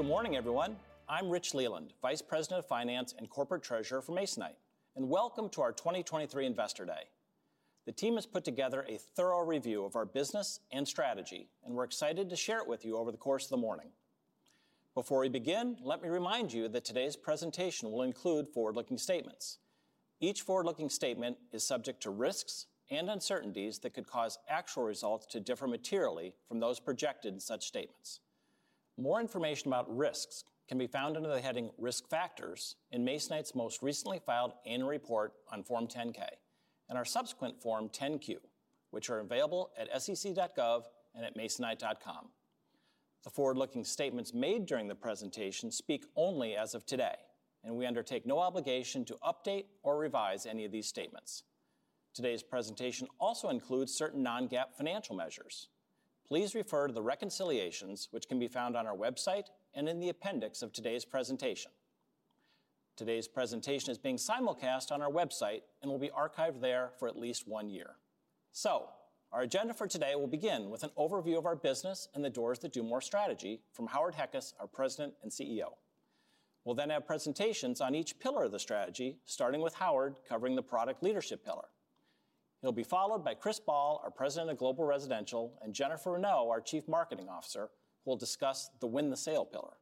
Good morning, everyone. I'm Rich Leland, Vice President of Finance and Corporate Treasurer for Masonite, and welcome to our 2023 Investor Day. The team has put together a thorough review of our business and strategy, and we're excited to share it with you over the course of the morning. Before we begin, let me remind you that today's presentation will include forward-looking statements. Each forward-looking statement is subject to risks and uncertainties that could cause actual results to differ materially from those projected in such statements. More information about risks can be found under the heading Risk Factors in Masonite's most recently filed annual report on Form 10-K and our subsequent Form 10-Q, which are available at sec.gov and at Masonite.com. The forward-looking statements made during the presentation speak only as of today, and we undertake no obligation to update or revise any of these statements. Today's presentation also includes certain non-GAAP financial measures. Please refer to the reconciliations, which can be found on our website and in the appendix of today's presentation. Today's presentation is being simulcast on our website and will be archived there for at least 1 year. Our agenda for today will begin with an overview of our business and the Doors That Do More strategy from Howard Heckes, our President and CEO. We'll then have presentations on each pillar of the strategy, starting with Howard, covering the product leadership pillar. He'll be followed by Chris Ball, our President of Global Residential, and Jennifer Renaud, our Chief Marketing Officer, who will discuss the Win the Sale pillar.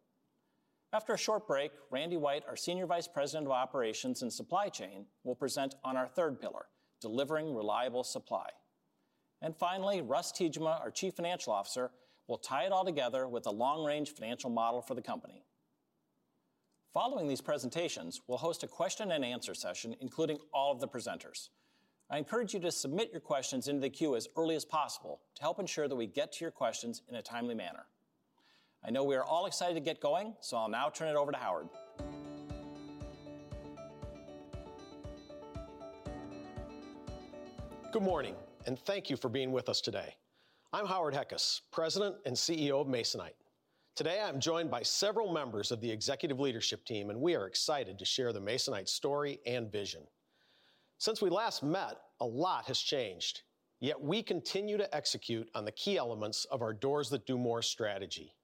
After a short break, Randy White, our Senior Vice President of Operations and Supply Chain, will present on our third pillar, Delivering Reliable Supply. Finally, Russ Tiejema, our Chief Financial Officer, will tie it all together with a long-range financial model for the company. Following these presentations, we'll host a question and answer session, including all of the presenters. I encourage you to submit your questions into the queue as early as possible, to help ensure that we get to your questions in a timely manner. I know we are all excited to get going, so I'll now turn it over to Howard. Good morning, and thank you for being with us today. I'm Howard Heckes, President and CEO of Masonite. Today, I'm joined by several members of the executive leadership team, and we are excited to share the Masonite story and vision. Since we last met, a lot has changed, yet we continue to execute on the key elements of our Doors That Do More strategy.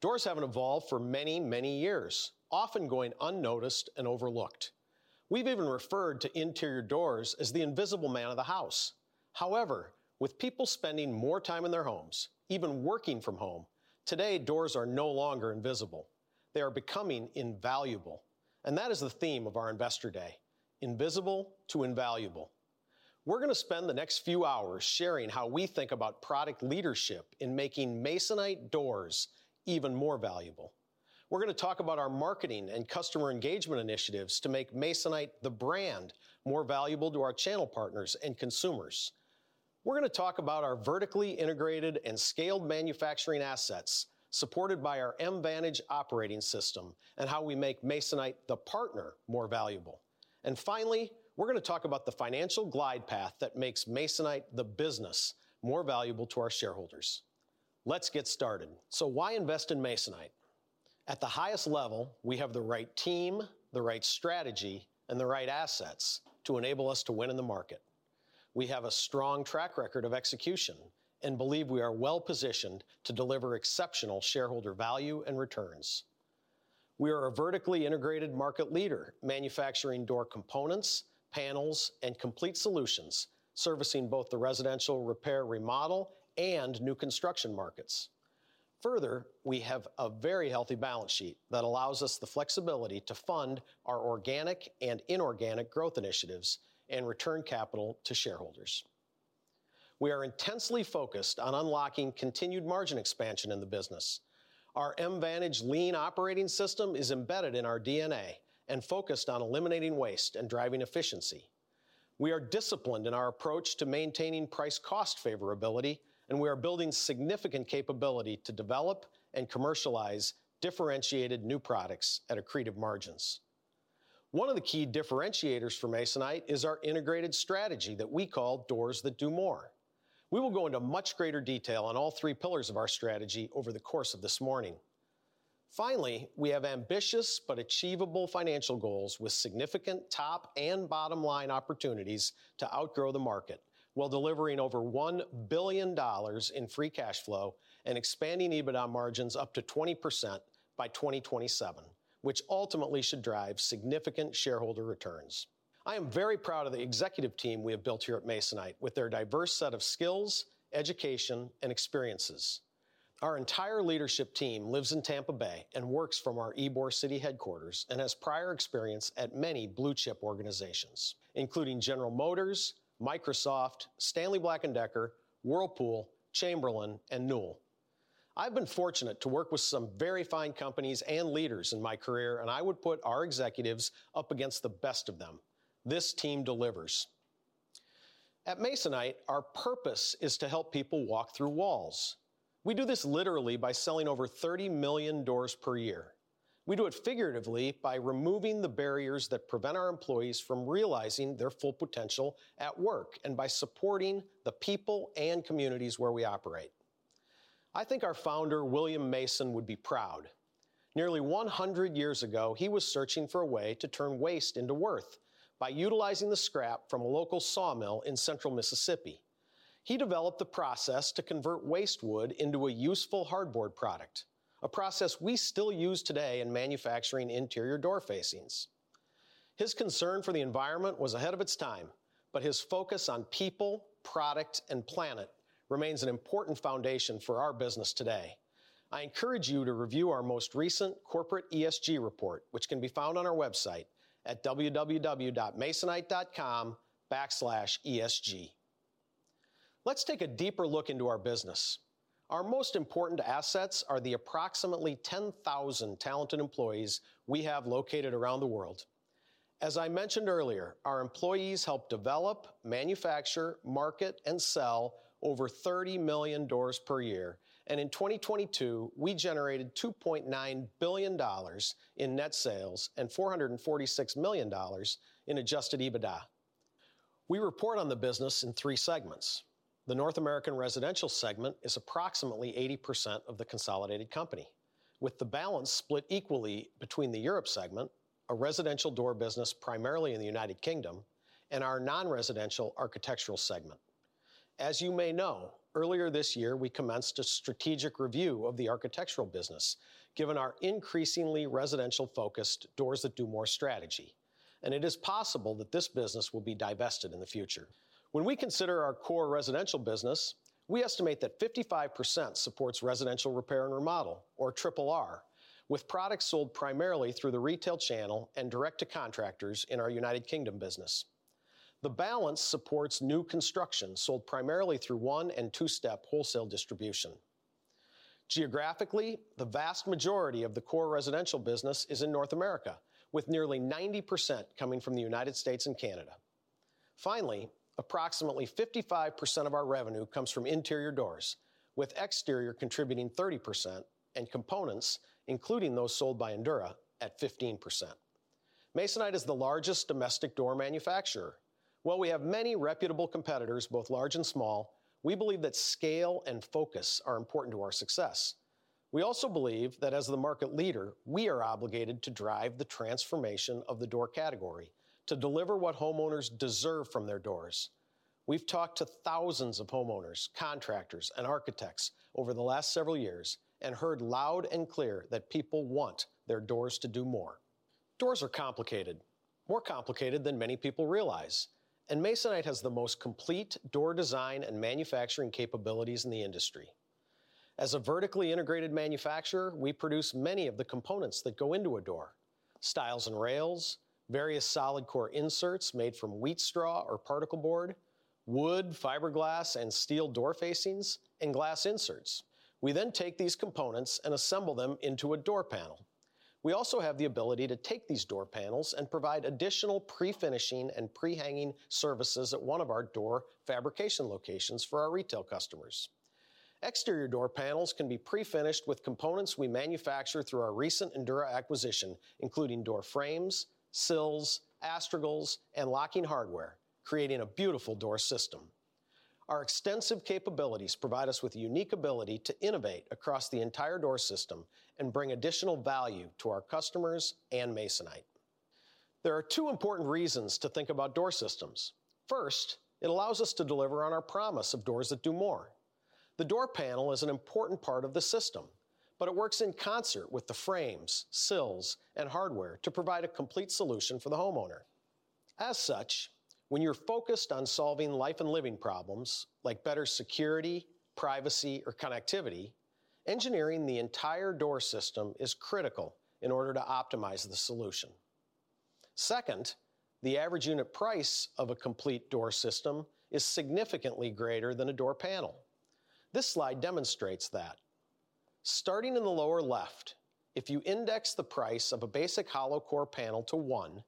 Doors haven't evolved for many, many years, often going unnoticed and overlooked. We've even referred to interior doors as the invisible man of the house. However, with people spending more time in their homes, even working from home, today, doors are no longer invisible. They are becoming invaluable, and that is the theme of our Investor Day, Invisible to Invaluable. We're gonna spend the next few hours sharing how we think about product leadership in making Masonite doors even more valuable. We're gonna talk about our marketing and customer engagement initiatives to make Masonite, the brand, more valuable to our channel partners and consumers. We're gonna talk about our vertically integrated and scaled manufacturing assets, supported by our Mvantage operating system and how we make Masonite, the partner, more valuable. Finally, we're gonna talk about the financial glide path that makes Masonite, the business, more valuable to our shareholders. Let's get started. Why invest in Masonite? At the highest level, we have the right team, the right strategy, and the right assets to enable us to win in the market. We have a strong track record of execution and believe we are well-positioned to deliver exceptional shareholder value and returns. We are a vertically integrated market leader, manufacturing door components, panels, and complete solutions, servicing both the residential repair, remodel, and new construction markets. Further, we have a very healthy balance sheet that allows us the flexibility to fund our organic and inorganic growth initiatives and return capital to shareholders. We are intensely focused on unlocking continued margin expansion in the business. Our Mvantage lean operating system is embedded in our DNA and focused on eliminating waste and driving efficiency. We are disciplined in our approach to maintaining price cost favorability, and we are building significant capability to develop and commercialize differentiated new products at accretive margins. One of the key differentiators for Masonite is our integrated strategy that we call Doors That Do More. We will go into much greater detail on all three pillars of our strategy over the course of this morning. Finally, we have ambitious but achievable financial goals with significant top and bottom line opportunities to outgrow the market, while delivering over $1 billion in free cash flow and expanding EBITDA margins up to 20% by 2027, which ultimately should drive significant shareholder returns. I am very proud of the executive team we have built here at Masonite, with their diverse set of skills, education, and experiences. Our entire leadership team lives in Tampa Bay and works from our Ybor City headquarters and has prior experience at many blue-chip organizations, including General Motors, Microsoft, Stanley Black & Decker, Whirlpool, Chamberlain, and Newell. I've been fortunate to work with some very fine companies and leaders in my career, and I would put our executives up against the best of them. This team delivers. At Masonite, our purpose is to help people walk through walls. We do this literally by selling over 30 million doors per year. We do it figuratively by removing the barriers that prevent our employees from realizing their full potential at work and by supporting the people and communities where we operate. I think our founder, William Mason, would be proud. Nearly 100 years ago, he was searching for a way to turn waste into worth by utilizing the scrap from a local sawmill in central Mississippi. He developed the process to convert waste wood into a useful hardboard product, a process we still use today in manufacturing interior door facings. His concern for the environment was ahead of its time, but his focus on people, product, and planet remains an important foundation for our business today. I encourage you to review our most recent corporate ESG report, which can be found on our website at www.masonite.com/esg. Let's take a deeper look into our business. Our most important assets are the approximately 10,000 talented employees we have located around the world. As I mentioned earlier, our employees help develop, manufacture, market, and sell over 30 million doors per year, and in 2022, we generated $2.9 billion in net sales and $446 million in Adjusted EBITDA. We report on the business in 3 segments. The North American residential segment is approximately 80% of the consolidated company, with the balance split equally between the Europe segment, a residential door business primarily in the United Kingdom, and our non-residential architectural segment. As you may know, earlier this year, we commenced a strategic review of the architectural business, given our increasingly residential-focused Doors That Do More strategy, and it is possible that this business will be divested in the future. When we consider our core residential business, we estimate that 55% supports residential repair and remodel, or triple R, with products sold primarily through the retail channel and direct to contractors in our United Kingdom business. The balance supports new construction, sold primarily through 1- and 2-step wholesale distribution. Geographically, the vast majority of the core residential business is in North America, with nearly 90% coming from the United States and Canada. Finally, approximately 55% of our revenue comes from interior doors, with exterior contributing 30% and components, including those sold by Endura, at 15%. Masonite is the largest domestic door manufacturer. While we have many reputable competitors, both large and small, we believe that scale and focus are important to our success. We also believe that as the market leader, we are obligated to drive the transformation of the door category to deliver what homeowners deserve from their doors. We've talked to thousands of homeowners, contractors, and architects over the last several years and heard loud and clear that people want their doors to do more. Doors are complicated, more complicated than many people realize, and Masonite has the most complete door design and manufacturing capabilities in the industry. As a vertically integrated manufacturer, we produce many of the components that go into a door: stiles and rails, various solid core inserts made from wheat straw or particleboard, wood, fiberglass, and steel door facings, and glass inserts. We then take these components and assemble them into a door panel. We also have the ability to take these door panels and provide additional pre-finishing and pre-hanging services at one of our door fabrication locations for our retail customers. Exterior door panels can be pre-finished with components we manufacture through our recent Endura acquisition, including door frames, sills, astragals, and locking hardware, creating a beautiful door system. Our extensive capabilities provide us with the unique ability to innovate across the entire door system and bring additional value to our customers and Masonite. There are two important reasons to think about door systems. First, it allows us to deliver on our promise of Doors That Do More. The door panel is an important part of the system, but it works in concert with the frames, sills, and hardware to provide a complete solution for the homeowner. As such, when you're focused on solving life and living problems like better security, privacy, or connectivity, engineering the entire door system is critical in order to optimize the solution. Second, the average unit price of a complete door system is significantly greater than a door panel. This slide demonstrates that. Starting in the lower left, if you index the price of a basic hollow core panel to 1,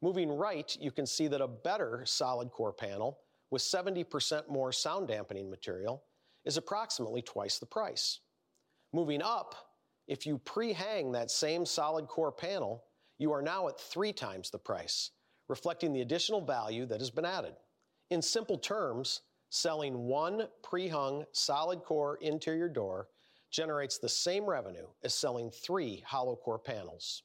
moving right, you can see that a better solid core panel with 70% more sound-dampening material is approximately twice the price. Moving up, if you pre-hang that same solid core panel, you are now at 3 times the price, reflecting the additional value that has been added. In simple terms, selling 1 pre-hung, solid core interior door generates the same revenue as selling 3 hollow core panels.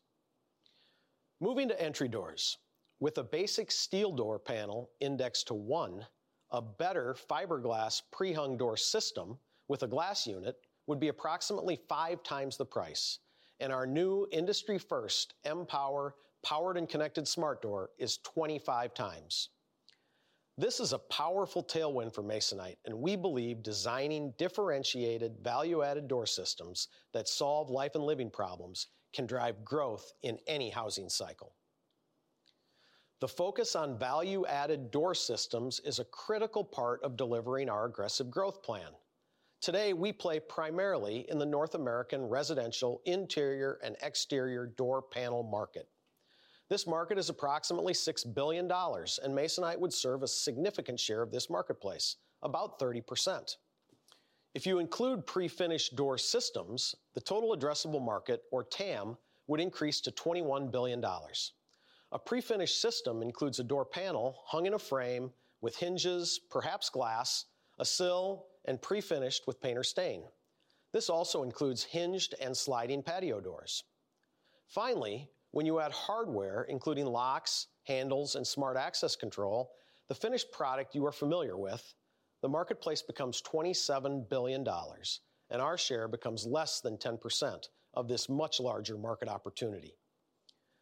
Moving to entry doors. With a basic steel door panel indexed to 1, a better fiberglass pre-hung door system with a glass unit would be approximately 5 times the price, and our new industry first, M-Pwr, powered and connected smart door is 25 times. This is a powerful tailwind for Masonite, and we believe designing differentiated, value-added door systems that solve life and living problems can drive growth in any housing cycle. The focus on value-added door systems is a critical part of delivering our aggressive growth plan. Today, we play primarily in the North American residential interior and exterior door panel market. This market is approximately $6 billion, and Masonite would serve a significant share of this marketplace, about 30%. If you include pre-finished door systems, the total addressable market, or TAM, would increase to $21 billion. A pre-finished system includes a door panel hung in a frame with hinges, perhaps glass, a sill, and pre-finished with paint or stain. This also includes hinged and sliding patio doors. Finally, when you add hardware, including locks, handles, and smart access control, the finished product you are familiar with, the marketplace becomes $27 billion, and our share becomes less than 10% of this much larger market opportunity.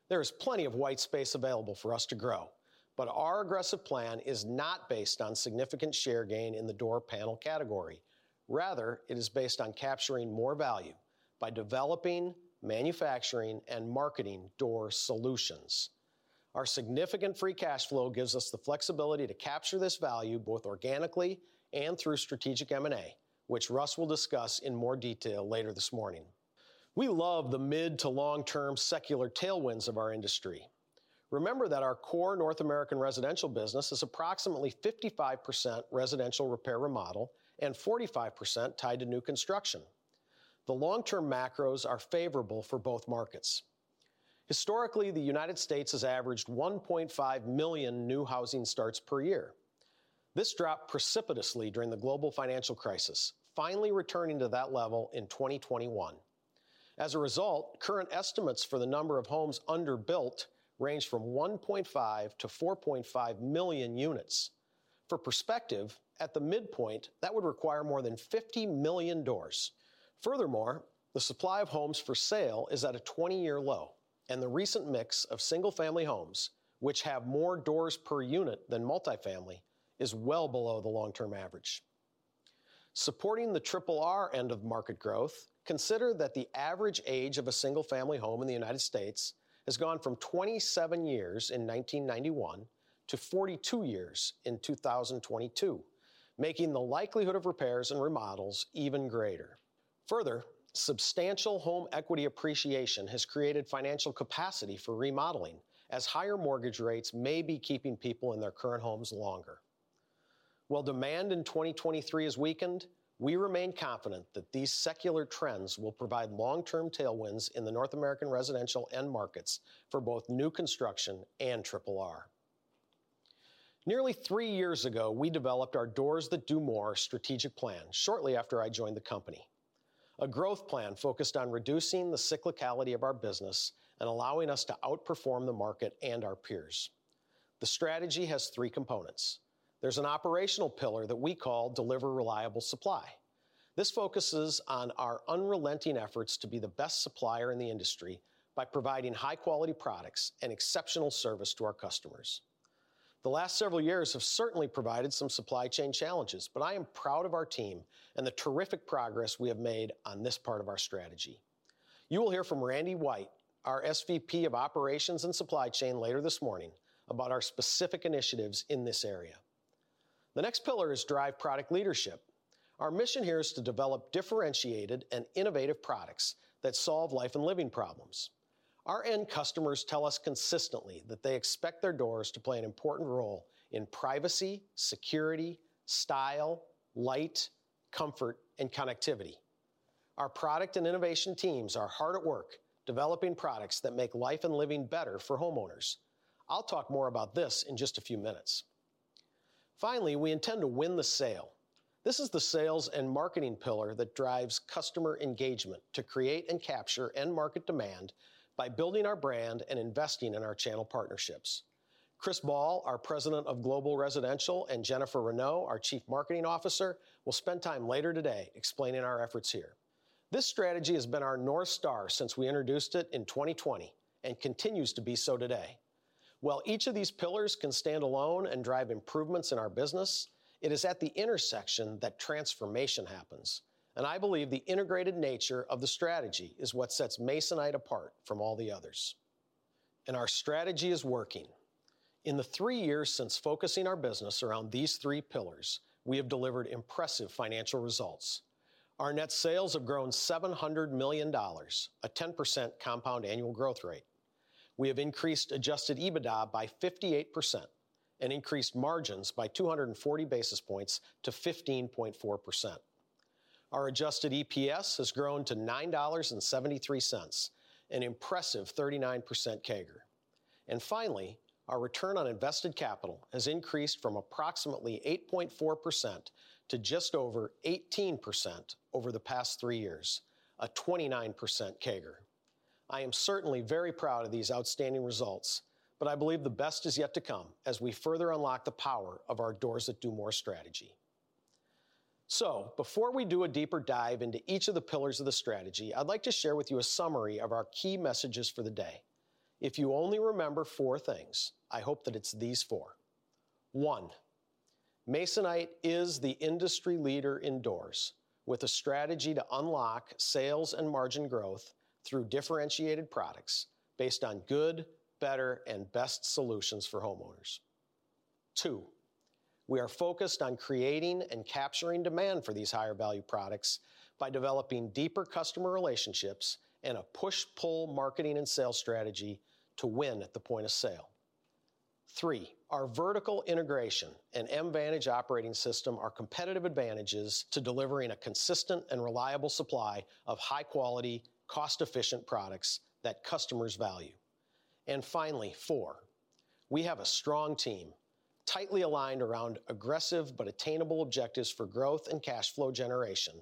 There is plenty of white space available for us to grow, but our aggressive plan is not based on significant share gain in the door panel category. Rather, it is based on capturing more value by developing, manufacturing, and marketing door solutions. Our significant free cash flow gives us the flexibility to capture this value, both organically and through strategic M&A, which Russ will discuss in more detail later this morning. We love the mid- to long-term secular tailwinds of our industry. Remember that our core North American residential business is approximately 55% residential repair, remodel, and 45% tied to new construction. The long-term macros are favorable for both markets. Historically, the United States has averaged 1.5 million new housing starts per year. This dropped precipitously during the global financial crisis, finally returning to that level in 2021. As a result, current estimates for the number of homes underbuilt range from 1.5-4.5 million units. For perspective, at the midpoint, that would require more than 50 million doors. Furthermore, the supply of homes for sale is at a 20-year low, and the recent mix of single-family homes, which have more doors per unit than multifamily, is well below the long-term average. Supporting the R&R end of market growth, consider that the average age of a single-family home in the United States has gone from 27 years in 1991 to 42 years in 2022, making the likelihood of repairs and remodels even greater. Further, substantial home equity appreciation has created financial capacity for remodeling, as higher mortgage rates may be keeping people in their current homes longer. While demand in 2023 has weakened, we remain confident that these secular trends will provide long-term tailwinds in the North American residential end markets for both new construction and R&R. Nearly three years ago, we developed our Doors That Do More strategic plan shortly after I joined the company. A growth plan focused on reducing the cyclicality of our business and allowing us to outperform the market and our peers. The strategy has three components. There's an operational pillar that we call Deliver Reliable Supply. This focuses on our unrelenting efforts to be the best supplier in the industry by providing high-quality products and exceptional service to our customers. The last several years have certainly provided some supply chain challenges, but I am proud of our team and the terrific progress we have made on this part of our strategy. You will hear from Randy White, our SVP of Operations and Supply Chain, later this morning about our specific initiatives in this area. The next pillar is Drive Product Leadership. Our mission here is to develop differentiated and innovative products that solve life and living problems. Our end customers tell us consistently that they expect their doors to play an important role in privacy, security, style, light, comfort, and connectivity. Our product and innovation teams are hard at work developing products that make life and living better for homeowners. I'll talk more about this in just a few minutes. Finally, we intend to Win the Sale. This is the sales and marketing pillar that drives customer engagement to create and capture end market demand by building our brand and investing in our channel partnerships. Chris Ball, our President of Global Residential, and Jennifer Renaud, our Chief Marketing Officer, will spend time later today explaining our efforts here. This strategy has been our North Star since we introduced it in 2020 and continues to be so today. While each of these pillars can stand alone and drive improvements in our business, it is at the intersection that transformation happens, and I believe the integrated nature of the strategy is what sets Masonite apart from all the others. Our strategy is working. In the three years since focusing our business around these three pillars, we have delivered impressive financial results. Our net sales have grown $700 million, a 10% compound annual growth rate. We have increased adjusted EBITDA by 58% and increased margins by 240 basis points to 15.4%. Our adjusted EPS has grown to $9.73, an impressive 39% CAGR. Finally, our return on invested capital has increased from approximately 8.4% to just over 18% over the past three years, a 29% CAGR. I am certainly very proud of these outstanding results, but I believe the best is yet to come as we further unlock the power of our Doors That Do More strategy. Before we do a deeper dive into each of the pillars of the strategy, I'd like to share with you a summary of our key messages for the day. If you only remember four things, I hope that it's these four. One, Masonite is the industry leader in doors, with a strategy to unlock sales and margin growth through differentiated products based on good, better, and best solutions for homeowners. Two, we are focused on creating and capturing demand for these higher-value products by developing deeper customer relationships and a push-pull marketing and sales strategy to win at the point of sale. Three, our vertical integration and Mvantage operating system are competitive advantages to delivering a consistent and reliable supply of high-quality, cost-efficient products that customers value.... And finally, four, we have a strong team, tightly aligned around aggressive but attainable objectives for growth and cash flow generation,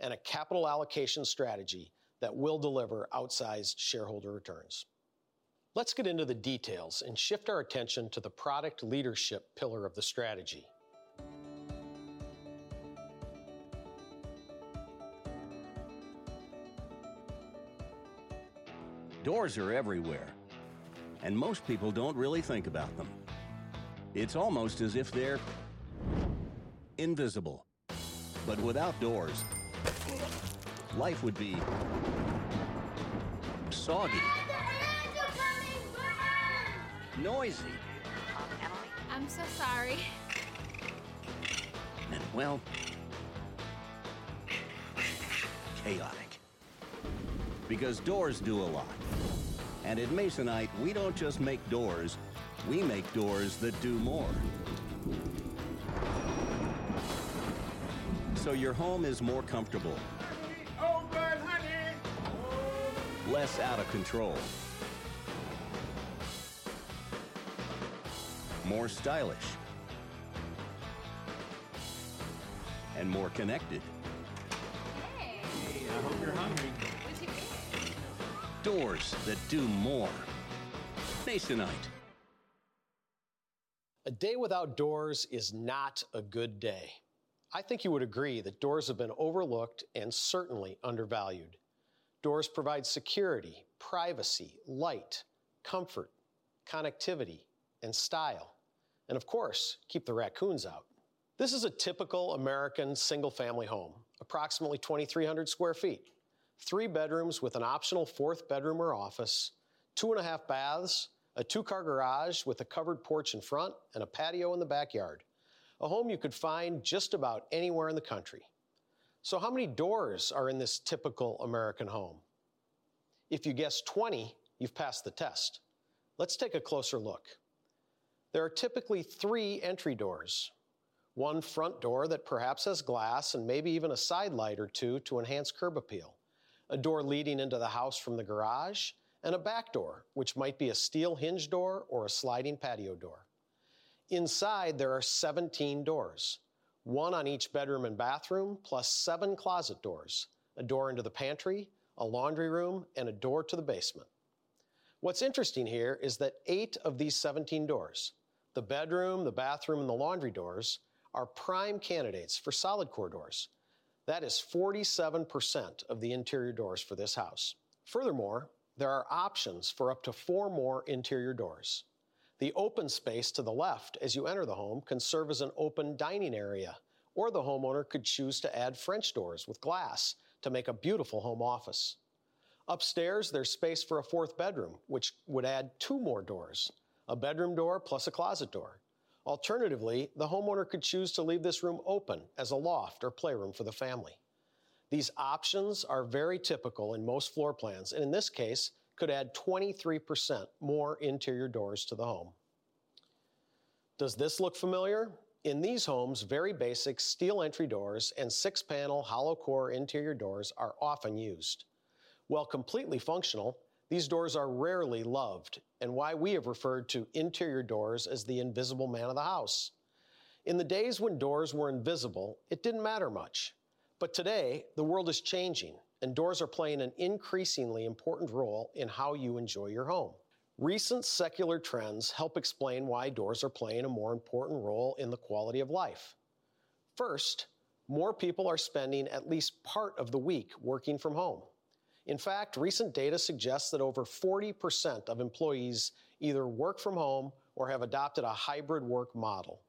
and a capital allocation strategy that will deliver outsized shareholder returns. Let's get into the details and shift our attention to the product leadership pillar of the strategy. Doors are everywhere, and most people don't really think about them. It's almost as if they're invisible. But without doors, life would be soggy. Dad, the bears are coming! We're done. Noisy. Hello, Emily. I'm so sorry. Well, chaotic. Because doors do a lot, and at Masonite, we don't just make doors. We make doors that do more. So your home is more comfortable. Honey. Open, honey! Open. Less out of control. More stylish. And more connected. Hey. Hey, I hope you're hungry. What'd you get? Doors That Do More. Masonite. A day without doors is not a good day. I think you would agree that doors have been overlooked and certainly undervalued. Doors provide security, privacy, light, comfort, connectivity, and style, and of course, keep the raccoons out. This is a typical American single-family home, approximately 2,300 sq ft, three bedrooms with an optional fourth bedroom or office, two and a half baths, a two-car garage with a covered porch in front and a patio in the backyard. A home you could find just about anywhere in the country. So how many doors are in this typical American home? If you guessed 20, you've passed the test. Let's take a closer look. There are typically 3 entry doors, 1 front door that perhaps has glass and maybe even a sidelight or two to enhance curb appeal, a door leading into the house from the garage, and a back door, which might be a steel hinge door or a sliding patio door. Inside, there are 17 doors, 1 on each bedroom and bathroom, plus 7 closet doors, a door into the pantry, a laundry room, and a door to the basement. What's interesting here is that 8 of these 17 doors, the bedroom, the bathroom, and the laundry doors, are prime candidates for solid core doors. That is 47% of the interior doors for this house. Furthermore, there are options for up to 4 more interior doors. The open space to the left as you enter the home can serve as an open dining area, or the homeowner could choose to add French doors with glass to make a beautiful home office. Upstairs, there's space for a fourth bedroom, which would add 2 more doors, a bedroom door, plus a closet door. Alternatively, the homeowner could choose to leave this room open as a loft or playroom for the family. These options are very typical in most floor plans, and in this case, could add 23% more interior doors to the home. Does this look familiar? In these homes, very basic steel entry doors and 6-panel hollow core interior doors are often used. While completely functional, these doors are rarely loved and why we have referred to interior doors as the invisible man of the house. In the days when doors were invisible, it didn't matter much, but today, the world is changing, and doors are playing an increasingly important role in how you enjoy your home. Recent secular trends help explain why doors are playing a more important role in the quality of life. First, more people are spending at least part of the week working from home. In fact, recent data suggests that over 40% of employees either work from home or have adopted a hybrid work model.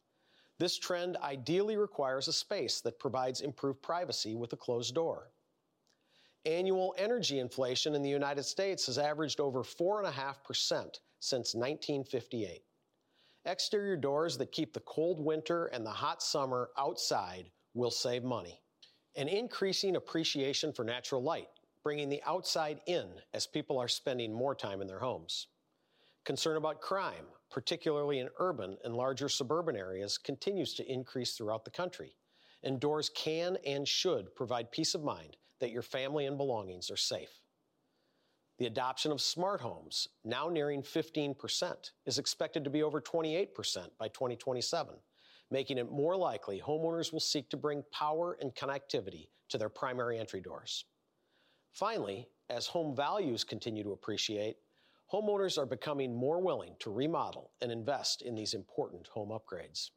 This trend ideally requires a space that provides improved privacy with a closed door. Annual energy inflation in the United States has averaged over 4.5% since 1958. Exterior doors that keep the cold winter and the hot summer outside will save money. An increasing appreciation for natural light, bringing the outside in, as people are spending more time in their homes. Concern about crime, particularly in urban and larger suburban areas, continues to increase throughout the country, and doors can and should provide peace of mind that your family and belongings are safe. The adoption of smart homes, now nearing 15%, is expected to be over 28% by 2027, making it more likely homeowners will seek to bring power and connectivity to their primary entry doors. Finally, as home values continue to appreciate, homeowners are becoming more willing to remodel and invest in these important home upgrades.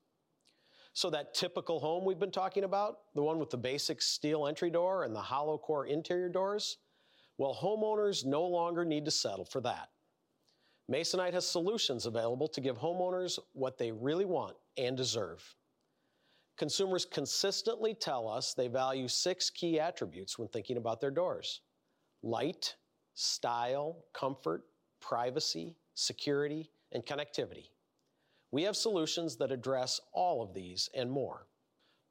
So that typical home we've been talking about, the one with the basic steel entry door and the hollow core interior doors, well, homeowners no longer need to settle for that. Masonite has solutions available to give homeowners what they really want and deserve. Consumers consistently tell us they value six key attributes when thinking about their doors: light, style, comfort, privacy, security, and connectivity. We have solutions that address all of these and more.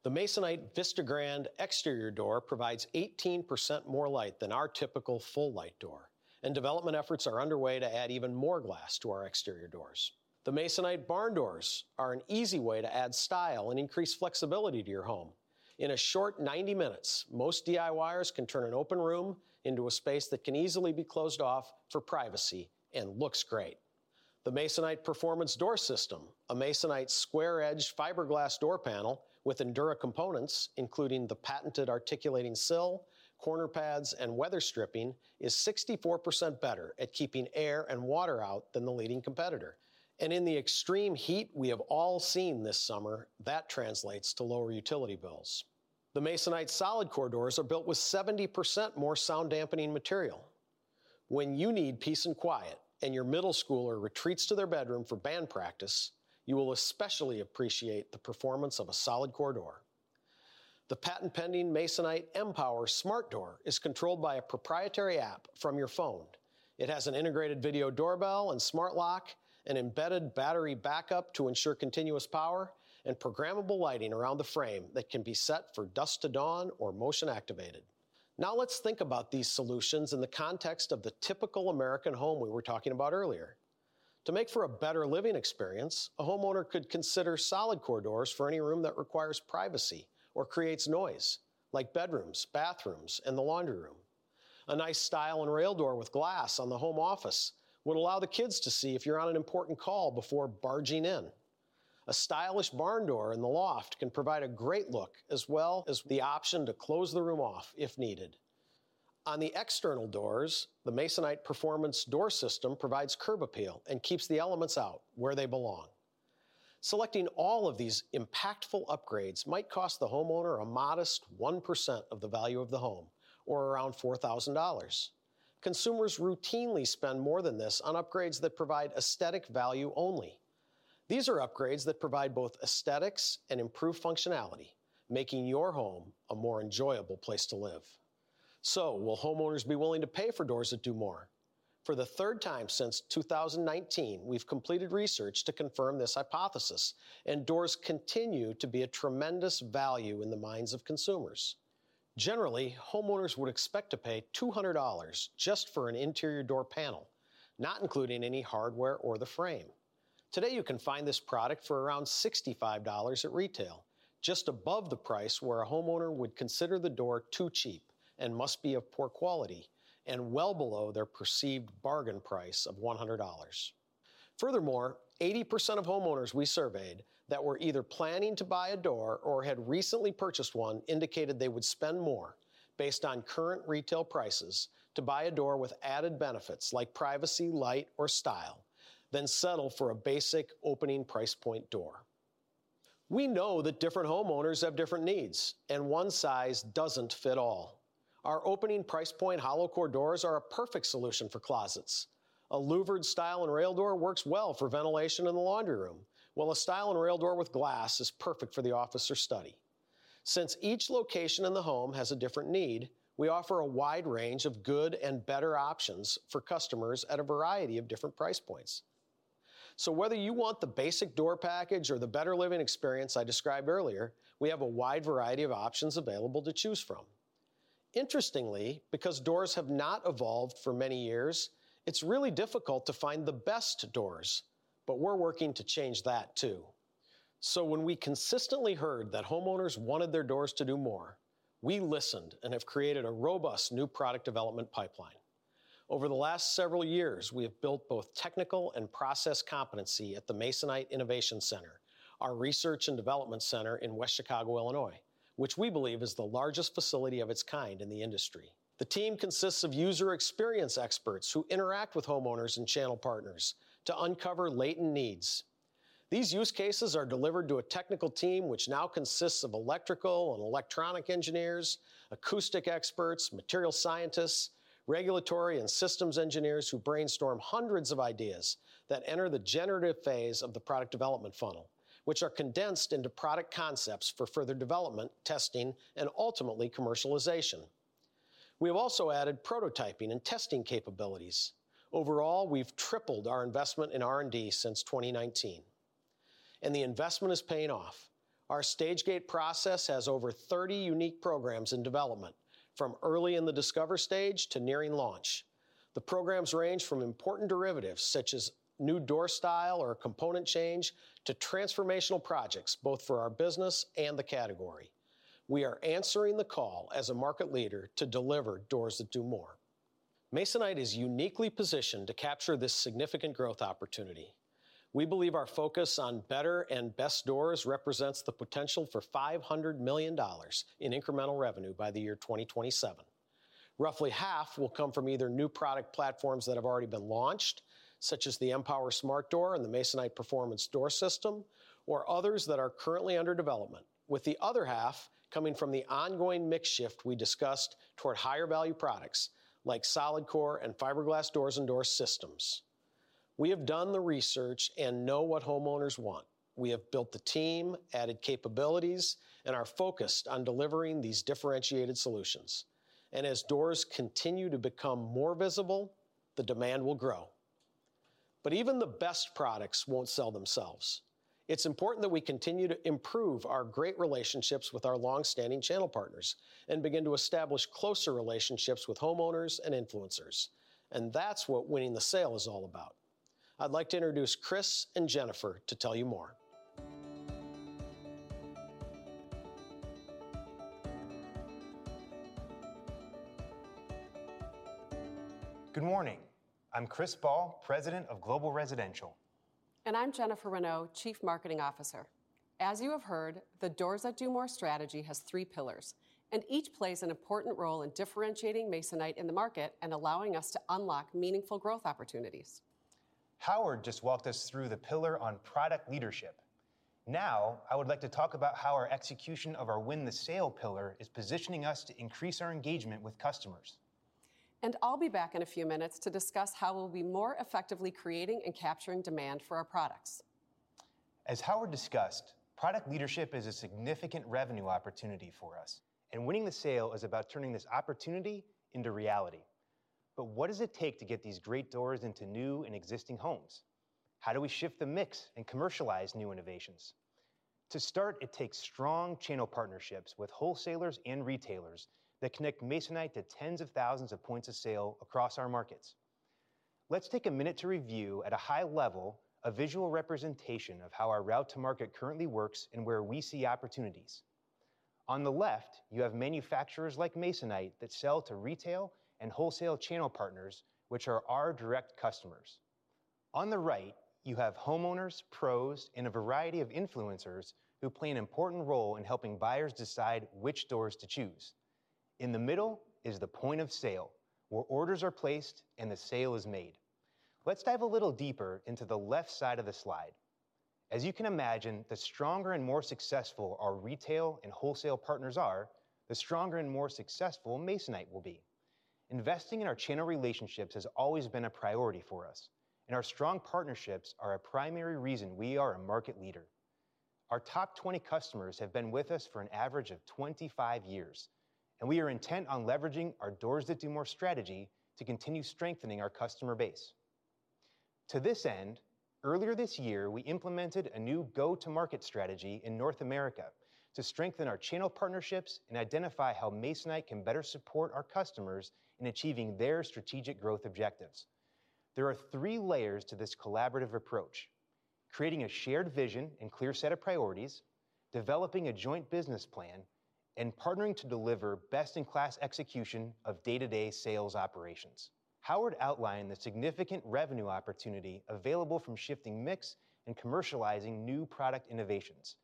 The Masonite VistaGrande exterior door provides 18% more light than our typical full light door, and development efforts are underway to add even more glass to our exterior doors. The Masonite barn doors are an easy way to add style and increase flexibility to your home. In a short 90 minutes, most DIYers can turn an open room into a space that can easily be closed off for privacy and looks great. The Masonite Performance Door System, a Masonite square-edged fiberglass door panel with Endura components, including the patented articulating sill, corner pads, and weather stripping, is 64% better at keeping air and water out than the leading competitor. In the extreme heat we have all seen this summer, that translates to lower utility bills. The Masonite solid core doors are built with 70% more sound-dampening material. When you need peace and quiet, and your middle schooler retreats to their bedroom for band practice, you will especially appreciate the performance of a solid core door. The patent-pending Masonite M-Pwr Smart Door is controlled by a proprietary app from your phone. It has an integrated video doorbell and smart lock, an embedded battery backup to ensure continuous power, and programmable lighting around the frame that can be set for dusk to dawn or motion-activated. Now, let's think about these solutions in the context of the typical American home we were talking about earlier. To make for a better living experience, a homeowner could consider solid core doors for any room that requires privacy or creates noise, like bedrooms, bathrooms, and the laundry room. A nice stile and rail door with glass on the home office would allow the kids to see if you're on an important call before barging in. A stylish barn door in the loft can provide a great look as well as the option to close the room off, if needed. On the external doors, the Masonite Performance Door System provides curb appeal and keeps the elements out where they belong. Selecting all of these impactful upgrades might cost the homeowner a modest 1% of the value of the home, or around $4,000. Consumers routinely spend more than this on upgrades that provide aesthetic value only. These are upgrades that provide both aesthetics and improved functionality, making your home a more enjoyable place to live. So will homeowners be willing to pay for doors that do more? For the third time since 2019, we've completed research to confirm this hypothesis, and doors continue to be a tremendous value in the minds of consumers. Generally, homeowners would expect to pay $200 just for an interior door panel, not including any hardware or the frame. Today, you can find this product for around $65 at retail, just above the price where a homeowner would consider the door too cheap and must be of poor quality and well below their perceived bargain price of $100. Furthermore, 80% of homeowners we surveyed that were either planning to buy a door or had recently purchased one, indicated they would spend more based on current retail prices to buy a door with added benefits like privacy, light, or style, than settle for a basic opening price point door. We know that different homeowners have different needs, and one size doesn't fit all. Our opening price point hollow core doors are a perfect solution for closets. A louvered stile and rail door works well for ventilation in the laundry room, while a stile and rail door with glass is perfect for the office or study. Since each location in the home has a different need, we offer a wide range of good and better options for customers at a variety of different price points. So whether you want the basic door package or the better living experience I described earlier, we have a wide variety of options available to choose from. Interestingly, because doors have not evolved for many years, it's really difficult to find the best doors, but we're working to change that, too. So when we consistently heard that homeowners wanted their doors to do more, we listened and have created a robust new product development pipeline. Over the last several years, we have built both technical and process competency at the Masonite Innovation Center, our research and development center in West Chicago, Illinois, which we believe is the largest facility of its kind in the industry. The team consists of user experience experts who interact with homeowners and channel partners to uncover latent needs. These use cases are delivered to a technical team, which now consists of electrical and electronic engineers, acoustic experts, material scientists, regulatory and systems engineers, who brainstorm hundreds of ideas that enter the generative phase of the product development funnel, which are condensed into product concepts for further development, testing, and ultimately commercialization. We have also added prototyping and testing capabilities. Overall, we've tripled our investment in R&D since 2019, and the investment is paying off. Our stage gate process has over 30 unique programs in development, from early in the discover stage to nearing launch. The programs range from important derivatives, such as new door style or a component change, to transformational projects, both for our business and the category. We are answering the call as a market leader to deliver Doors That Do More. Masonite is uniquely positioned to capture this significant growth opportunity. We believe our focus on better and best doors represents the potential for $500 million in incremental revenue by the year 2027. Roughly half will come from either new product platforms that have already been launched, such as the M-Pwr Smart Door and the Masonite Performance Door System, or others that are currently under development, with the other half coming from the ongoing mix shift we discussed toward higher-value products like solid core and fiberglass doors and door systems. We have done the research and know what homeowners want. We have built the team, added capabilities, and are focused on delivering these differentiated solutions. As doors continue to become more visible, the demand will grow. Even the best products won't sell themselves. It's important that we continue to improve our great relationships with our long-standing channel partners and begin to establish closer relationships with homeowners and influencers. And that's what winning the sale is all about. I'd like to introduce Chris and Jennifer to tell you more. Good morning! I'm Chris Ball, President of Global Residential. I'm Jennifer Renaud, Chief Marketing Officer. As you have heard, the Doors That Do More strategy has three pillars, and each plays an important role in differentiating Masonite in the market and allowing us to unlock meaningful growth opportunities. Howard just walked us through the pillar on product leadership. Now, I would like to talk about how our execution of our Win the Sale pillar is positioning us to increase our engagement with customers. I'll be back in a few minutes to discuss how we'll be more effectively creating and capturing demand for our products. As Howard discussed, product leadership is a significant revenue opportunity for us, and winning the sale is about turning this opportunity into reality. But what does it take to get these great doors into new and existing homes? How do we shift the mix and commercialize new innovations? To start, it takes strong channel partnerships with wholesalers and retailers that connect Masonite to tens of thousands of points of sale across our markets. Let's take a minute to review, at a high level, a visual representation of how our route to market currently works and where we see opportunities. On the left, you have manufacturers like Masonite that sell to retail and wholesale channel partners, which are our direct customers. On the right, you have homeowners, pros, and a variety of influencers who play an important role in helping buyers decide which doors to choose. In the middle is the point of sale, where orders are placed and the sale is made. Let's dive a little deeper into the left side of the slide. As you can imagine, the stronger and more successful our retail and wholesale partners are, the stronger and more successful Masonite will be. Investing in our channel relationships has always been a priority for us, and our strong partnerships are a primary reason we are a market leader. Our top 20 customers have been with us for an average of 25 years, and we are intent on leveraging our Doors That Do More strategy to continue strengthening our customer base. To this end, earlier this year, we implemented a new go-to-market strategy in North America to strengthen our channel partnerships and identify how Masonite can better support our customers in achieving their strategic growth objectives. There are three layers to this collaborative approach: creating a shared vision and clear set of priorities, developing a joint business plan, and partnering to deliver best-in-class execution of day-to-day sales operations. Howard outlined the significant revenue opportunity available from shifting mix and commercializing new product innovations.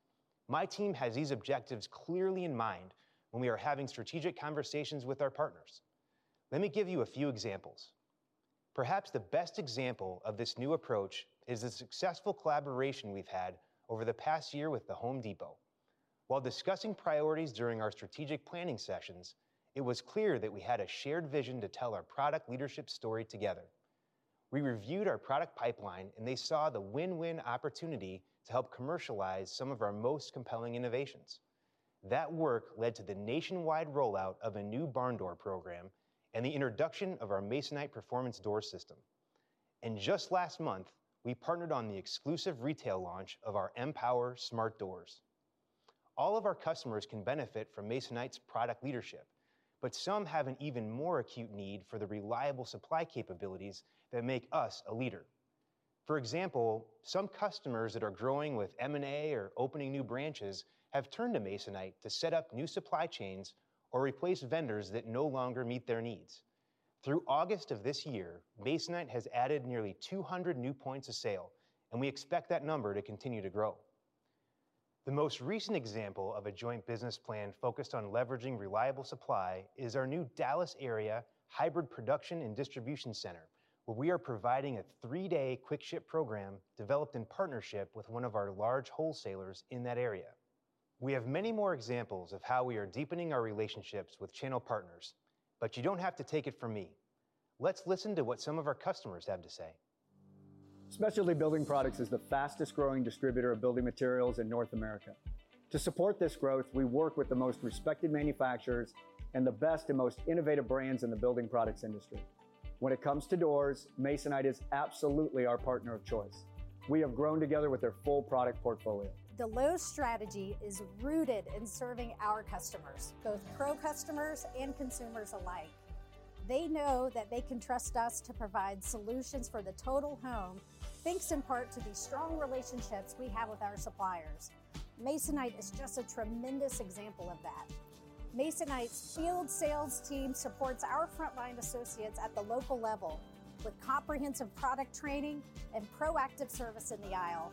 My team has these objectives clearly in mind when we are having strategic conversations with our partners. Let me give you a few examples. Perhaps the best example of this new approach is the successful collaboration we've had over the past year with The Home Depot. While discussing priorities during our strategic planning sessions, it was clear that we had a shared vision to tell our product leadership story together. We reviewed our product pipeline, and they saw the win-win opportunity to help commercialize some of our most compelling innovations. That work led to the nationwide rollout of a new barn door program and the introduction of our Masonite Performance Door System. Just last month, we partnered on the exclusive retail launch of our M-Pwr Smart Doors. All of our customers can benefit from Masonite's product leadership, but some have an even more acute need for the reliable supply capabilities that make us a leader. For example, some customers that are growing with M&A or opening new branches have turned to Masonite to set up new supply chains or replace vendors that no longer meet their needs. Through August of this year, Masonite has added nearly 200 new points of sale, and we expect that number to continue to grow. The most recent example of a joint business plan focused on leveraging reliable supply is our new Dallas-area hybrid production and distribution center, where we are providing a three-day QuickShip program developed in partnership with one of our large wholesalers in that area. We have many more examples of how we are deepening our relationships with channel partners, but you don't have to take it from me. Let's listen to what some of our customers have to say. Specialty Building Products is the fastest growing distributor of building materials in North America. To support this growth, we work with the most respected manufacturers and the best and most innovative brands in the building products industry. When it comes to doors, Masonite is absolutely our partner of choice. We have grown together with their full product portfolio. The Lowe's strategy is rooted in serving our customers, both pro customers and consumers alike. They know that they can trust us to provide solutions for the total home, thanks in part to the strong relationships we have with our suppliers. Masonite is just a tremendous example of that. Masonite's field sales team supports our frontline associates at the local level with comprehensive product training and proactive service in the aisle.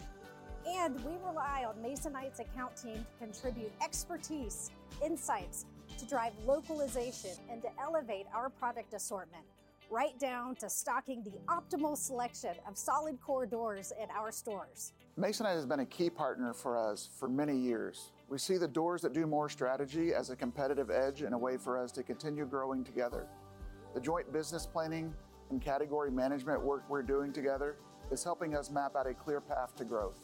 We rely on Masonite's account team to contribute expertise, insights, to drive localization, and to elevate our product assortment right down to stocking the optimal selection of solid core doors at our stores. Masonite has been a key partner for us for many years. We see the Doors That Do More strategy as a competitive edge and a way for us to continue growing together. The joint business planning and category management work we're doing together is helping us map out a clear path to growth.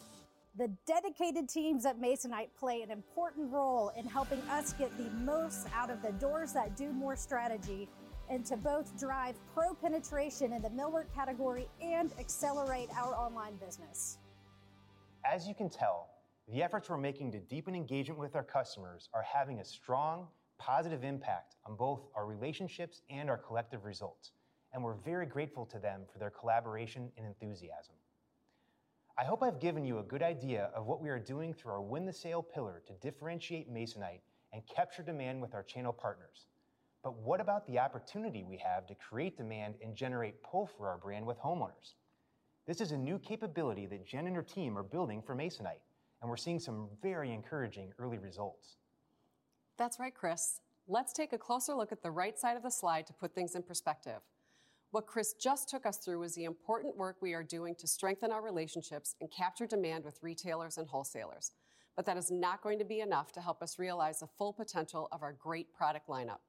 The dedicated teams at Masonite play an important role in helping us get the most out of the Doors That Do More strategy, and to both drive pro penetration in the millwork category and accelerate our online business. As you can tell, the efforts we're making to deepen engagement with our customers are having a strong, positive impact on both our relationships and our collective results, and we're very grateful to them for their collaboration and enthusiasm... I hope I've given you a good idea of what we are doing through our Win the Sale pillar to differentiate Masonite and capture demand with our channel partners. But what about the opportunity we have to create demand and generate pull for our brand with homeowners? This is a new capability that Jen and her team are building for Masonite, and we're seeing some very encouraging early results. That's right, Chris. Let's take a closer look at the right side of the slide to put things in perspective. What Chris just took us through is the important work we are doing to strengthen our relationships and capture demand with retailers and wholesalers. But that is not going to be enough to help us realize the full potential of our great product lineup.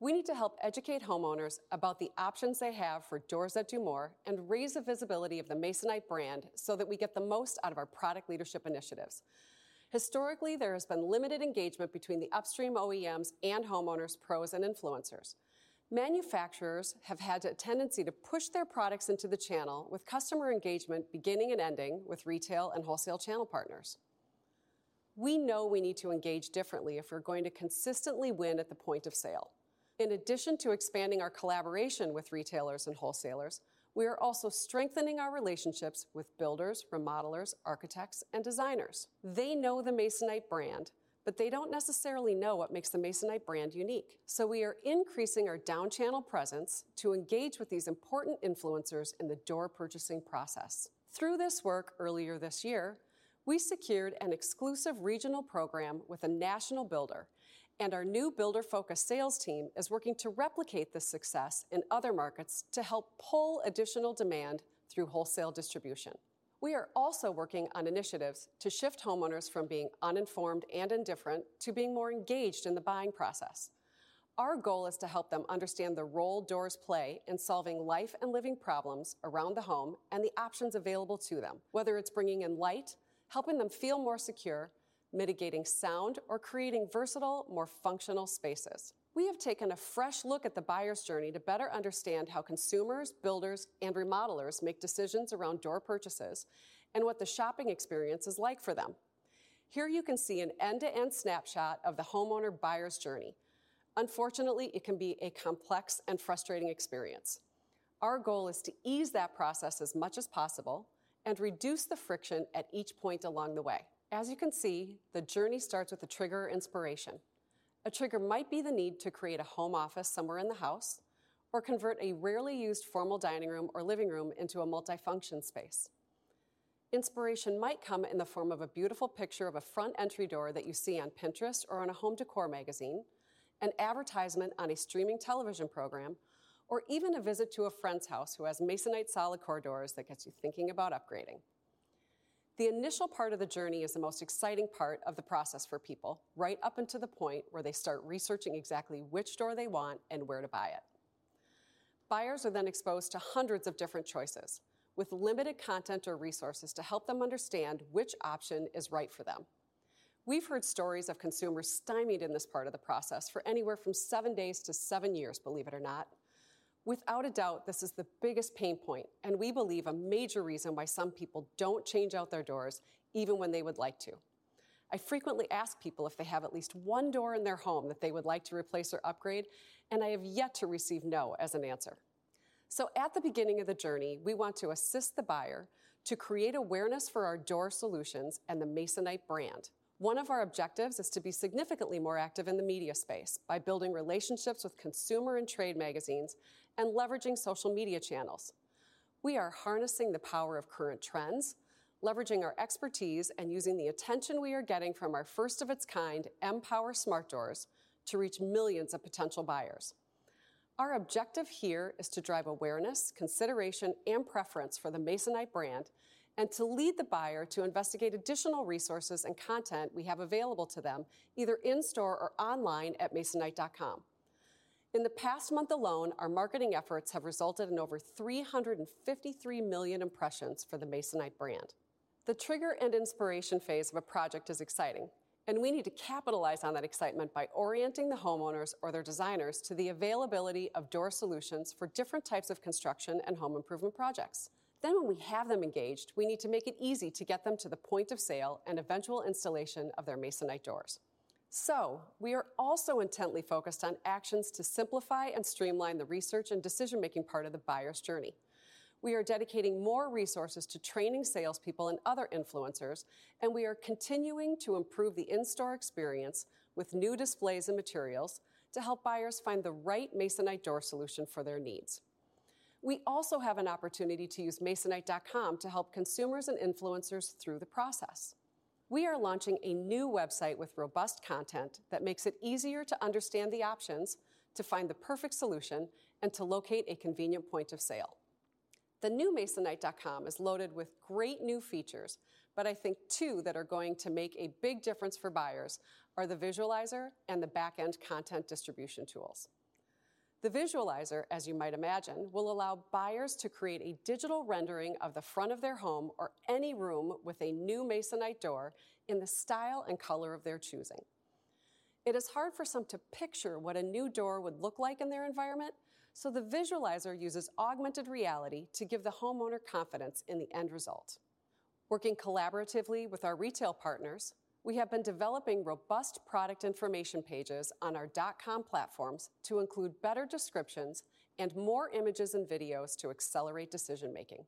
We need to help educate homeowners about the options they have for Doors That Do More and raise the visibility of the Masonite brand, so that we get the most out of our product leadership initiatives. Historically, there has been limited engagement between the upstream OEMs and homeowners, pros, and influencers. Manufacturers have had a tendency to push their products into the channel, with customer engagement beginning and ending with retail and wholesale channel partners. We know we need to engage differently if we're going to consistently win at the point of sale. In addition to expanding our collaboration with retailers and wholesalers, we are also strengthening our relationships with builders, remodelers, architects, and designers. They know the Masonite brand, but they don't necessarily know what makes the Masonite brand unique. So we are increasing our down-channel presence to engage with these important influencers in the door purchasing process. Through this work earlier this year, we secured an exclusive regional program with a national builder, and our new builder-focused sales team is working to replicate this success in other markets to help pull additional demand through wholesale distribution. We are also working on initiatives to shift homeowners from being uninformed and indifferent to being more engaged in the buying process. Our goal is to help them understand the role doors play in solving life and living problems around the home and the options available to them, whether it's bringing in light, helping them feel more secure, mitigating sound, or creating versatile, more functional spaces. We have taken a fresh look at the buyer's journey to better understand how consumers, builders, and remodelers make decisions around door purchases and what the shopping experience is like for them. Here, you can see an end-to-end snapshot of the homeowner buyer's journey. Unfortunately, it can be a complex and frustrating experience. Our goal is to ease that process as much as possible and reduce the friction at each point along the way. As you can see, the journey starts with a trigger or inspiration. A trigger might be the need to create a home office somewhere in the house or convert a rarely used formal dining room or living room into a multifunction space. Inspiration might come in the form of a beautiful picture of a front entry door that you see on Pinterest or on a home decor magazine, an advertisement on a streaming television program, or even a visit to a friend's house who has Masonite solid core doors that gets you thinking about upgrading. The initial part of the journey is the most exciting part of the process for people, right up until the point where they start researching exactly which door they want and where to buy it. Buyers are then exposed to hundreds of different choices, with limited content or resources to help them understand which option is right for them. We've heard stories of consumers stymied in this part of the process for anywhere from 7 days to 7 years, believe it or not. Without a doubt, this is the biggest pain point, and we believe a major reason why some people don't change out their doors, even when they would like to. I frequently ask people if they have at least one door in their home that they would like to replace or upgrade, and I have yet to receive "no" as an answer. So at the beginning of the journey, we want to assist the buyer to create awareness for our door solutions and the Masonite brand. One of our objectives is to be significantly more active in the media space by building relationships with consumer and trade magazines and leveraging social media channels. We are harnessing the power of current trends, leveraging our expertise, and using the attention we are getting from our first-of-its-kind M-Pwr smart doors to reach millions of potential buyers. Our objective here is to drive awareness, consideration, and preference for the Masonite brand and to lead the buyer to investigate additional resources and content we have available to them, either in-store or online at masonite.com. In the past month alone, our marketing efforts have resulted in over 353 million impressions for the Masonite brand. The trigger and inspiration phase of a project is exciting, and we need to capitalize on that excitement by orienting the homeowners or their designers to the availability of door solutions for different types of construction and home improvement projects. Then, when we have them engaged, we need to make it easy to get them to the point of sale and eventual installation of their Masonite doors. So we are also intently focused on actions to simplify and streamline the research and decision-making part of the buyer's journey. We are dedicating more resources to training salespeople and other influencers, and we are continuing to improve the in-store experience with new displays and materials to help buyers find the right Masonite door solution for their needs. We also have an opportunity to use Masonite.com to help consumers and influencers through the process. We are launching a new website with robust content that makes it easier to understand the options, to find the perfect solution, and to locate a convenient point of sale. The new Masonite.com is loaded with great new features, but I think two that are going to make a big difference for buyers are the visualizer and the back-end content distribution tools. The visualizer, as you might imagine, will allow buyers to create a digital rendering of the front of their home or any room with a new Masonite door in the style and color of their choosing. It is hard for some to picture what a new door would look like in their environment, so the visualizer uses augmented reality to give the homeowner confidence in the end result. Working collaboratively with our retail partners, we have been developing robust product information pages on our dot-com platforms to include better descriptions and more images and videos to accelerate decision-making....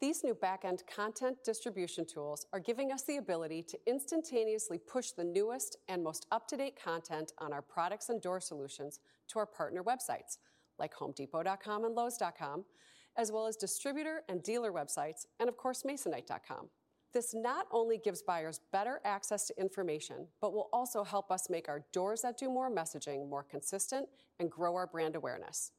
These new backend content distribution tools are giving us the ability to instantaneously push the newest and most up-to-date content on our products and door solutions to our partner websites, like HomeDepot.com and Lowes.com, as well as distributor and dealer websites, and of course, masonite.com. This not only gives buyers better access to information, but will also help us make our Doors That Do More messaging more consistent and grow our brand awareness.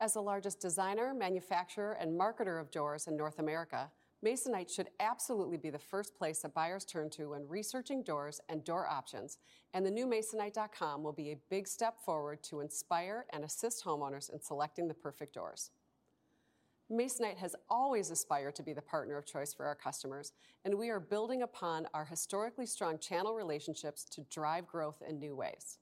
As the largest designer, manufacturer, and marketer of doors in North America, Masonite should absolutely be the first place that buyers turn to when researching doors and door options, and the new masonite.com will be a big step forward to inspire and assist homeowners in selecting the perfect doors. Masonite has always aspired to be the partner of choice for our customers, and we are building upon our historically strong channel relationships to drive growth in new ways.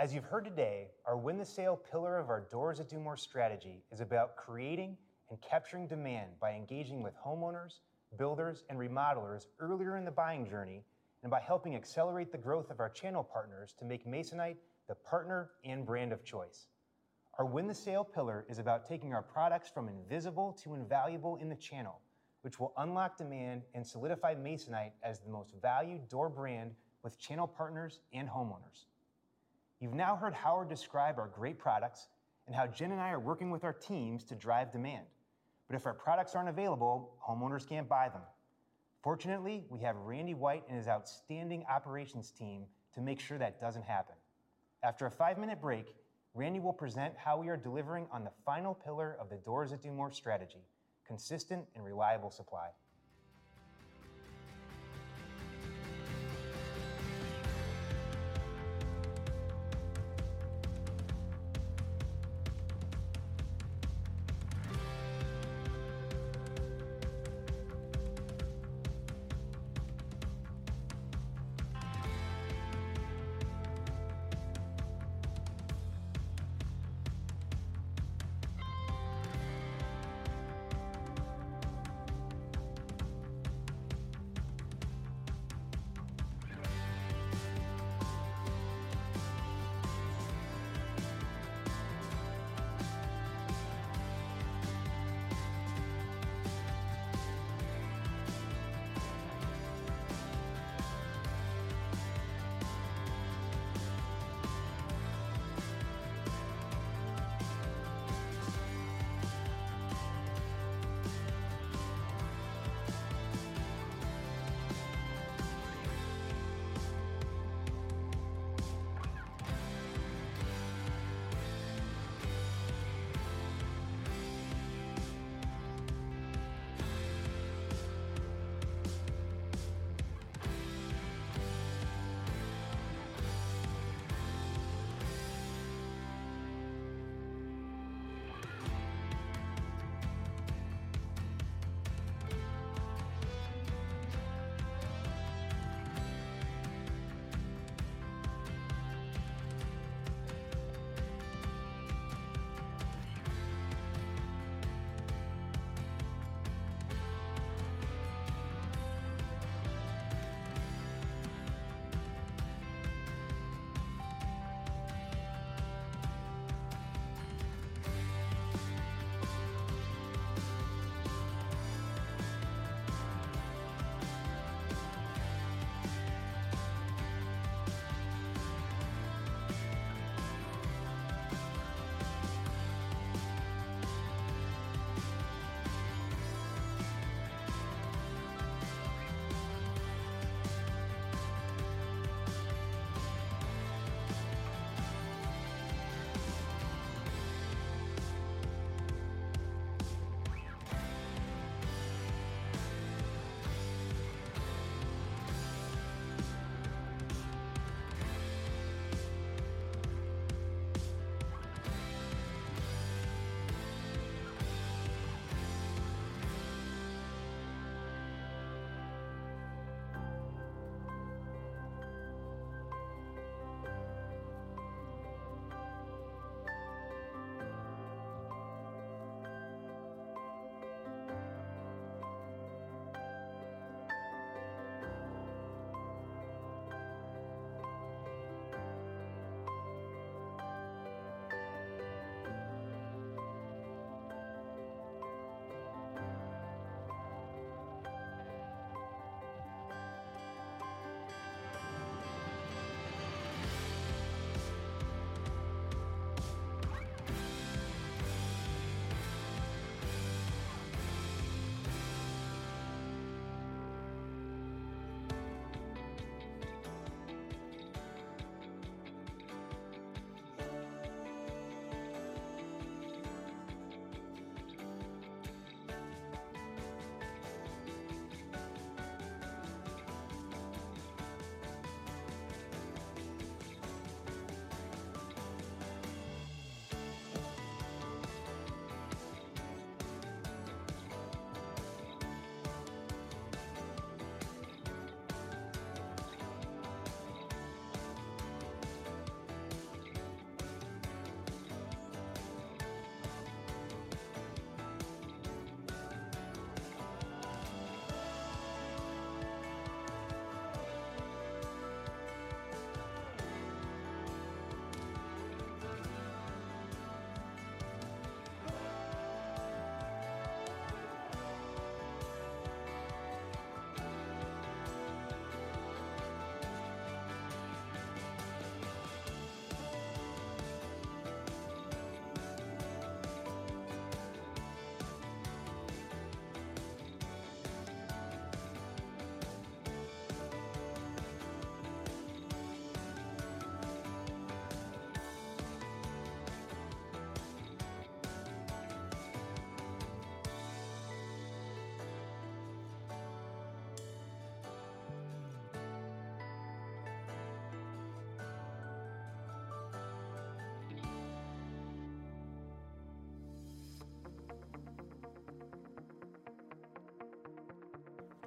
As you've heard today, our win the sale pillar of our Doors That Do More strategy is about creating and capturing demand by engaging with homeowners, builders, and remodelers earlier in the buying journey, and by helping accelerate the growth of our channel partners to make Masonite the partner and brand of choice. Our win the sale pillar is about taking our products from invisible to invaluable in the channel, which will unlock demand and solidify Masonite as the most valued door brand with channel partners and homeowners. You've now heard Howard describe our great products and how Jen and I are working with our teams to drive demand. But if our products aren't available, homeowners can't buy them. Fortunately, we have Randy White and his outstanding operations team to make sure that doesn't happen. After a 5-minute break, Randy will present how we are delivering on the final pillar of the Doors That Do More strategy: consistent and reliable supply.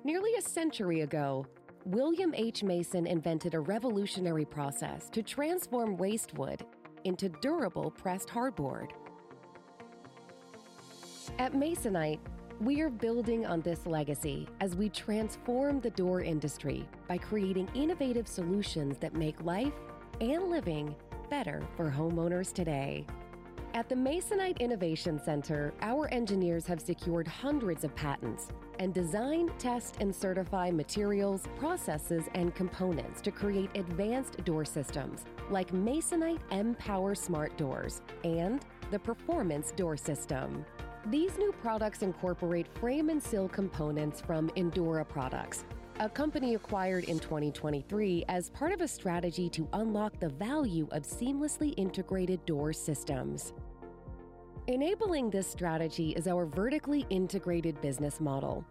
Nearly a century ago, William H. Mason invented a revolutionary process to transform waste wood into durable pressed hardboard. At Masonite, we are building on this legacy as we transform the door industry by creating innovative solutions that make life and living better for homeowners today. At the Masonite Innovation Center, our engineers have secured hundreds of patents and design, test, and certify materials, processes, and components to create advanced door systems like Masonite M-Pwr Smart Doors and the Performance Door System. These new products incorporate frame and sill components from Endura Products, a company acquired in 2023 as part of a strategy to unlock the value of seamlessly integrated door systems. Enabling this strategy is our vertically integrated business model,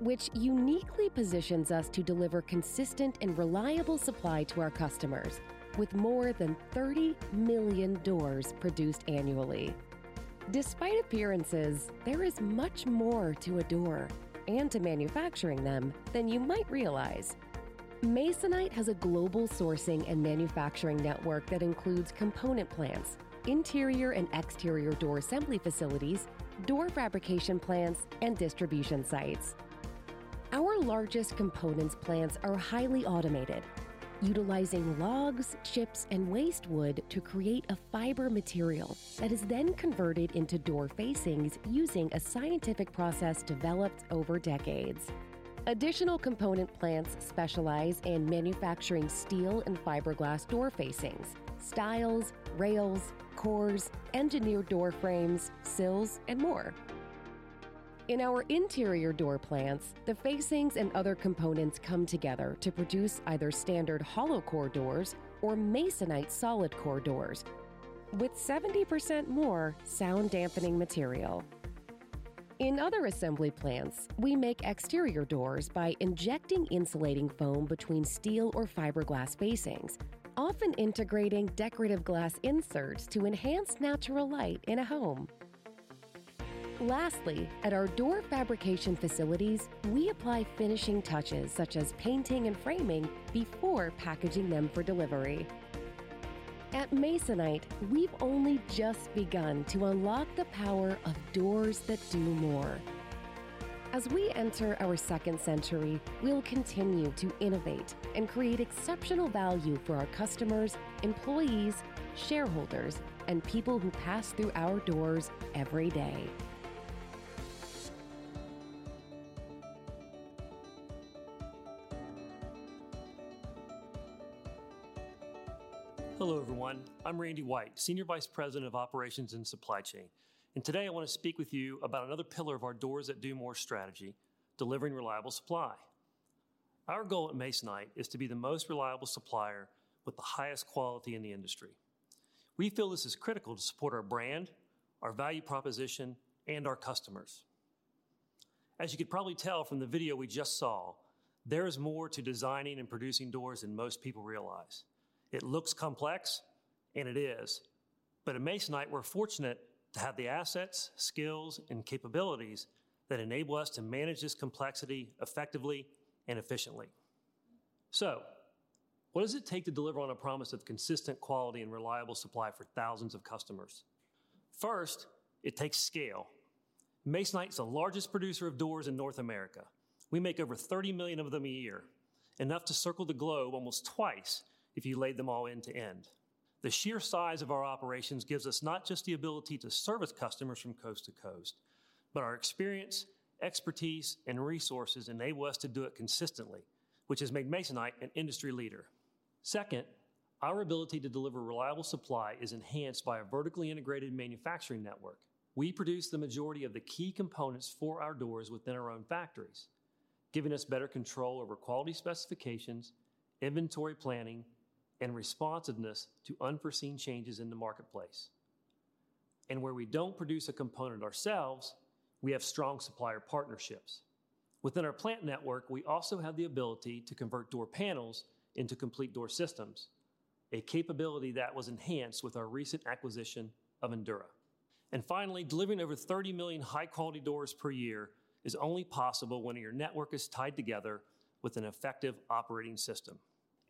which uniquely positions us to deliver consistent and reliable supply to our customers, with more than 30 million doors produced annually. Despite appearances, there is much more to a door and to manufacturing them than you might realize. Masonite has a global sourcing and manufacturing network that includes component plants, interior and exterior door assembly facilities, door fabrication plants, and distribution sites. Our largest components plants are highly automated, utilizing logs, chips, and waste wood to create a fiber material that is then converted into door facings using a scientific process developed over decades. Additional component plants specialize in manufacturing steel and fiberglass door facings, stiles, rails, cores, engineered door frames, sills, and more. In our interior door plants, the facings and other components come together to produce either standard hollow core doors or Masonite solid core doors with 70% more sound-dampening material. In other assembly plants, we make exterior doors by injecting insulating foam between steel or fiberglass facings, often integrating decorative glass inserts to enhance natural light in a home. Lastly, at our door fabrication facilities, we apply finishing touches, such as painting and framing, before packaging them for delivery. At Masonite, we've only just begun to unlock the power of Doors That Do More. As we enter our second century, we'll continue to innovate and create exceptional value for our customers, employees, shareholders, and people who pass through our doors every day. Hello, everyone. I'm Randy White, Senior Vice President of Operations and Supply Chain, and today I want to speak with you about another pillar of our Doors That Do More strategy: delivering reliable supply. Our goal at Masonite is to be the most reliable supplier with the highest quality in the industry. We feel this is critical to support our brand, our value proposition, and our customers. As you can probably tell from the video we just saw, there is more to designing and producing doors than most people realize. It looks complex, and it is, but at Masonite, we're fortunate to have the assets, skills, and capabilities that enable us to manage this complexity effectively and efficiently. So what does it take to deliver on a promise of consistent quality and reliable supply for thousands of customers? First, it takes scale. Masonite's the largest producer of doors in North America. We make over 30 million of them a year, enough to circle the globe almost twice if you laid them all end to end. The sheer size of our operations gives us not just the ability to service customers from coast to coast, but our experience, expertise, and resources enable us to do it consistently, which has made Masonite an industry leader. Second, our ability to deliver reliable supply is enhanced by a vertically integrated manufacturing network. We produce the majority of the key components for our doors within our own factories, giving us better control over quality specifications, inventory planning, and responsiveness to unforeseen changes in the marketplace. Where we don't produce a component ourselves, we have strong supplier partnerships. Within our plant network, we also have the ability to convert door panels into complete door systems, a capability that was enhanced with our recent acquisition of Endura. Finally, delivering over 30 million high-quality doors per year is only possible when your network is tied together with an effective operating system.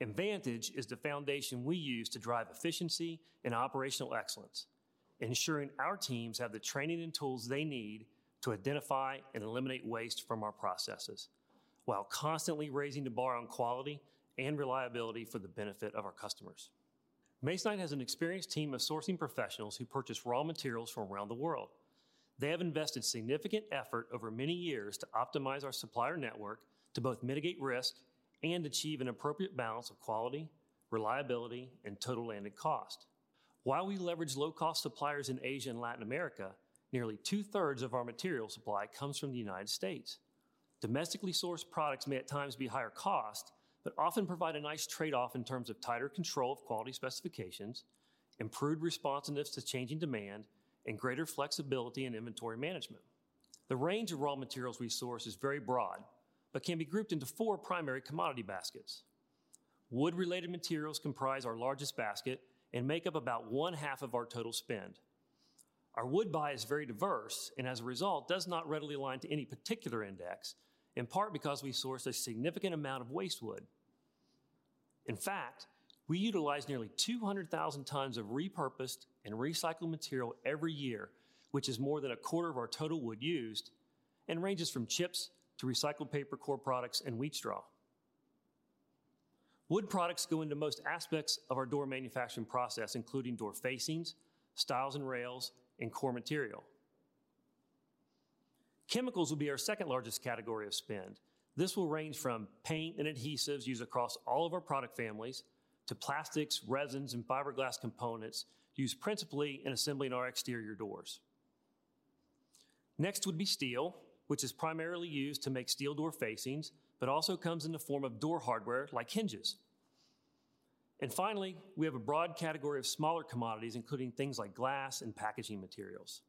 Mvantage is the foundation we use to drive efficiency and operational excellence, ensuring our teams have the training and tools they need to identify and eliminate waste from our processes, while constantly raising the bar on quality and reliability for the benefit of our customers. Masonite has an experienced team of sourcing professionals who purchase raw materials from around the world. They have invested significant effort over many years to optimize our supplier network, to both mitigate risk and achieve an appropriate balance of quality, reliability, and total landed cost. While we leverage low-cost suppliers in Asia and Latin America, nearly two-thirds of our material supply comes from the United States. Domestically sourced products may at times be higher cost, but often provide a nice trade-off in terms of tighter control of quality specifications, improved responsiveness to changing demand, and greater flexibility in inventory management. The range of raw materials we source is very broad, but can be grouped into four primary commodity baskets. Wood-related materials comprise our largest basket and make up about one-half of our total spend. Our wood buy is very diverse, and as a result, does not readily align to any particular index, in part because we source a significant amount of waste wood. In fact, we utilize nearly 200,000 tons of repurposed and recycled material every year, which is more than a quarter of our total wood used, and ranges from chips to recycled paper core products and wheat straw. Wood products go into most aspects of our door manufacturing process, including door facings, stiles and rails, and core material. Chemicals will be our second largest category of spend. This will range from paint and adhesives used across all of our product families, to plastics, resins, and fiberglass components used principally in assembling our exterior doors. Next would be steel, which is primarily used to make steel door facings, but also comes in the form of door hardware, like hinges. And finally, we have a broad category of smaller commodities, including things like glass and packaging materials.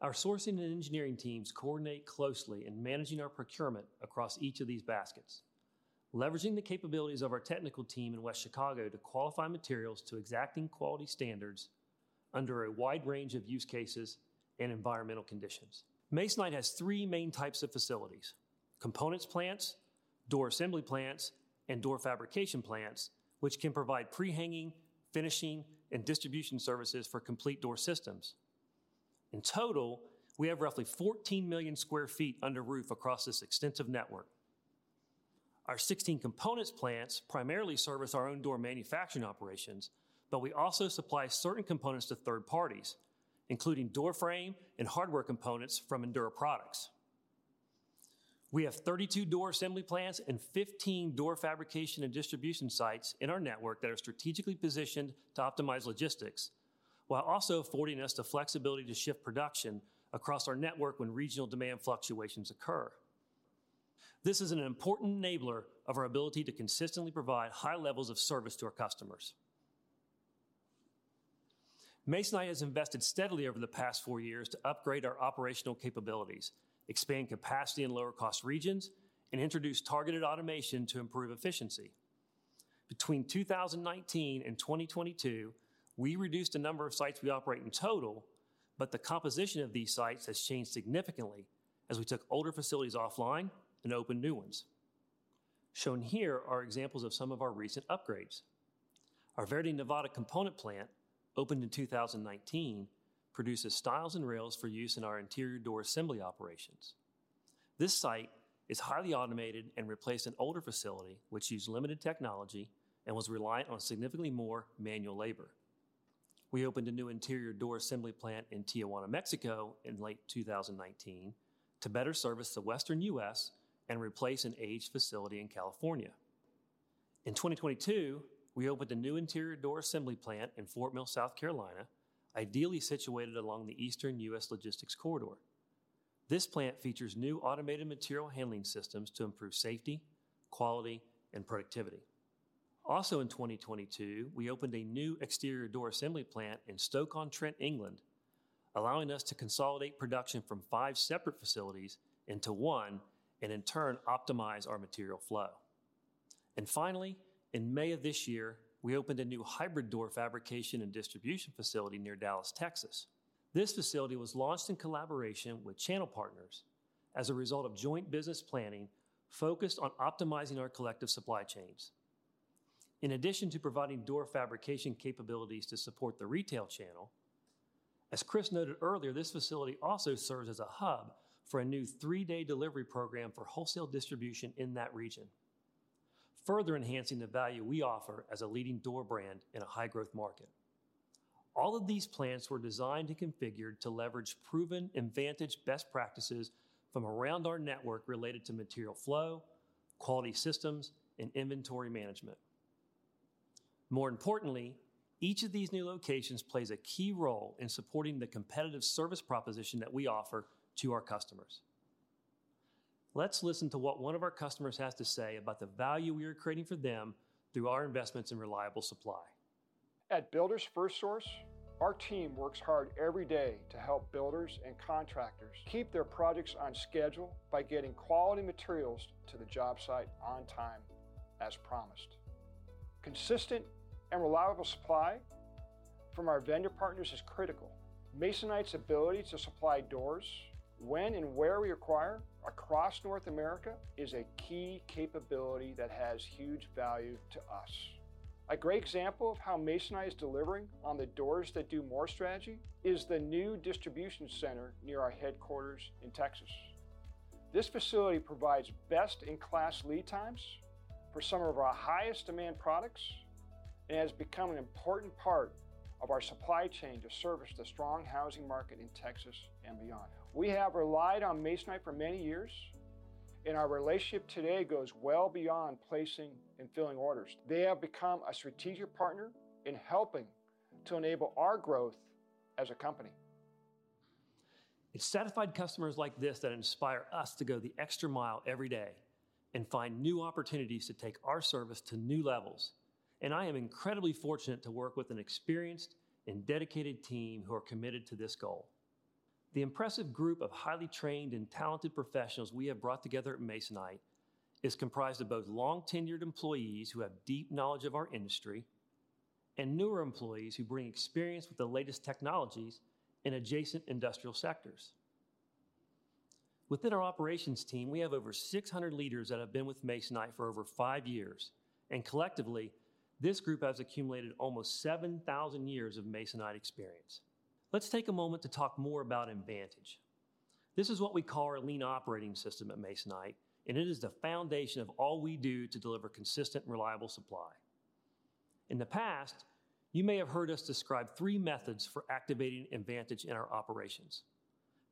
Our sourcing and engineering teams coordinate closely in managing our procurement across each of these baskets, leveraging the capabilities of our technical team in West Chicago to qualify materials to exacting quality standards under a wide range of use cases and environmental conditions. Masonite has three main types of facilities: components plants, door assembly plants, and door fabrication plants, which can provide pre-hanging, finishing, and distribution services for complete door systems. In total, we have roughly 14 million sq ft under roof across this extensive network. Our 16 components plants primarily service our own door manufacturing operations, but we also supply certain components to third parties, including door frame and hardware components from Endura Products. We have 32 door assembly plants and 15 door fabrication and distribution sites in our network that are strategically positioned to optimize logistics, while also affording us the flexibility to shift production across our network when regional demand fluctuations occur. This is an important enabler of our ability to consistently provide high levels of service to our customers. Masonite has invested steadily over the past 4 years to upgrade our operational capabilities, expand capacity in lower cost regions, and introduce targeted automation to improve efficiency. Between 2019 and 2022, we reduced the number of sites we operate in total, but the composition of these sites has changed significantly as we took older facilities offline and opened new ones. Shown here are examples of some of our recent upgrades. Our Verdi, Nevada, component plant, opened in 2019, produces stiles and rails for use in our interior door assembly operations. This site is highly automated and replaced an older facility, which used limited technology and was reliant on significantly more manual labor. We opened a new interior door assembly plant in Tijuana, Mexico, in late 2019, to better service the Western US and replace an aged facility in California. In 2022, we opened a new interior door assembly plant in Fort Mill, South Carolina, ideally situated along the Eastern US logistics corridor. This plant features new automated material handling systems to improve safety, quality, and productivity. Also, in 2022, we opened a new exterior door assembly plant in Stoke-on-Trent, England, allowing us to consolidate production from five separate facilities into one, and in turn, optimize our material flow. Finally, in May of this year, we opened a new hybrid door fabrication and distribution facility near Dallas, Texas. This facility was launched in collaboration with channel partners as a result of joint business planning focused on optimizing our collective supply chains. In addition to providing door fabrication capabilities to support the retail channel, as Chris noted earlier, this facility also serves as a hub for a new three-day delivery program for wholesale distribution in that region, further enhancing the value we offer as a leading door brand in a high-growth market. All of these plants were designed and configured to leverage proven Mvantage best practices from around our network related to material flow, quality systems, and inventory management. More importantly, each of these new locations plays a key role in supporting the competitive service proposition that we offer to our customers. Let's listen to what one of our customers has to say about the value we are creating for them through our investments in reliable supply. At Builders FirstSource, our team works hard every day to help builders and contractors keep their projects on schedule by getting quality materials to the job site on time, as promised. Consistent and reliable supply from our vendor partners is critical.... Masonite's ability to supply doors when and where we require across North America is a key capability that has huge value to us. A great example of how Masonite is delivering on the Doors That Do More strategy is the new distribution center near our headquarters in Texas. This facility provides best-in-class lead times for some of our highest demand products, and has become an important part of our supply chain to service the strong housing market in Texas and beyond. We have relied on Masonite for many years, and our relationship today goes well beyond placing and filling orders. They have become a strategic partner in helping to enable our growth as a company. It's satisfied customers like this that inspire us to go the extra mile every day and find new opportunities to take our service to new levels. I am incredibly fortunate to work with an experienced and dedicated team who are committed to this goal. The impressive group of highly trained and talented professionals we have brought together at Masonite is comprised of both long-tenured employees who have deep knowledge of our industry and newer employees who bring experience with the latest technologies in adjacent industrial sectors. Within our operations team, we have over 600 leaders that have been with Masonite for over five years, and collectively, this group has accumulated almost 7,000 years of Masonite experience. Let's take a moment to talk more about Mvantage. This is what we call our lean operating system at Masonite, and it is the foundation of all we do to deliver consistent, reliable supply. In the past, you may have heard us describe three methods for activating Mvantage in our operations: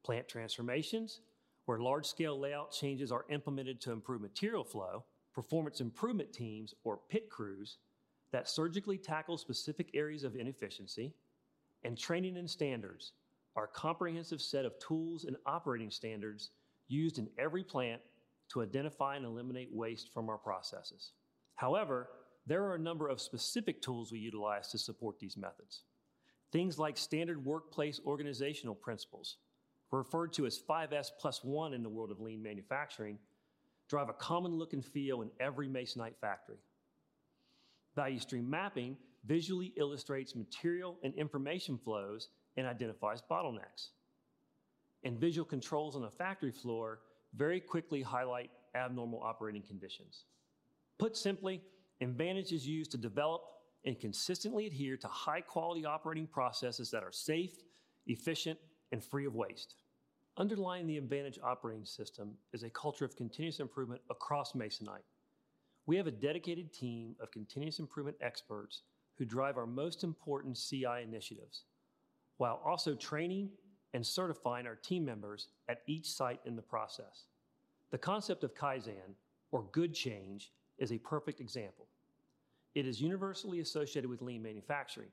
plant transformations, where large-scale layout changes are implemented to improve material flow; performance improvement teams or PIT crews, that surgically tackle specific areas of inefficiency; and training and standards, our comprehensive set of tools and operating standards used in every plant to identify and eliminate waste from our processes. However, there are a number of specific tools we utilize to support these methods. Things like standard workplace organizational principles, referred to as 5S+1 in the world of lean manufacturing, drive a common look and feel in every Masonite factory. Value stream mapping visually illustrates material and information flows and identifies bottlenecks. Visual controls on the factory floor very quickly highlight abnormal operating conditions. Put simply, Mvantage is used to develop and consistently adhere to high-quality operating processes that are safe, efficient, and free of waste. Underlying the Mvantage operating system is a culture of continuous improvement across Masonite. We have a dedicated team of continuous improvement experts who drive our most important CI initiatives, while also training and certifying our team members at each site in the process. The concept of Kaizen, or good change, is a perfect example. It is universally associated with lean manufacturing.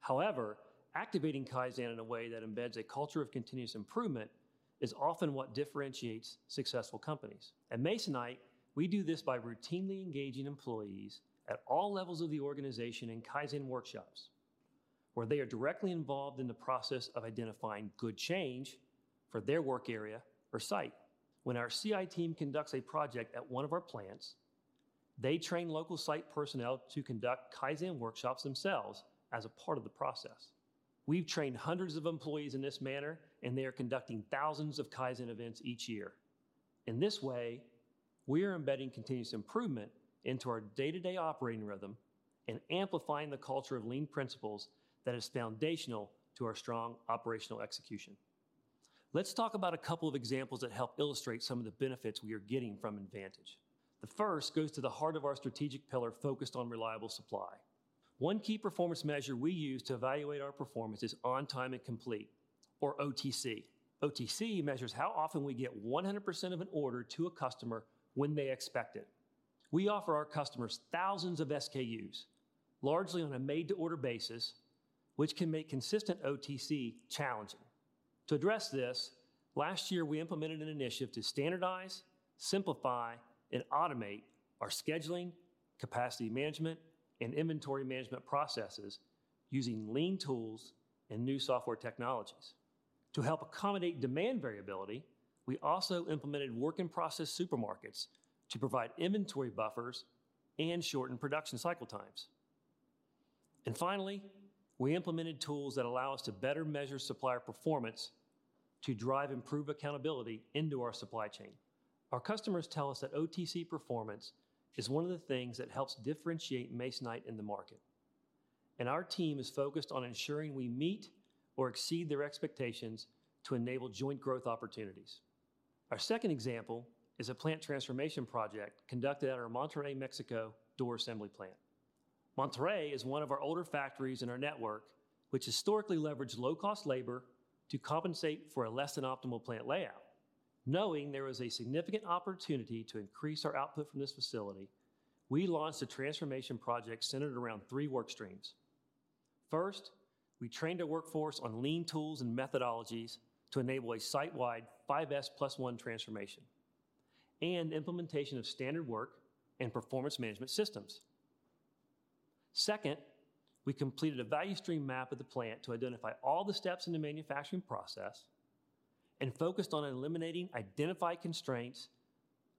However, activating Kaizen in a way that embeds a culture of continuous improvement is often what differentiates successful companies. At Masonite, we do this by routinely engaging employees at all levels of the organization in Kaizen workshops, where they are directly involved in the process of identifying good change for their work area or site. When our CI team conducts a project at one of our plants, they train local site personnel to conduct Kaizen workshops themselves as a part of the process. We've trained hundreds of employees in this manner, and they are conducting thousands of Kaizen events each year. In this way, we are embedding continuous improvement into our day-to-day operating rhythm and amplifying the culture of lean principles that is foundational to our strong operational execution. Let's talk about a couple of examples that help illustrate some of the benefits we are getting from Mvantage. The first goes to the heart of our strategic pillar, Focused on Reliable Supply. One key performance measure we use to evaluate our performance is On Time and Complete, or OTC. OTC measures how often we get 100% of an order to a customer when they expect it. We offer our customers thousands of SKUs, largely on a made-to-order basis, which can make consistent OTC challenging. To address this, last year, we implemented an initiative to standardize, simplify, and automate our scheduling, capacity management, and inventory management processes using lean tools and new software technologies. To help accommodate demand variability, we also implemented work-in-process supermarkets to provide inventory buffers and shorten production cycle times. And finally, we implemented tools that allow us to better measure supplier performance to drive improved accountability into our supply chain. Our customers tell us that OTC performance is one of the things that helps differentiate Masonite in the market, and our team is focused on ensuring we meet or exceed their expectations to enable joint growth opportunities. Our second example is a plant transformation project conducted at our Monterrey, Mexico, door assembly plant. Monterrey is one of our older factories in our network, which historically leveraged low-cost labor to compensate for a less than optimal plant layout. Knowing there was a significant opportunity to increase our output from this facility, we launched a transformation project centered around three work streams. First, we trained our workforce on lean tools and methodologies to enable a site-wide 5S+1 transformation and implementation of standard work and performance management systems. Second, we completed a value stream map of the plant to identify all the steps in the manufacturing process.... Focused on eliminating identified constraints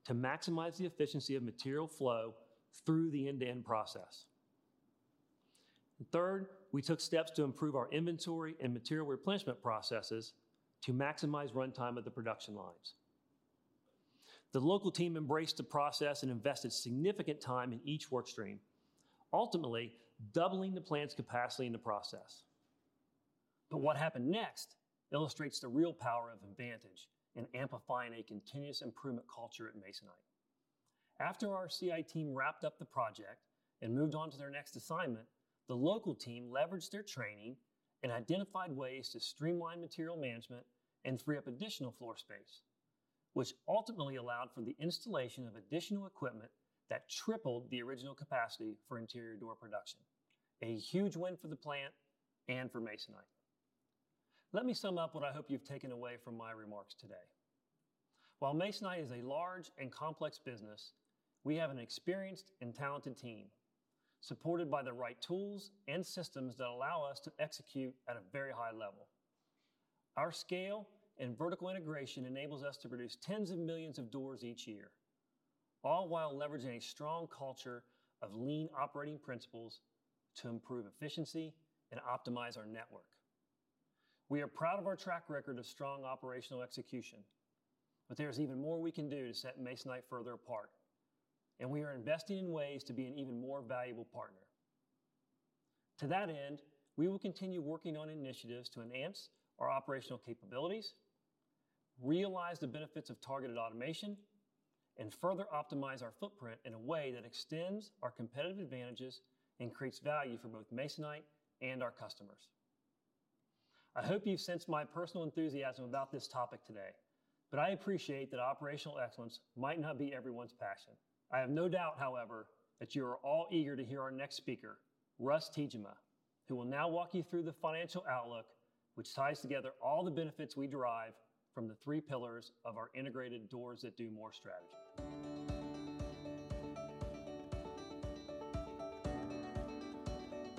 to maximize the efficiency of material flow through the end-to-end process. Third, we took steps to improve our inventory and material replenishment processes to maximize runtime of the production lines. The local team embraced the process and invested significant time in each work stream, ultimately doubling the plant's capacity in the process. But what happened next illustrates the real power of Mvantage in amplifying a continuous improvement culture at Masonite. After our CI team wrapped up the project and moved on to their next assignment, the local team leveraged their training and identified ways to streamline material management and free up additional floor space, which ultimately allowed for the installation of additional equipment that tripled the original capacity for interior door production. A huge win for the plant and for Masonite. Let me sum up what I hope you've taken away from my remarks today. While Masonite is a large and complex business, we have an experienced and talented team, supported by the right tools and systems that allow us to execute at a very high level. Our scale and vertical integration enables us to produce tens of millions of doors each year, all while leveraging a strong culture of lean operating principles to improve efficiency and optimize our network. We are proud of our track record of strong operational execution, but there's even more we can do to set Masonite further apart, and we are investing in ways to be an even more valuable partner. To that end, we will continue working on initiatives to enhance our operational capabilities, realize the benefits of targeted automation, and further optimize our footprint in a way that extends our competitive advantages and creates value for both Masonite and our customers. I hope you've sensed my personal enthusiasm about this topic today, but I appreciate that operational excellence might not be everyone's passion. I have no doubt, however, that you are all eager to hear our next speaker, Russ Tiejema, who will now walk you through the financial outlook, which ties together all the benefits we derive from the three pillars of our integrated Doors That Do More strategy.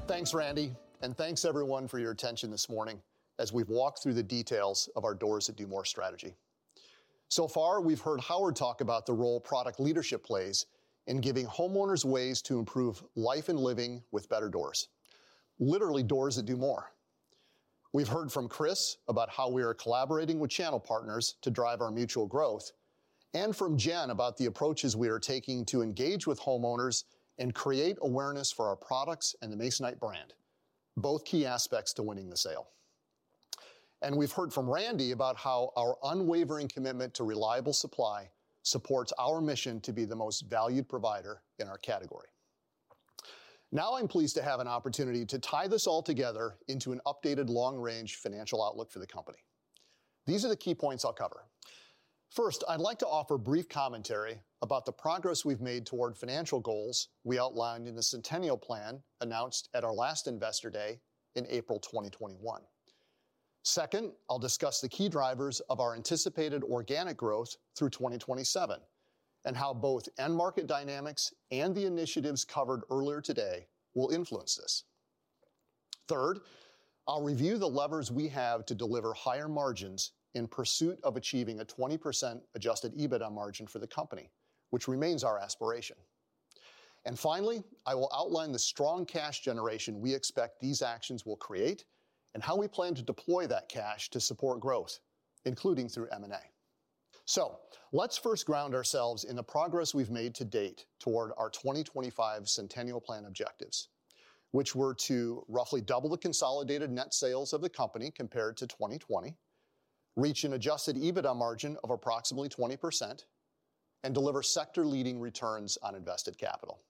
Thanks, Randy, and thanks everyone for your attention this morning as we've walked through the details of our Doors That Do More strategy. So far, we've heard Howard talk about the role product leadership plays in giving homeowners ways to improve life and living with better doors, literally Doors That Do More. We've heard from Chris about how we are collaborating with channel partners to drive our mutual growth, and from Jen about the approaches we are taking to engage with homeowners and create awareness for our products and the Masonite brand, both key aspects to winning the sale. We've heard from Randy about how our unwavering commitment to reliable supply supports our mission to be the most valued provider in our category. Now, I'm pleased to have an opportunity to tie this all together into an updated long-range financial outlook for the company. These are the key points I'll cover. First, I'd like to offer brief commentary about the progress we've made toward financial goals we outlined in the Centennial Plan announced at our last Investor Day in April 2021. Second, I'll discuss the key drivers of our anticipated organic growth through 2027, and how both end market dynamics and the initiatives covered earlier today will influence this. Third, I'll review the levers we have to deliver higher margins in pursuit of achieving a 20% adjusted EBITDA margin for the company, which remains our aspiration. And finally, I will outline the strong cash generation we expect these actions will create, and how we plan to deploy that cash to support growth, including through M&A. So let's first ground ourselves in the progress we've made to date toward our 2025 Centennial Plan objectives, which were to roughly double the consolidated net sales of the company compared to 2020, reach an adjusted EBITDA margin of approximately 20%, and deliver sector-leading returns on invested capital.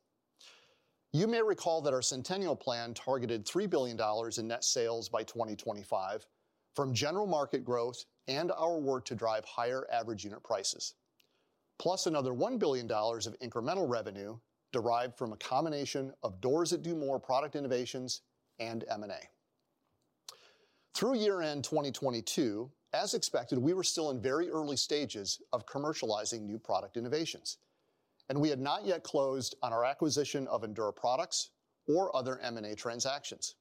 You may recall that our Centennial Plan targeted $3 billion in net sales by 2025 from general market growth and our work to drive higher average unit prices, plus another $1 billion of incremental revenue derived from a combination of Doors That Do More product innovations and M&A. Through year-end 2022, as expected, we were still in very early stages of commercializing new product innovations, and we had not yet closed on our acquisition of Endura Products or other M&A transactions.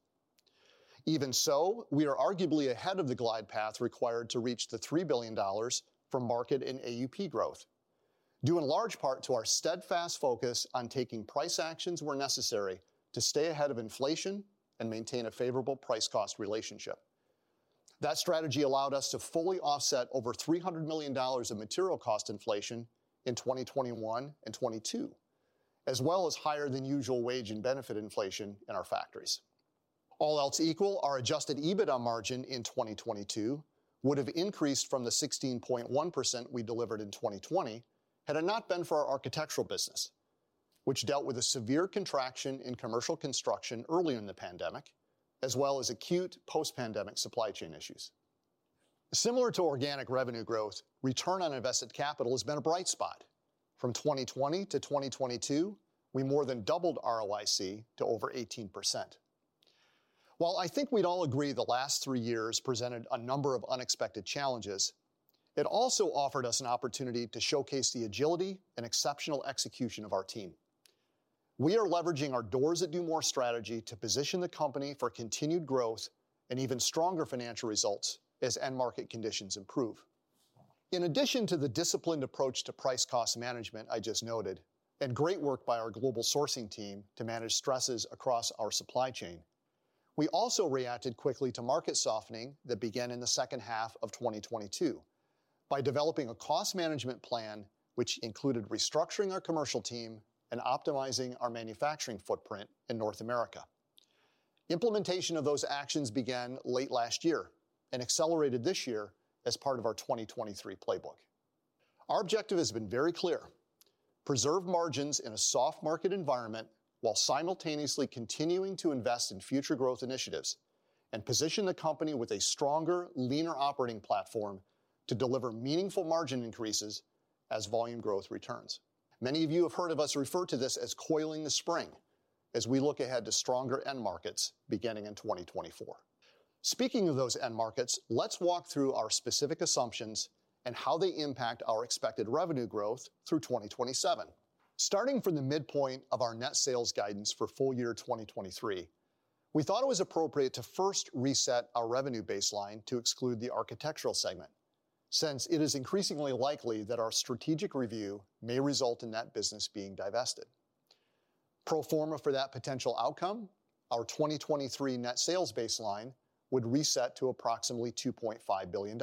Even so, we are arguably ahead of the glide path required to reach the $3 billion from market and AUP growth, due in large part to our steadfast focus on taking price actions where necessary to stay ahead of inflation and maintain a favorable price-cost relationship. That strategy allowed us to fully offset over $300 million of material cost inflation in 2021 and 2022, as well as higher than usual wage and benefit inflation in our factories. All else equal, our Adjusted EBITDA margin in 2022 would have increased from the 16.1% we delivered in 2020, had it not been for our architectural business, which dealt with a severe contraction in commercial construction early in the pandemic, as well as acute post-pandemic supply chain issues. Similar to organic revenue growth, return on invested capital has been a bright spot. From 2020 to 2022, we more than doubled ROIC to over 18%. While I think we'd all agree the last 3 years presented a number of unexpected challenges, it also offered us an opportunity to showcase the agility and exceptional execution of our team.... We are leveraging our Doors That Do More strategy to position the company for continued growth and even stronger financial results as end market conditions improve. In addition to the disciplined approach to price-cost management I just noted, and great work by our global sourcing team to manage stresses across our supply chain, we also reacted quickly to market softening that began in the second half of 2022, by developing a cost management plan, which included restructuring our commercial team and optimizing our manufacturing footprint in North America. Implementation of those actions began late last year and accelerated this year as part of our 2023 playbook. Our objective has been very clear: preserve margins in a soft market environment while simultaneously continuing to invest in future growth initiatives, and position the company with a stronger, leaner operating platform to deliver meaningful margin increases as volume growth returns. Many of you have heard of us refer to this as coiling the spring, as we look ahead to stronger end markets beginning in 2024. Speaking of those end markets, let's walk through our specific assumptions and how they impact our expected revenue growth through 2027. Starting from the midpoint of our net sales guidance for full year 2023, we thought it was appropriate to first reset our revenue baseline to exclude the architectural segment, since it is increasingly likely that our strategic review may result in that business being divested. Pro forma for that potential outcome, our 2023 net sales baseline would reset to approximately $2.5 billion.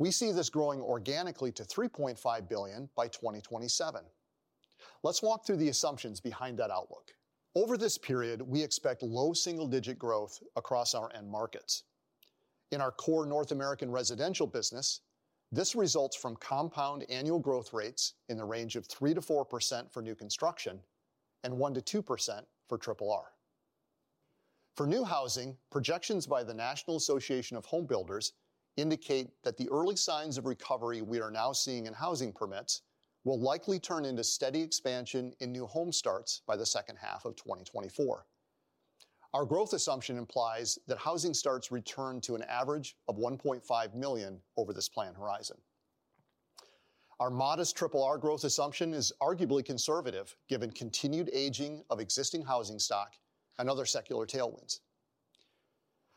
We see this growing organically to $3.5 billion by 2027. Let's walk through the assumptions behind that outlook. Over this period, we expect low single-digit growth across our end markets. In our core North American residential business, this results from compound annual growth rates in the range of 3%-4% for new construction and 1%-2% for triple R. For new housing, projections by the National Association of Home Builders indicate that the early signs of recovery we are now seeing in housing permits will likely turn into steady expansion in new home starts by the second half of 2024. Our growth assumption implies that housing starts return to an average of 1.5 million over this plan horizon. Our modest triple R growth assumption is arguably conservative, given continued aging of existing housing stock and other secular tailwinds.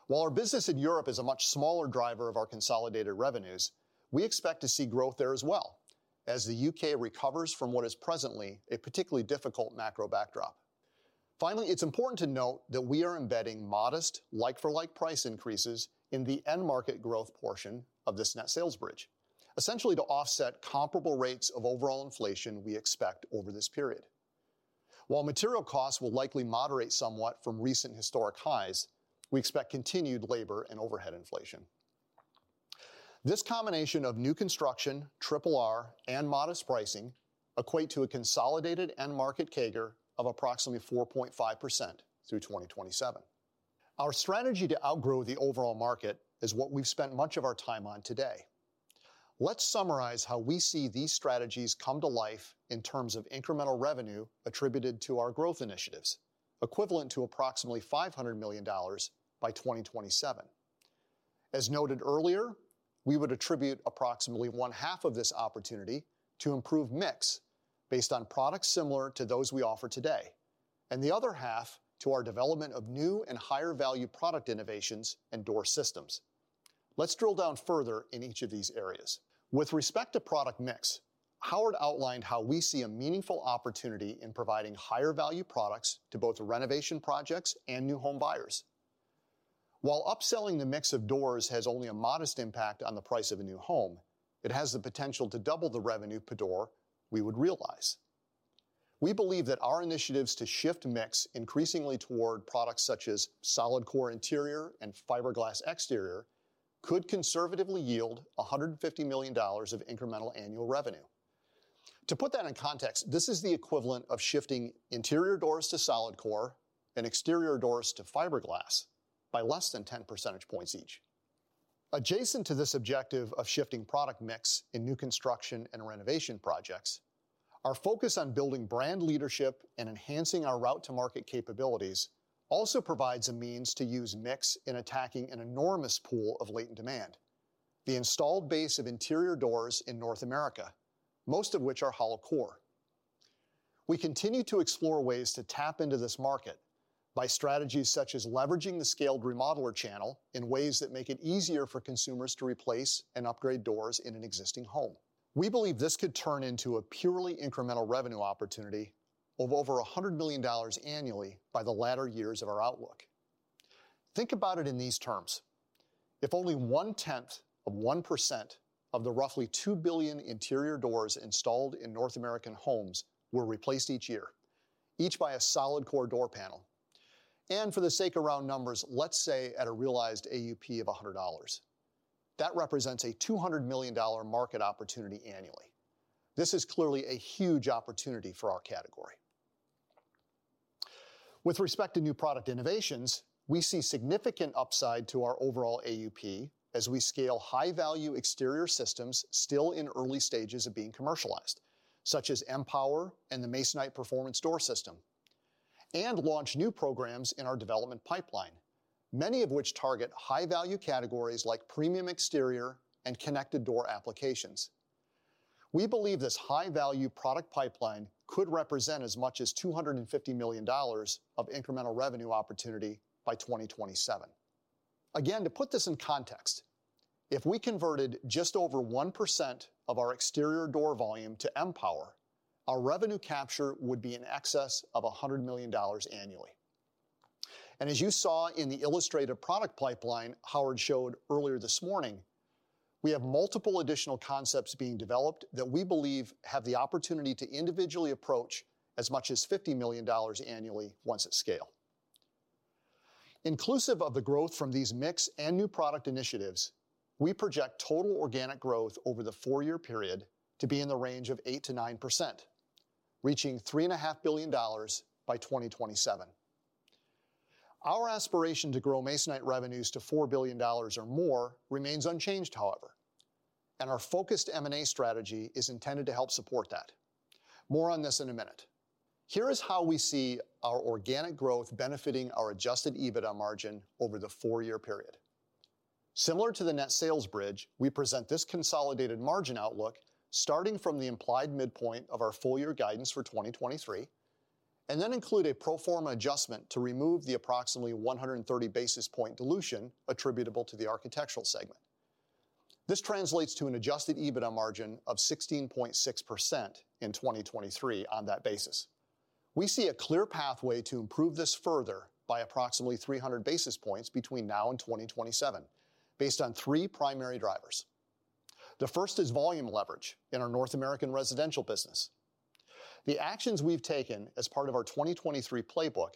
While our business in Europe is a much smaller driver of our consolidated revenues, we expect to see growth there as well, as the U.K. recovers from what is presently a particularly difficult macro backdrop. Finally, it's important to note that we are embedding modest, like-for-like price increases in the end market growth portion of this net sales bridge, essentially to offset comparable rates of overall inflation we expect over this period. While material costs will likely moderate somewhat from recent historic highs, we expect continued labor and overhead inflation. This combination of new construction, triple R, and modest pricing equate to a consolidated end market CAGR of approximately 4.5% through 2027. Our strategy to outgrow the overall market is what we've spent much of our time on today. Let's summarize how we see these strategies come to life in terms of incremental revenue attributed to our growth initiatives, equivalent to approximately $500 million by 2027. As noted earlier, we would attribute approximately one half of this opportunity to improve mix based on products similar to those we offer today, and the other half to our development of new and higher-value product innovations and door systems. Let's drill down further in each of these areas. With respect to product mix, Howard outlined how we see a meaningful opportunity in providing higher-value products to both renovation projects and new home buyers. While upselling the mix of doors has only a modest impact on the price of a new home, it has the potential to double the revenue per door we would realize. We believe that our initiatives to shift mix increasingly toward products such as solid core interior and fiberglass exterior, could conservatively yield $150 million of incremental annual revenue. To put that in context, this is the equivalent of shifting interior doors to solid core and exterior doors to fiberglass by less than 10 percentage points each. Adjacent to this objective of shifting product mix in new construction and renovation projects, our focus on building brand leadership and enhancing our route to market capabilities also provides a means to use mix in attacking an enormous pool of latent demand, the installed base of interior doors in North America, most of which are hollow core. We continue to explore ways to tap into this market by strategies such as leveraging the scaled remodeler channel in ways that make it easier for consumers to replace and upgrade doors in an existing home. We believe this could turn into a purely incremental revenue opportunity of over $100 million annually by the latter years of our outlook. Think about it in these terms: If only 0.1% of the roughly 2 billion interior doors installed in North American homes were replaced each year, each by a solid core door panel, and for the sake of round numbers, let's say at a realized AUP of $100. That represents a $200 million market opportunity annually. This is clearly a huge opportunity for our category. With respect to new product innovations, we see significant upside to our overall AUP as we scale high-value exterior systems still in early stages of being commercialized, such as M-Pwr and the Masonite Performance Door System... and launch new programs in our development pipeline, many of which target high-value categories like premium exterior and connected door applications. We believe this high-value product pipeline could represent as much as $250 million of incremental revenue opportunity by 2027. Again, to put this in context, if we converted just over 1% of our exterior door volume to M-Pwr, our revenue capture would be in excess of $100 million annually. And as you saw in the illustrative product pipeline Howard showed earlier this morning, we have multiple additional concepts being developed that we believe have the opportunity to individually approach as much as $50 million annually once at scale. Inclusive of the growth from these mix and new product initiatives, we project total organic growth over the four-year period to be in the range of 8%-9%, reaching $3.5 billion by 2027. Our aspiration to grow Masonite revenues to $4 billion or more remains unchanged, however, and our focused M&A strategy is intended to help support that. More on this in a minute. Here is how we see our organic growth benefiting our Adjusted EBITDA margin over the four-year period. Similar to the net sales bridge, we present this consolidated margin outlook starting from the implied midpoint of our full year guidance for 2023, and then include a pro forma adjustment to remove the approximately 130 basis points dilution attributable to the architectural segment. This translates to an Adjusted EBITDA margin of 16.6% in 2023 on that basis. We see a clear pathway to improve this further by approximately 300 basis points between now and 2027, based on three primary drivers. The first is volume leverage in our North American residential business. The actions we've taken as part of our 2023 playbook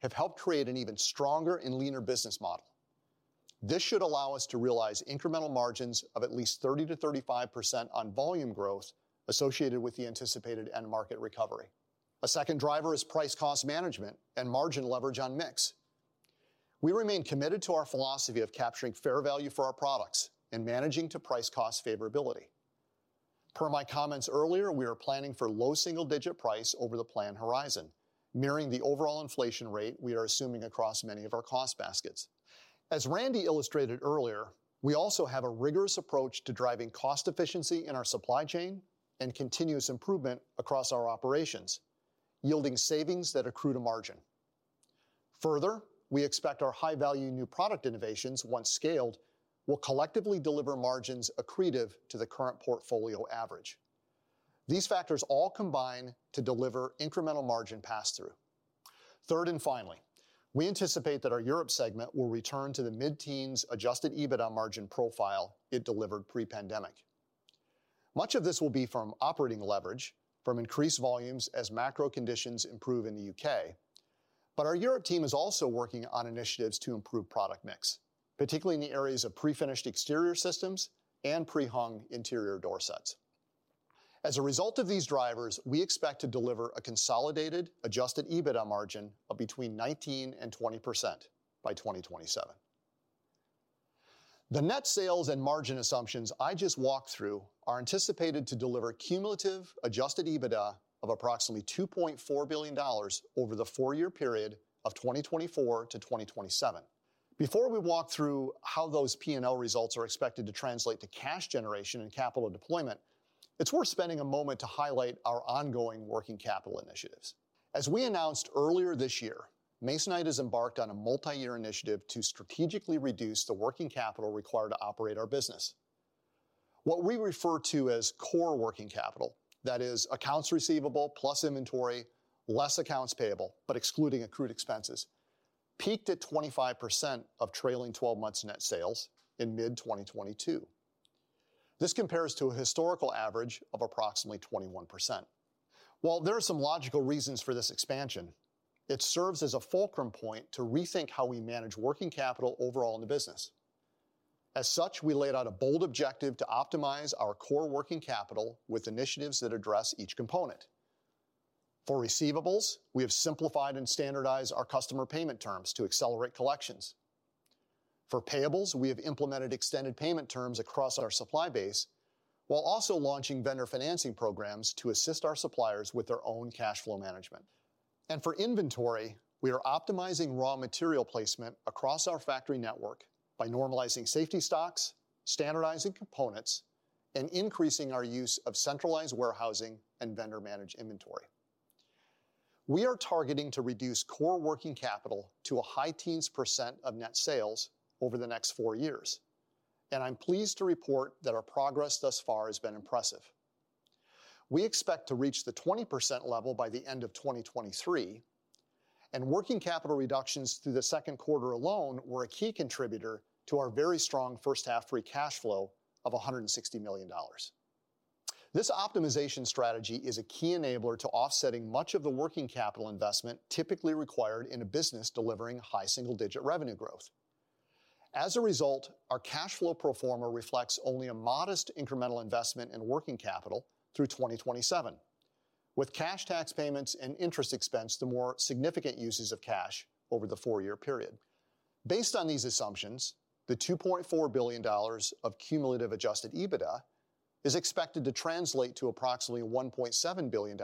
have helped create an even stronger and leaner business model. This should allow us to realize incremental margins of at least 30%-35% on volume growth associated with the anticipated end market recovery. A second driver is price-cost management and margin leverage on mix. We remain committed to our philosophy of capturing fair value for our products and managing to price-cost favorability. Per my comments earlier, we are planning for low single-digit price over the plan horizon, mirroring the overall inflation rate we are assuming across many of our cost baskets. As Randy illustrated earlier, we also have a rigorous approach to driving cost efficiency in our supply chain and continuous improvement across our operations, yielding savings that accrue to margin. Further, we expect our high-value new product innovations, once scaled, will collectively deliver margins accretive to the current portfolio average. These factors all combine to deliver incremental margin pass-through. Third, and finally, we anticipate that our Europe segment will return to the mid-teens Adjusted EBITDA margin profile it delivered pre-pandemic. Much of this will be from operating leverage, from increased volumes as macro conditions improve in the UK. But our Europe team is also working on initiatives to improve product mix, particularly in the areas of prefinished exterior systems and pre-hung interior door sets. As a result of these drivers, we expect to deliver a consolidated, Adjusted EBITDA margin of between 19% and 20% by 2027. The net sales and margin assumptions I just walked through are anticipated to deliver cumulative Adjusted EBITDA of approximately $2.4 billion over the four-year period of 2024 to 2027. Before we walk through how those P&L results are expected to translate to cash generation and capital deployment, it's worth spending a moment to highlight our ongoing working capital initiatives. As we announced earlier this year, Masonite has embarked on a multi-year initiative to strategically reduce the working capital required to operate our business. What we refer to as core working capital, that is accounts receivable plus inventory, less accounts payable, but excluding accrued expenses, peaked at 25% of trailing twelve months net sales in mid-2022. This compares to a historical average of approximately 21%. While there are some logical reasons for this expansion, it serves as a fulcrum point to rethink how we manage working capital overall in the business. As such, we laid out a bold objective to optimize our core working capital with initiatives that address each component. For receivables, we have simplified and standardized our customer payment terms to accelerate collections. For payables, we have implemented extended payment terms across our supply base, while also launching vendor financing programs to assist our suppliers with their own cash flow management. And for inventory, we are optimizing raw material placement across our factory network by normalizing safety stocks, standardizing components, and increasing our use of centralized warehousing and vendor-managed inventory. We are targeting to reduce core working capital to a high teens % of net sales over the next four years, and I'm pleased to report that our progress thus far has been impressive. We expect to reach the 20% level by the end of 2023, and working capital reductions through the second quarter alone were a key contributor to our very strong first half free cash flow of $160 million. This optimization strategy is a key enabler to offsetting much of the working capital investment typically required in a business delivering high single-digit revenue growth. As a result, our cash flow pro forma reflects only a modest incremental investment in working capital through 2027, with cash tax payments and interest expense, the more significant uses of cash over the four-year period. Based on these assumptions, the $2.4 billion of cumulative adjusted EBITDA is expected to translate to approximately $1.7 billion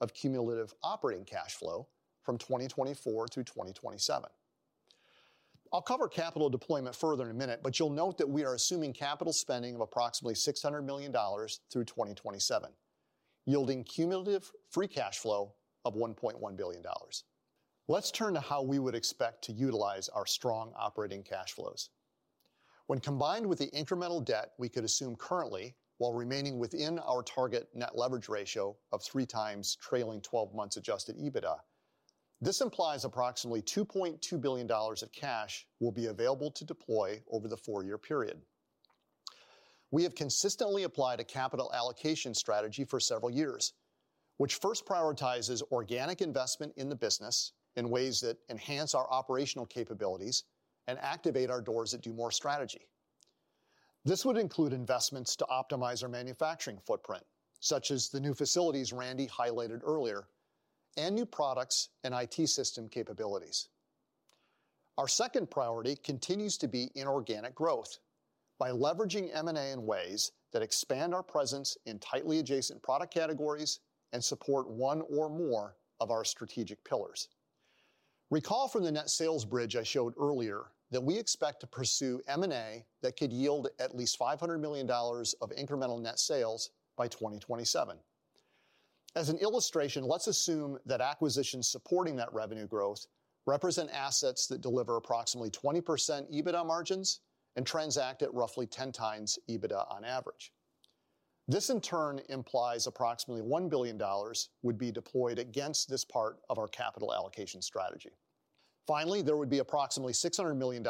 of cumulative operating cash flow from 2024 through 2027. I'll cover capital deployment further in a minute, but you'll note that we are assuming capital spending of approximately $600 million through 2027, yielding cumulative free cash flow of $1.1 billion. Let's turn to how we would expect to utilize our strong operating cash flows. When combined with the incremental debt we could assume currently, while remaining within our target net leverage ratio of 3x trailing twelve months adjusted EBITDA, this implies approximately $2.2 billion of cash will be available to deploy over the four-year period. We have consistently applied a capital allocation strategy for several years, which first prioritizes organic investment in the business in ways that enhance our operational capabilities and activate our Doors That Do More strategy. This would include investments to optimize our manufacturing footprint, such as the new facilities Randy highlighted earlier, and new products and IT system capabilities. Our second priority continues to be inorganic growth by leveraging M&A in ways that expand our presence in tightly adjacent product categories and support one or more of our strategic pillars. Recall from the net sales bridge I showed earlier, that we expect to pursue M&A that could yield at least $500 million of incremental net sales by 2027. As an illustration, let's assume that acquisitions supporting that revenue growth represent assets that deliver approximately 20% EBITDA margins and transact at roughly 10x EBITDA on average. This, in turn, implies approximately $1 billion would be deployed against this part of our capital allocation strategy. Finally, there would be approximately $600 million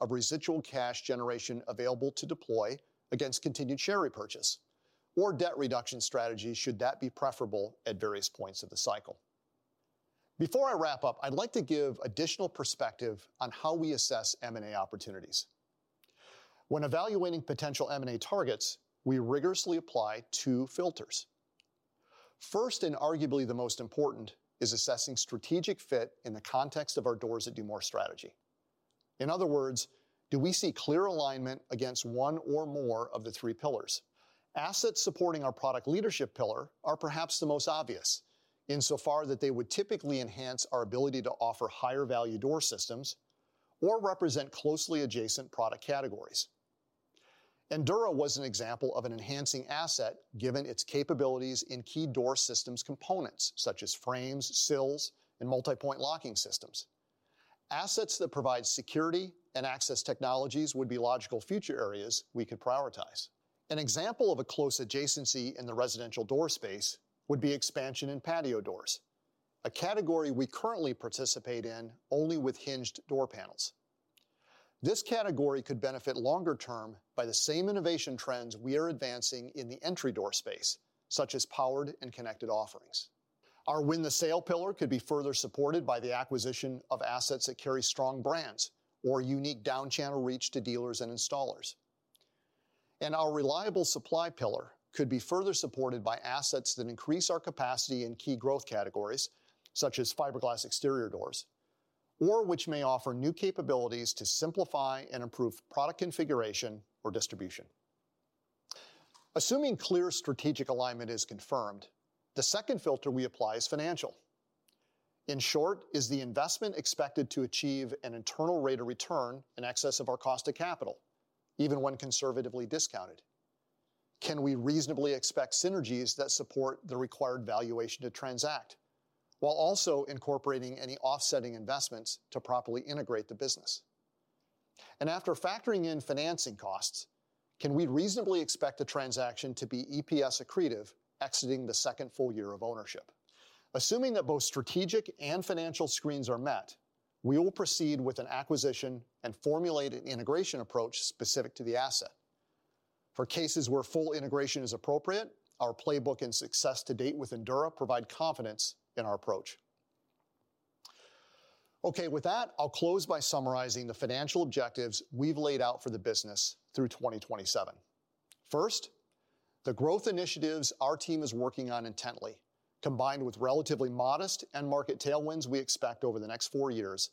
of residual cash generation available to deploy against continued share repurchase or debt reduction strategies, should that be preferable at various points of the cycle. Before I wrap up, I'd like to give additional perspective on how we assess M&A opportunities. When evaluating potential M&A targets, we rigorously apply two filters. First, and arguably the most important, is assessing strategic fit in the context of our Doors That Do More strategy. In other words, do we see clear alignment against one or more of the three pillars? Assets supporting our product leadership pillar are perhaps the most obvious, insofar that they would typically enhance our ability to offer higher value door systems or represent closely adjacent product categories. Endura was an example of an enhancing asset, given its capabilities in key door systems components, such as frames, sills, and multi-point locking systems. Assets that provide security and access technologies would be logical future areas we could prioritize. An example of a close adjacency in the residential door space would be expansion in patio doors, a category we currently participate in only with hinged door panels. This category could benefit longer term by the same innovation trends we are advancing in the entry door space, such as powered and connected offerings. Our win the sale pillar could be further supported by the acquisition of assets that carry strong brands or unique down channel reach to dealers and installers. Our reliable supply pillar could be further supported by assets that increase our capacity in key growth categories, such as fiberglass exterior doors, or which may offer new capabilities to simplify and improve product configuration or distribution. Assuming clear strategic alignment is confirmed, the second filter we apply is financial. In short, is the investment expected to achieve an internal rate of return in excess of our cost of capital, even when conservatively discounted? Can we reasonably expect synergies that support the required valuation to transact, while also incorporating any offsetting investments to properly integrate the business? After factoring in financing costs, can we reasonably expect the transaction to be EPS accretive, exiting the second full year of ownership? Assuming that both strategic and financial screens are met, we will proceed with an acquisition and formulate an integration approach specific to the asset. For cases where full integration is appropriate, our playbook and success to date with Endura provide confidence in our approach. Okay, with that, I'll close by summarizing the financial objectives we've laid out for the business through 2027. First, the growth initiatives our team is working on intently, combined with relatively modest end market tailwinds we expect over the next four years,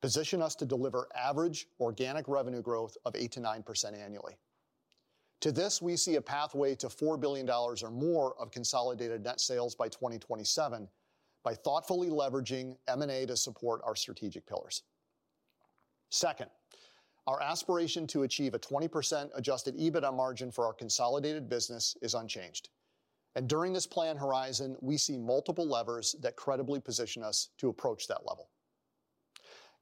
position us to deliver average organic revenue growth of 8%-9% annually. To this, we see a pathway to $4 billion or more of consolidated net sales by 2027 by thoughtfully leveraging M&A to support our strategic pillars. Second, our aspiration to achieve a 20% Adjusted EBITDA margin for our consolidated business is unchanged, and during this plan horizon, we see multiple levers that credibly position us to approach that level.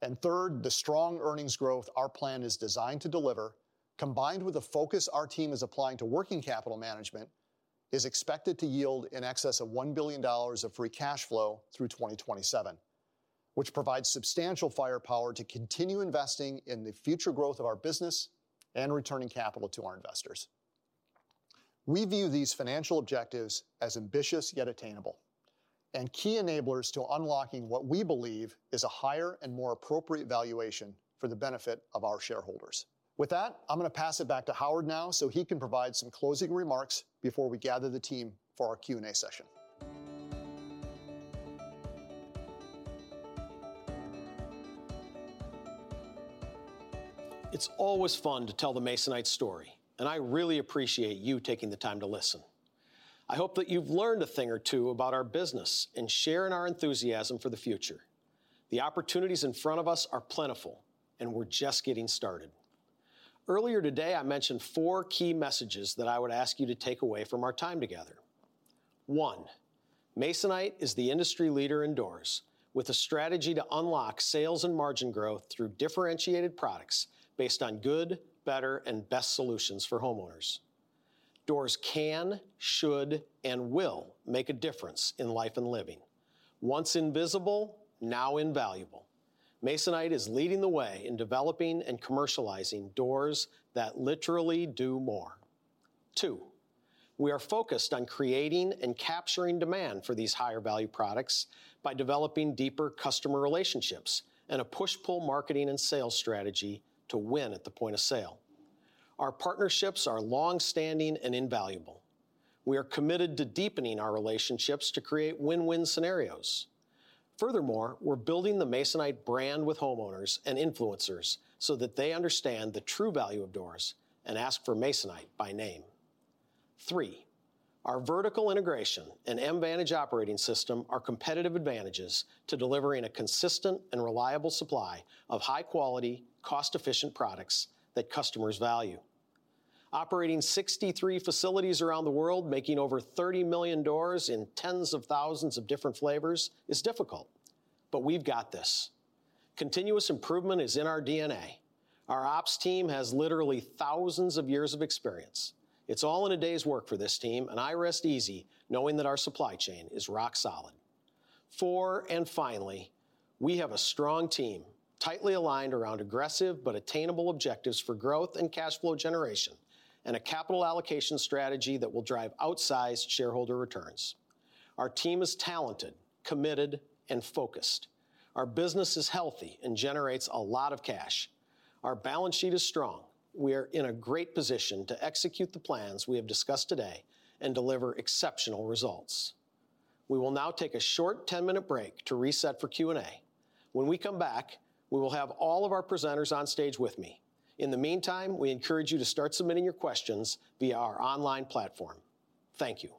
And third, the strong earnings growth our plan is designed to deliver, combined with the focus our team is applying to working capital management, is expected to yield in excess of $1 billion of free cash flow through 2027, which provides substantial firepower to continue investing in the future growth of our business and returning capital to our investors. We view these financial objectives as ambitious yet attainable, and key enablers to unlocking what we believe is a higher and more appropriate valuation for the benefit of our shareholders. With that, I'm going to pass it back to Howard now, so he can provide some closing remarks before we gather the team for our Q&A session.... It's always fun to tell the Masonite story, and I really appreciate you taking the time to listen. I hope that you've learned a thing or two about our business and share in our enthusiasm for the future. The opportunities in front of us are plentiful, and we're just getting started. Earlier today, I mentioned four key messages that I would ask you to take away from our time together. One, Masonite is the industry leader in doors, with a strategy to unlock sales and margin growth through differentiated products based on good, better, and best solutions for homeowners. Doors can, should, and will make a difference in life and living. Once invisible, now invaluable. Masonite is leading the way in developing and commercializing doors that literally do more. Two, we are focused on creating and capturing demand for these higher-value products by developing deeper customer relationships and a push-pull marketing and sales strategy to win at the point of sale. Our partnerships are long-standing and invaluable. We are committed to deepening our relationships to create win-win scenarios. Furthermore, we're building the Masonite brand with homeowners and influencers so that they understand the true value of doors and ask for Masonite by name. Three, our vertical integration and Mvantage operating system are competitive advantages to delivering a consistent and reliable supply of high-quality, cost-efficient products that customers value. Operating 63 facilities around the world, making over 30 million doors in tens of thousands of different flavors is difficult, but we've got this. Continuous improvement is in our DNA. Our ops team has literally thousands of years of experience. It's all in a day's work for this team, and I rest easy knowing that our supply chain is rock solid. 4, and finally, we have a strong team, tightly aligned around aggressive but attainable objectives for growth and cash flow generation, and a capital allocation strategy that will drive outsized shareholder returns. Our team is talented, committed, and focused. Our business is healthy and generates a lot of cash. Our balance sheet is strong. We are in a great position to execute the plans we have discussed today and deliver exceptional results. We will now take a short 10-minute break to reset for Q&A. When we come back, we will have all of our presenters on stage with me. In the meantime, we encourage you to start submitting your questions via our online platform. Thank you. ...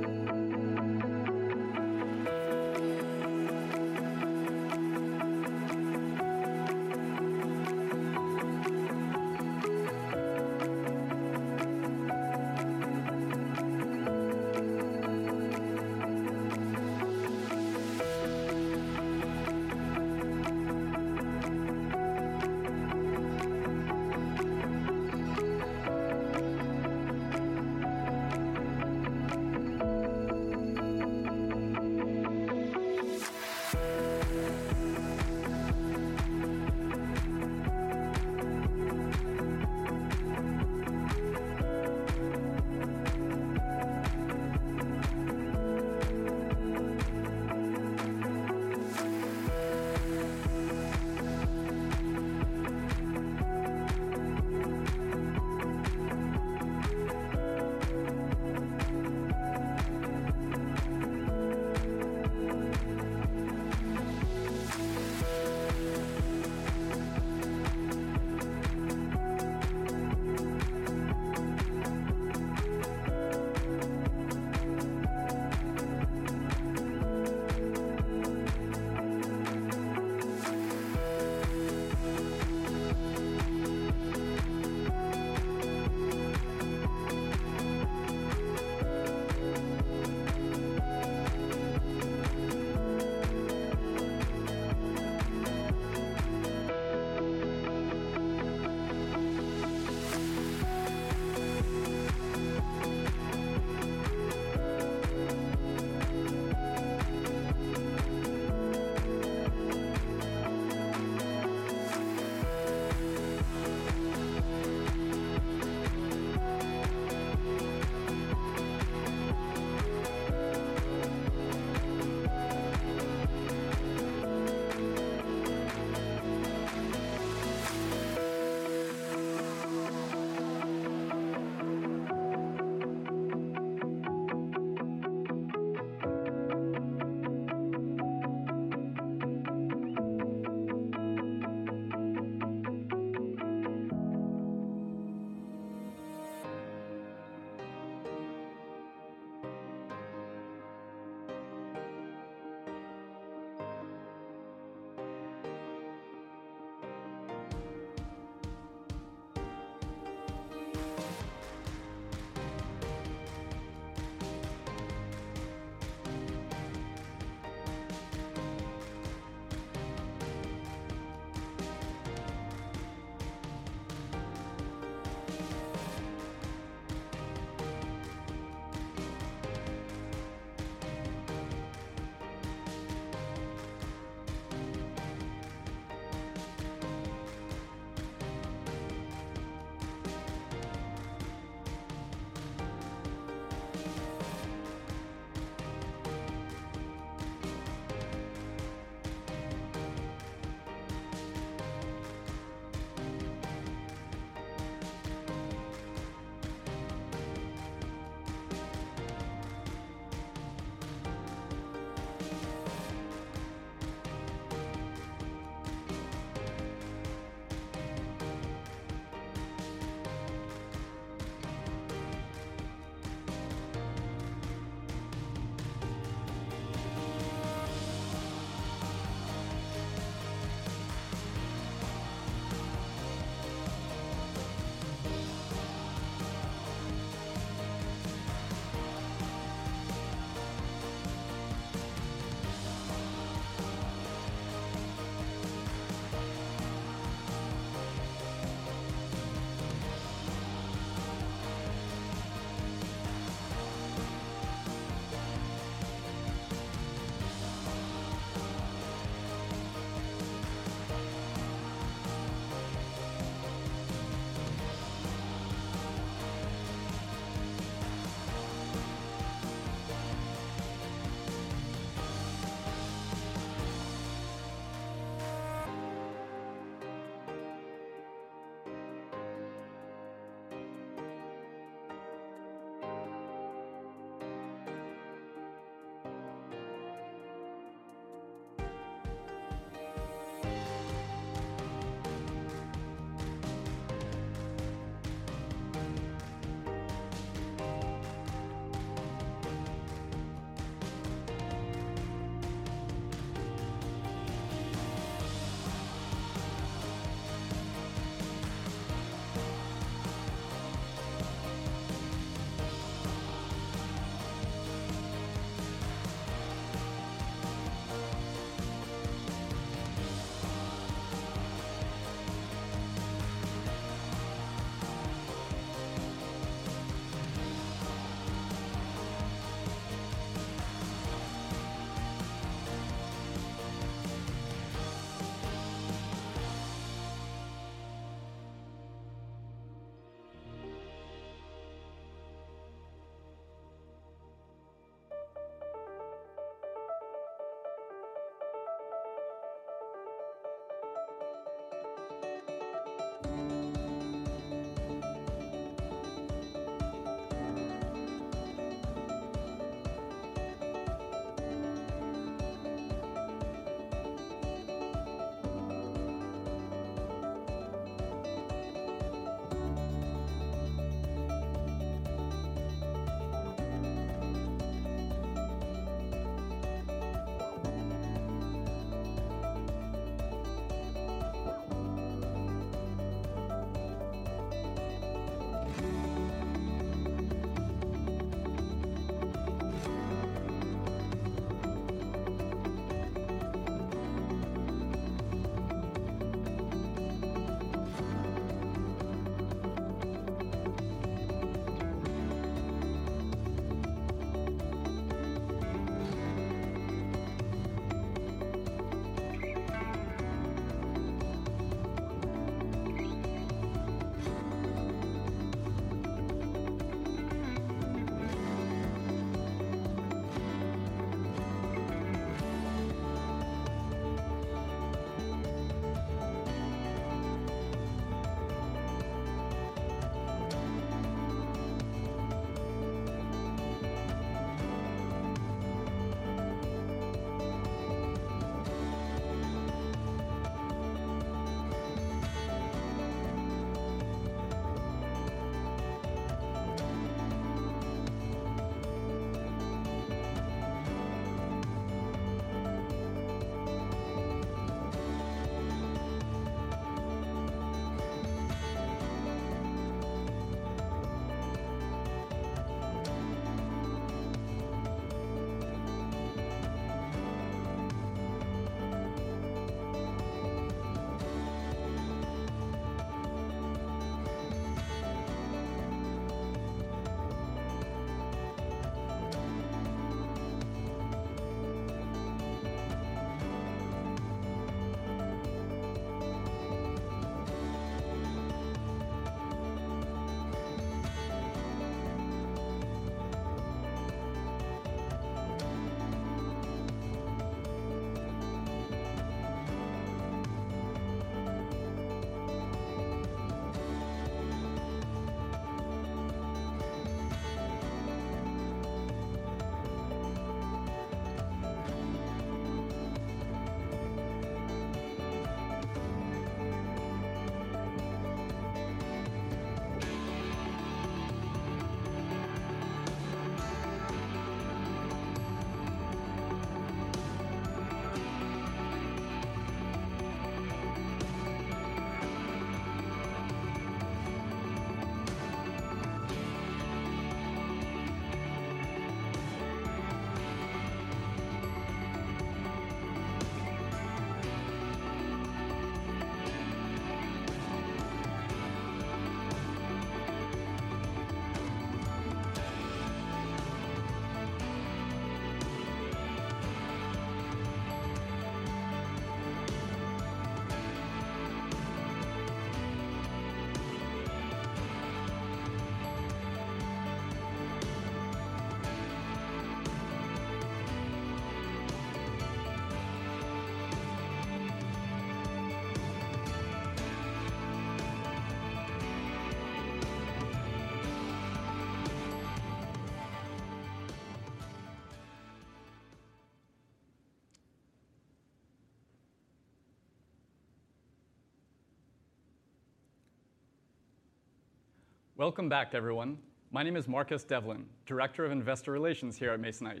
Welcome back, everyone. My name is Marcus Devlin, Director of Investor Relations here at Masonite.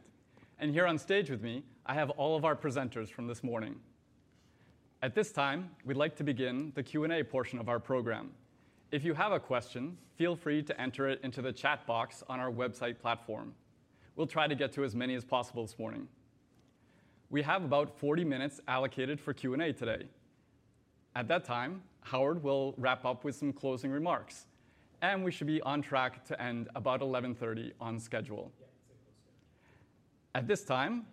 And here on stage with me, I have all of our presenters from this morning. At this time, we'd like to begin the Q&A portion of our program. If you have a question, feel free to enter it into the chat box on our website platform. We'll try to get to as many as possible this morning. We have about 40 minutes allocated for Q&A today. At that time, Howard will wrap up with some closing remarks, and we should be on track to end about 11:30 A.M. on schedule. At this time,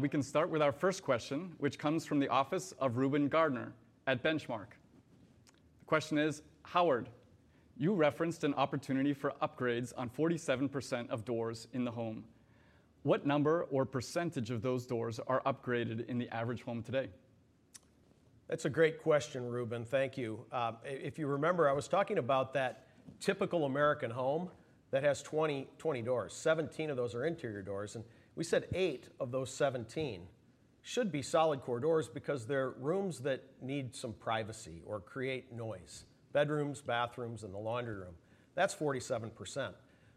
we can start with our first question, which comes from the office of Reuben Garner at Benchmark. The question is, "Howard, you referenced an opportunity for upgrades on 47% of doors in the home. What number or percentage of those doors are upgraded in the average home today? That's a great question, Reuben. Thank you. If you remember, I was talking about that typical American home that has 20-20 doors. 17 of those are interior doors, and we said 8 of those 17 should be solid core doors because they're rooms that need some privacy or create noise: bedrooms, bathrooms, and the laundry room. That's 47%.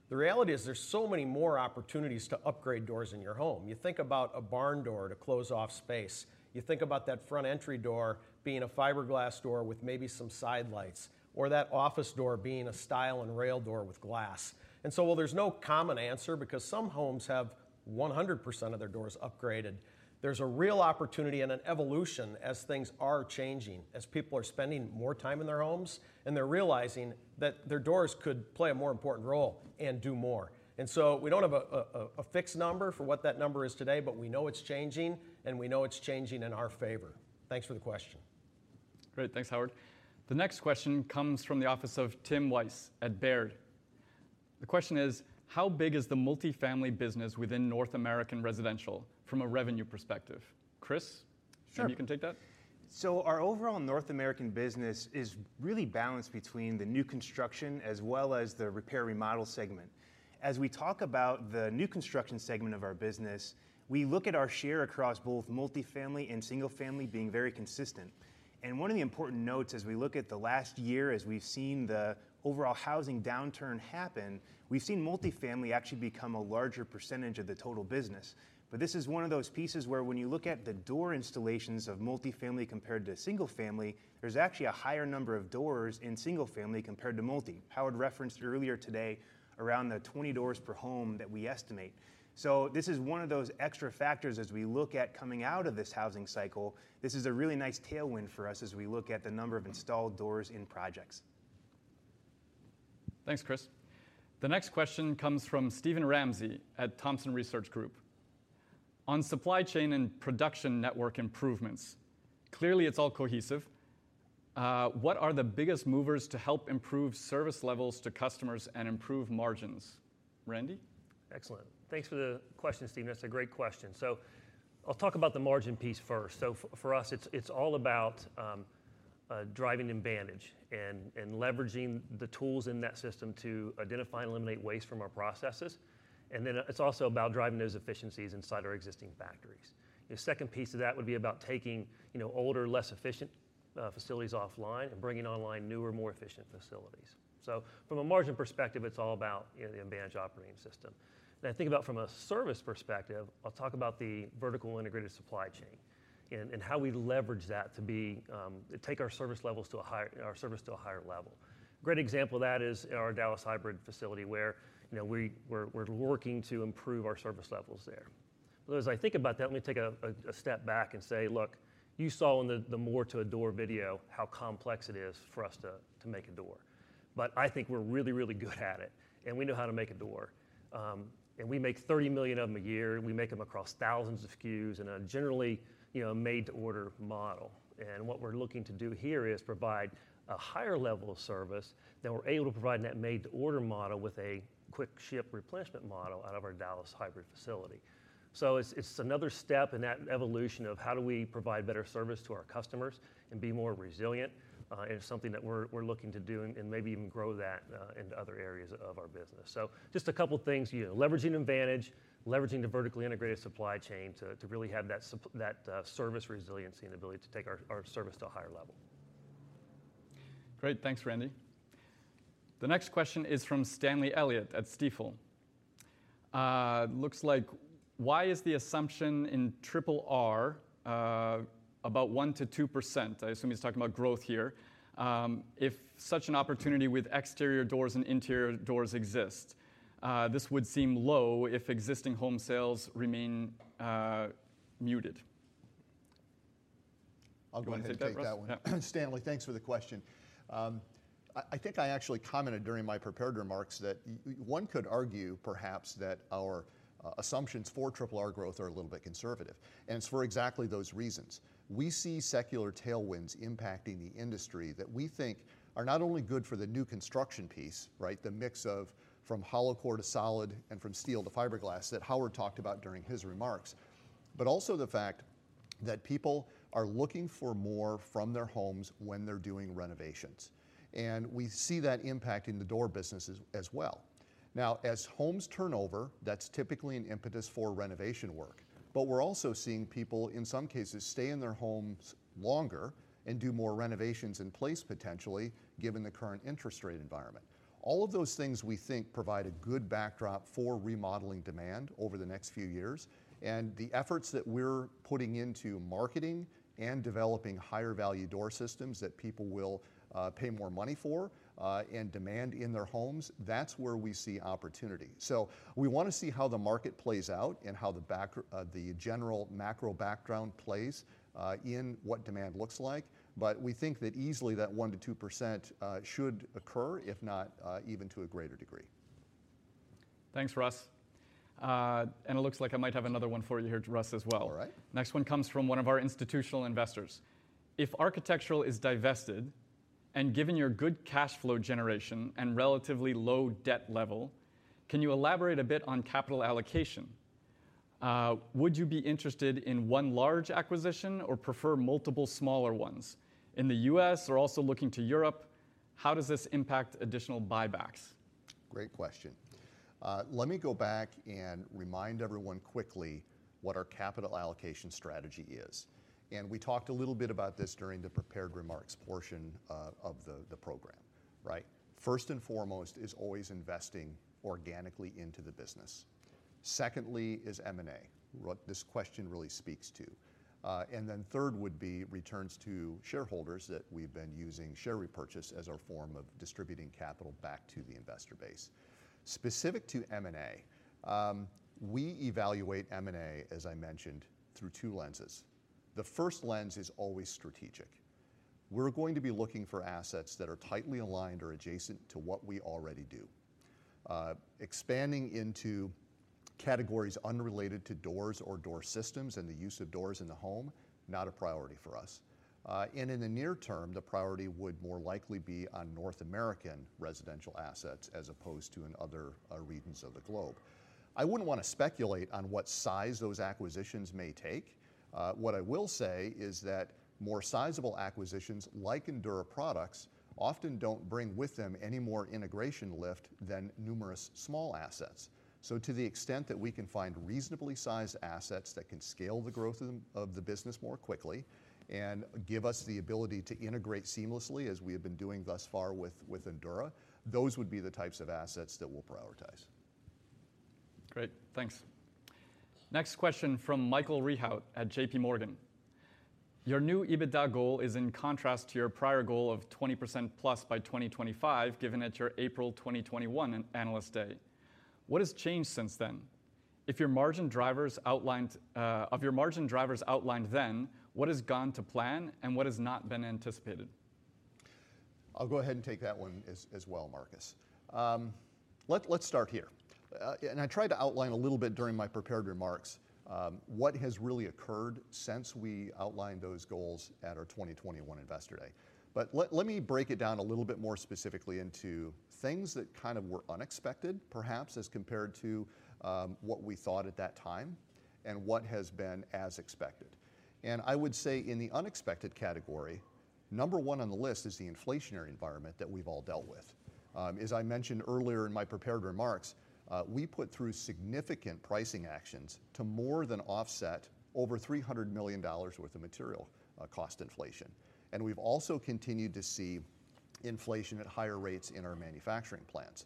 The reality is, there's so many more opportunities to upgrade doors in your home. You think about a barn door to close off space. You think about that front entry door being a fiberglass door with maybe some side lights, or that office door being a stile and rail door with glass. And so while there's no common answer because some homes have 100% of their doors upgraded, there's a real opportunity and an evolution as things are changing, as people are spending more time in their homes, and they're realizing that their doors could play a more important role and do more. And so we don't have a fixed number for what that number is today, but we know it's changing, and we know it's changing in our favor. Thanks for the question. Great. Thanks, Howard. The next question comes from the office of Tim Wojs at Baird. The question is: How big is the multifamily business within North American Residential from a revenue perspective? Chris- Sure. If you can take that. So our overall North American business is really balanced between the new construction as well as the repair remodel segment. As we talk about the new construction segment of our business, we look at our share across both multifamily and single family being very consistent. And one of the important notes as we look at the last year, as we've seen the overall housing downturn happen, we've seen multifamily actually become a larger percentage of the total business. But this is one of those pieces where when you look at the door installations of multifamily compared to single family, there's actually a higher number of doors in single family compared to multi. Howard referenced earlier today around the 20 doors per home that we estimate. So this is one of those extra factors as we look at coming out of this housing cycle. This is a really nice tailwind for us as we look at the number of installed doors in projects. Thanks, Chris. The next question comes from Steven Ramsey at Thompson Research Group. On supply chain and production network improvements, clearly, it's all cohesive. What are the biggest movers to help improve service levels to customers and improve margins? Randy? Excellent. Thanks for the question, Steven. That's a great question. I'll talk about the margin piece first. For us, it's all about driving advantage and leveraging the tools in that system to identify and eliminate waste from our processes. Then, it's also about driving those efficiencies inside our existing factories. The second piece of that would be about taking older, less efficient facilities offline and bringing online newer, more efficient facilities. From a margin perspective, it's all about, you know, the advantage operating system. Now, think about from a service perspective, I'll talk about the vertical integrated supply chain and how we leverage that to be, you know, to take our service levels to a higher—our service to a higher level. Great example of that is our Dallas hybrid facility, where, you know, we're working to improve our service levels there. But as I think about that, let me take a step back and say, look, you saw in the More to a Door video, how complex it is for us to make a door. But I think we're really, really good at it, and we know how to make a door. And we make 30 million of them a year. We make them across thousands of SKUs in a generally, you know, made-to-order model. And what we're looking to do here is provide a higher level of service than we're able to provide in that made-to-order model with a quick ship replenishment model out of our Dallas hybrid facility. So it's another step in that evolution of how do we provide better service to our customers and be more resilient. It's something that we're looking to do and maybe even grow that into other areas of our business. So just a couple things, you know, leveraging Mvantage, leveraging the vertically integrated supply chain to really have that service resiliency and ability to take our service to a higher level. Great. Thanks, Randy. The next question is from Stanley Elliott at Stifel. It looks like: Why is the assumption in triple R about 1%-2%? I assume he's talking about growth here. If such an opportunity with exterior doors and interior doors exist, this would seem low if existing home sales remain muted. I'll go ahead and take that one. Yeah. Stanley, thanks for the question. I think I actually commented during my prepared remarks that one could argue, perhaps, that our-... assumptions for Triple R growth are a little bit conservative, and it's for exactly those reasons. We see secular tailwinds impacting the industry that we think are not only good for the new construction piece, right? The mix of from hollow core to solid and from steel to fiberglass that Howard talked about during his remarks, but also the fact that people are looking for more from their homes when they're doing renovations, and we see that impacting the door business as well. Now, as homes turn over, that's typically an impetus for renovation work, but we're also seeing people, in some cases, stay in their homes longer and do more renovations in place, potentially, given the current interest rate environment. All of those things, we think, provide a good backdrop for remodeling demand over the next few years, and the efforts that we're putting into marketing and developing higher value door systems that people will pay more money for, and demand in their homes, that's where we see opportunity. So we wanna see how the market plays out and how the background plays in what demand looks like, but we think that easily, that 1%-2% should occur, if not even to a greater degree. Thanks, Russ. It looks like I might have another one for you here, Russ, as well. All right. Next one comes from one of our institutional investors: If architectural is divested, and given your good cash flow generation and relatively low debt level, can you elaborate a bit on capital allocation? Would you be interested in one large acquisition or prefer multiple smaller ones? In the U.S. or also looking to Europe, how does this impact additional buybacks? Great question. Let me go back and remind everyone quickly what our capital allocation strategy is. And we talked a little bit about this during the prepared remarks portion of the program, right? First and foremost is always investing organically into the business. Secondly is M&A, what this question really speaks to. And then third would be returns to shareholders, that we've been using share repurchase as our form of distributing capital back to the investor base. Specific to M&A, we evaluate M&A, as I mentioned, through two lenses. The first lens is always strategic. We're going to be looking for assets that are tightly aligned or adjacent to what we already do. Expanding into categories unrelated to doors or door systems and the use of doors in the home, not a priority for us. In the near term, the priority would more likely be on North American residential assets as opposed to in other regions of the globe. I wouldn't wanna speculate on what size those acquisitions may take. What I will say is that more sizable acquisitions, like Endura Products, often don't bring with them any more integration lift than numerous small assets. To the extent that we can find reasonably sized assets that can scale the growth of the business more quickly and give us the ability to integrate seamlessly, as we have been doing thus far with Endura, those would be the types of assets that we'll prioritize. Great, thanks. Next question from Michael Rehaut at J.P. Morgan: Your new EBITDA goal is in contrast to your prior goal of 20%+ by 2025, given at your April 2021 Investor Day. What has changed since then? Of your margin drivers outlined then, what has gone to plan and what has not been anticipated? I'll go ahead and take that one as well, Marcus. Let's start here. And I tried to outline a little bit during my prepared remarks, what has really occurred since we outlined those goals at our 2021 Investor Day. But let me break it down a little bit more specifically into things that kind of were unexpected, perhaps, as compared to what we thought at that time and what has been as expected. And I would say in the unexpected category, number one on the list is the inflationary environment that we've all dealt with. As I mentioned earlier in my prepared remarks, we put through significant pricing actions to more than offset over $300 million worth of material cost inflation, and we've also continued to see inflation at higher rates in our manufacturing plants.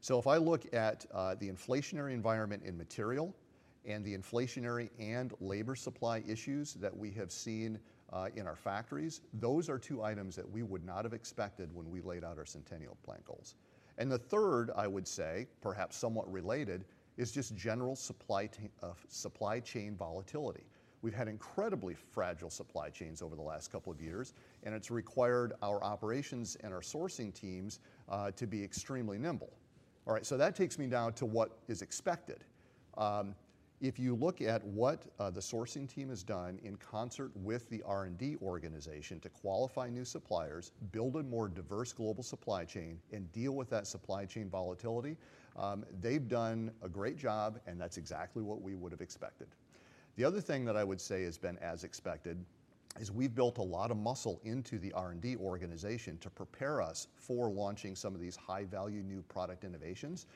So if I look at the inflationary environment in material and the inflationary and labor supply issues that we have seen in our factories, those are two items that we would not have expected when we laid out our Centennial Plan goals. And the third, I would say, perhaps somewhat related, is just general supply chain volatility. We've had incredibly fragile supply chains over the last couple of years, and it's required our operations and our sourcing teams to be extremely nimble. All right, so that takes me now to what is expected. If you look at what the sourcing team has done in concert with the R&D organization to qualify new suppliers, build a more diverse global supply chain, and deal with that supply chain volatility, they've done a great job, and that's exactly what we would have expected. The other thing that I would say has been as expected is we've built a lot of muscle into the R&D organization to prepare us for launching some of these high-value, new product innovations.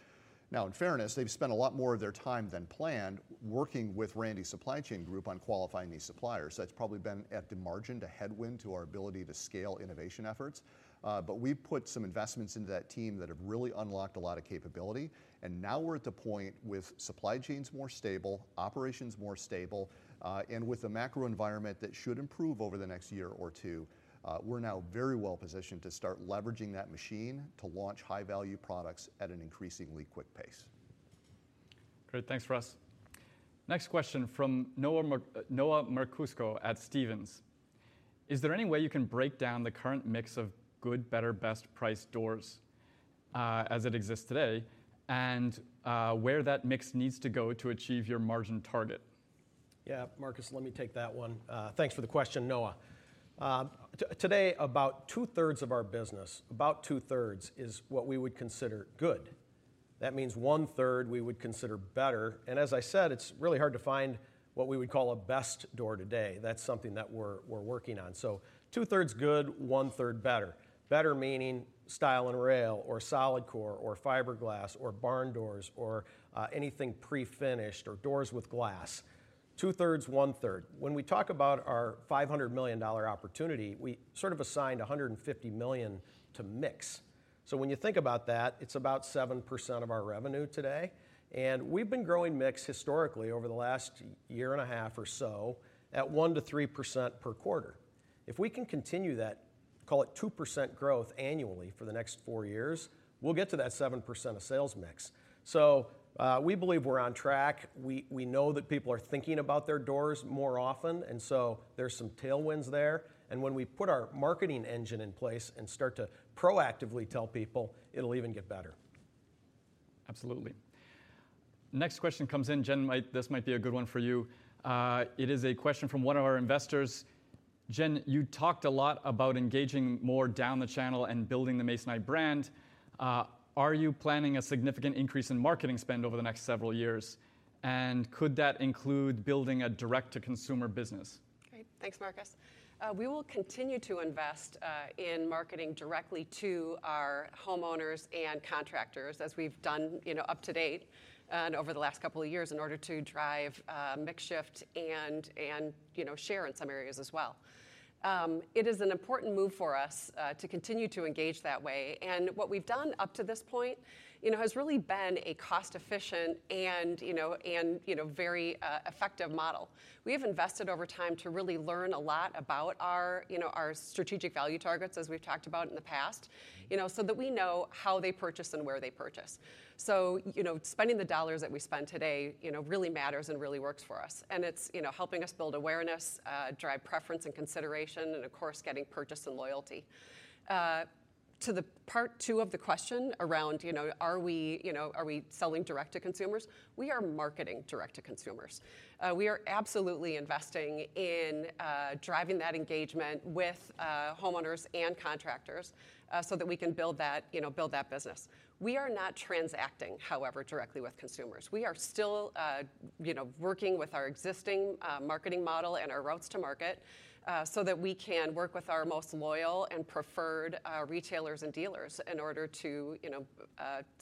Now, in fairness, they've spent a lot more of their time than planned working with Randy's supply chain group on qualifying these suppliers. So that's probably been, at the margin, a headwind to our ability to scale innovation efforts. But we've put some investments into that team that have really unlocked a lot of capability, and now we're at the point with supply chains more stable, operations more stable, and with a macro environment that should improve over the next year or two, we're now very well positioned to start leveraging that machine to launch high-value products at an increasingly quick pace. Great. Thanks, Russ. Next question from Noah Merkousko at Stephens: Is there any way you can break down the current mix of good, better, best price doors, as it exists today, and, where that mix needs to go to achieve your margin target? Yeah, Marcus, let me take that one. Thanks for the question, Noah. Today, about two-thirds of our business, about two-thirds, is what we would consider good. That means one-third we would consider better, and as I said, it's really hard to find what we would call a best door today. That's something that we're, we're working on. So two-thirds good, one-third better. Better meaning stile and rail, or solid core, or fiberglass, or barn doors, or anything pre-finished, or doors with glass. Two-thirds, one-third. When we talk about our $500 million opportunity, we sort of assigned $150 million to mix. So when you think about that, it's about 7% of our revenue today, and we've been growing mix historically over the last year and a half or so at 1%-3% per quarter. If we can continue that, call it 2% growth annually for the next four years, we'll get to that 7% of sales mix. So, we believe we're on track. We, we know that people are thinking about their doors more often, and so there's some tailwinds there, and when we put our marketing engine in place and start to proactively tell people, it'll even get better. Absolutely. Next question comes in. Jen, this might be a good one for you. It is a question from one of our investors: Jen, you talked a lot about engaging more down the channel and building the Masonite brand. Are you planning a significant increase in marketing spend over the next several years, and could that include building a direct-to-consumer business? Great. Thanks, Marcus. We will continue to invest in marketing directly to our homeowners and contractors, as we've done, you know, up to date and over the last couple of years, in order to drive mix shift and you know, share in some areas as well. It is an important move for us to continue to engage that way, and what we've done up to this point, you know, has really been a cost-efficient and, you know, very effective model. We have invested over time to really learn a lot about our, you know, our strategic value targets, as we've talked about in the past, you know, so that we know how they purchase and where they purchase. So, you know, spending the dollars that we spend today, you know, really matters and really works for us, and it's, you know, helping us build awareness, drive preference and consideration, and of course, getting purchase and loyalty. To the part two of the question around, you know, are we, you know, are we selling direct to consumers? We are marketing direct to consumers. We are absolutely investing in, driving that engagement with, homeowners and contractors, so that we can build that, you know, build that business. We are not transacting, however, directly with consumers. We are still, you know, working with our existing, marketing model and our routes to market, so that we can work with our most loyal and preferred, retailers and dealers in order to, you know,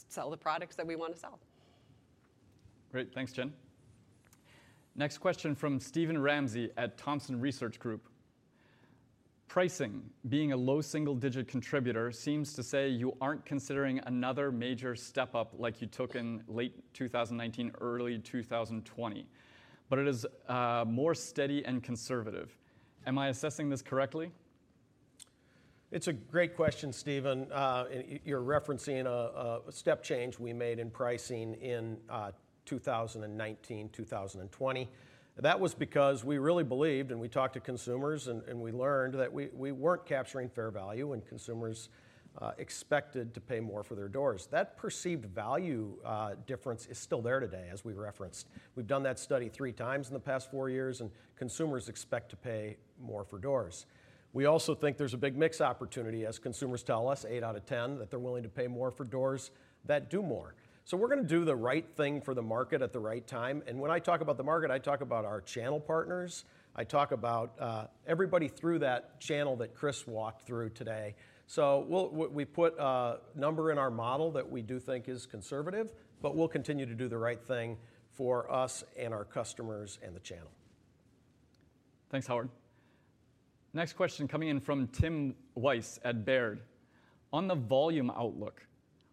sell the products that we want to sell. Great. Thanks, Jen. Next question from Steven Ramsey at Thompson Research Group: Pricing being a low single-digit contributor seems to say you aren't considering another major step up like you took in late 2019, early 2020, but it is, more steady and conservative. Am I assessing this correctly? It's a great question, Steven. You're referencing a step change we made in pricing in 2019, 2020. That was because we really believed, and we talked to consumers, and we learned that we weren't capturing fair value, and consumers expected to pay more for their doors. That perceived value difference is still there today, as we've referenced. We've done that study 3 times in the past 4 years, and consumers expect to pay more for doors. We also think there's a big mix opportunity, as consumers tell us, 8 out of 10, that they're willing to pay more for doors that do more. So we're gonna do the right thing for the market at the right time, and when I talk about the market, I talk about our channel partners, I talk about everybody through that channel that Chris walked through today. So we'll put a number in our model that we do think is conservative, but we'll continue to do the right thing for us and our customers and the channel. Thanks, Howard. Next question coming in from Tim Wojs at Baird: On the volume outlook,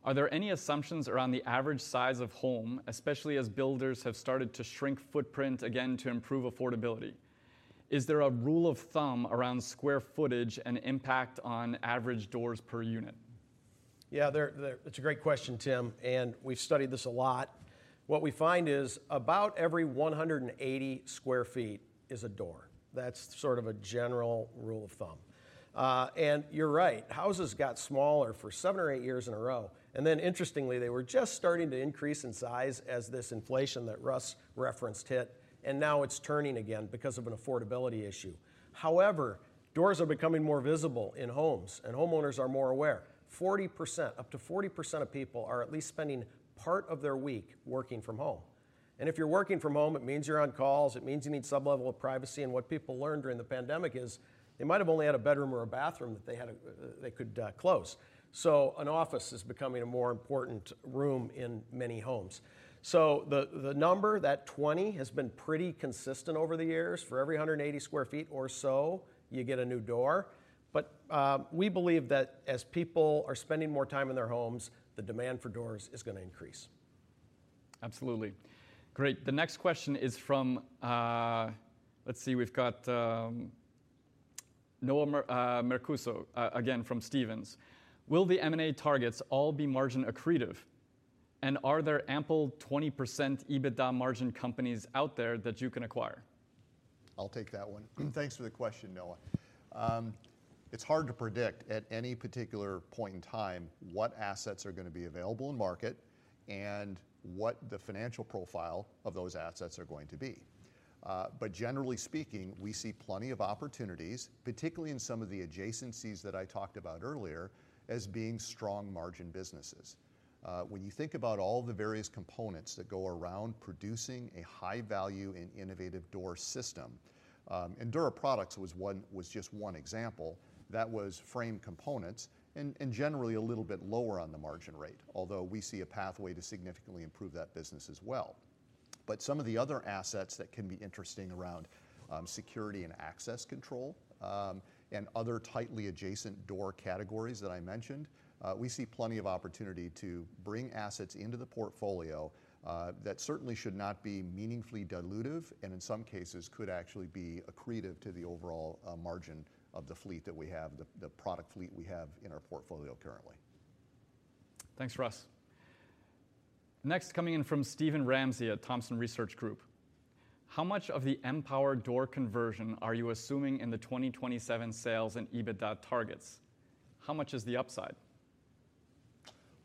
are there any assumptions around the average size of home, especially as builders have started to shrink footprint again to improve affordability? Is there a rule of thumb around square footage and impact on average doors per unit? It's a great question, Tim, and we've studied this a lot. What we find is about every 180 sq ft is a door. That's sort of a general rule of thumb. And you're right, houses got smaller for 7 or 8 years in a row, and then interestingly, they were just starting to increase in size as this inflation that Russ referenced hit, and now it's turning again because of an affordability issue. However, doors are becoming more visible in homes, and homeowners are more aware. 40%, up to 40% of people are at least spending part of their week working from home, and if you're working from home, it means you're on calls, it means you need some level of privacy, and what people learned during the pandemic is they might have only had a bedroom or a bathroom that they could close. So an office is becoming a more important room in many homes. So the number, that 20, has been pretty consistent over the years. For every 180 sq ft or so, you get a new door. But we believe that as people are spending more time in their homes, the demand for doors is gonna increase. Absolutely. Great. The next question is from. Let's see, we've got Noah Merkousko again from Stephens: Will the M&A targets all be margin accretive? And are there ample 20% EBITDA margin companies out there that you can acquire? I'll take that one. Thanks for the question, Noah. It's hard to predict at any particular point in time, what assets are gonna be available in market and what the financial profile of those assets are going to be. But generally speaking, we see plenty of opportunities, particularly in some of the adjacencies that I talked about earlier, as being strong margin businesses. When you think about all the various components that go around producing a high value and innovative door system, Endura Products was one-- was just one example, that was frame components and, and generally a little bit lower on the margin rate, although we see a pathway to significantly improve that business as well. But some of the other assets that can be interesting around security and access control, and other tightly adjacent door categories that I mentioned, we see plenty of opportunity to bring assets into the portfolio, that certainly should not be meaningfully dilutive, and in some cases, could actually be accretive to the overall margin of the fleet that we have, the product fleet we have in our portfolio currently. Thanks, Russ. Next, coming in from Steven Ramsey at Thompson Research Group: How much of the M*Power door conversion are you assuming in the 2027 sales and EBITDA targets? How much is the upside?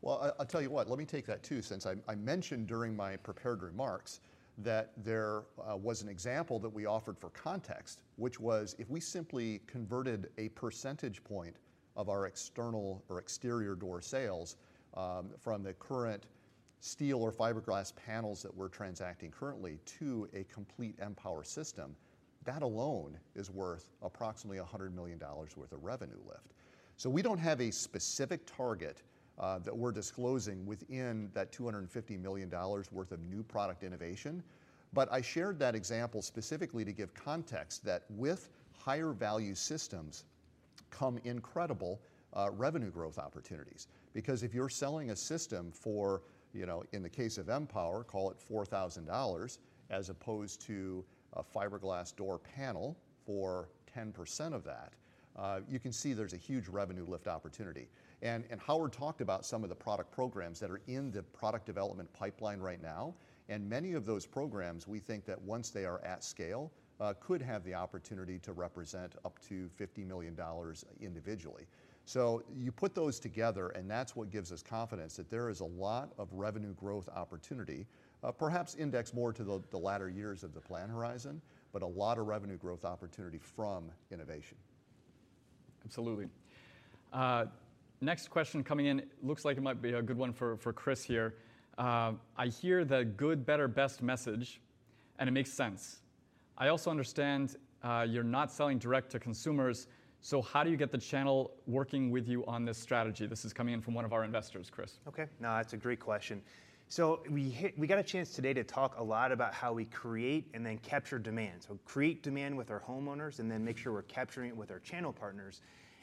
Well, I'll tell you what, let me take that, too, since I mentioned during my prepared remarks that there was an example that we offered for context, which was, if we simply converted a percentage point of our external or exterior door sales from the current steel or fiberglass panels that we're transacting currently to a complete M-Pwr system, that alone is worth approximately $100 million worth of revenue lift. So we don't have a specific target that we're disclosing within that $250 million worth of new product innovation, but I shared that example specifically to give context that with higher value systems come incredible revenue growth opportunities. Because if you're selling a system for, you know, in the case of M-Pwr, call it $4,000, as opposed to a fiberglass door panel for 10% of that, you can see there's a huge revenue lift opportunity. And, and Howard talked about some of the product programs that are in the product development pipeline right now, and many of those programs, we think that once they are at scale, could have the opportunity to represent up to $50 million individually. So you put those together, and that's what gives us confidence that there is a lot of revenue growth opportunity, perhaps indexed more to the, the latter years of the plan horizon, but a lot of revenue growth opportunity from innovation. Absolutely. Next question coming in, looks like it might be a good one for, for Chris here. "I hear the good, better, best message, and it makes sense. I also understand, you're not selling direct to consumers, so how do you get the channel working with you on this strategy?" This is coming in from one of our investors, Chris. Okay. No, that's a great question. So we got a chance today to talk a lot about how we create and then capture demand. So create demand with our homeowners, and then make sure we're capturing it with our channel partners.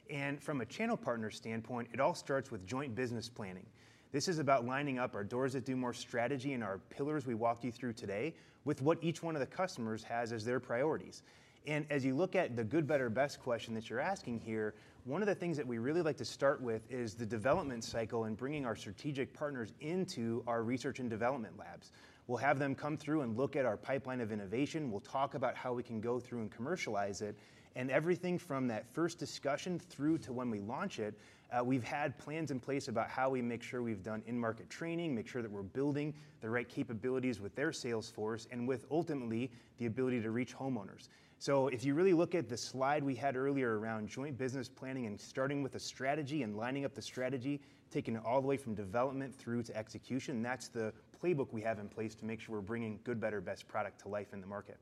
And from a channel partner standpoint, it all starts with joint business planning. This is about lining up our Doors That Do More strategy and our pillars we walked you through today, with what each one of the customers has as their priorities. And as you look at the good, better, best question that you're asking here, one of the things that we really like to start with is the development cycle and bringing our strategic partners into our research and development labs. We'll have them come through and look at our pipeline of innovation. We'll talk about how we can go through and commercialize it, and everything from that first discussion through to when we launch it, we've had plans in place about how we make sure we've done in-market training, make sure that we're building the right capabilities with their sales force and with ultimately, the ability to reach homeowners. So if you really look at the slide we had earlier around joint business planning and starting with a strategy and lining up the strategy, taking it all the way from development through to execution, that's the playbook we have in place to make sure we're bringing good, better, best product to life in the market.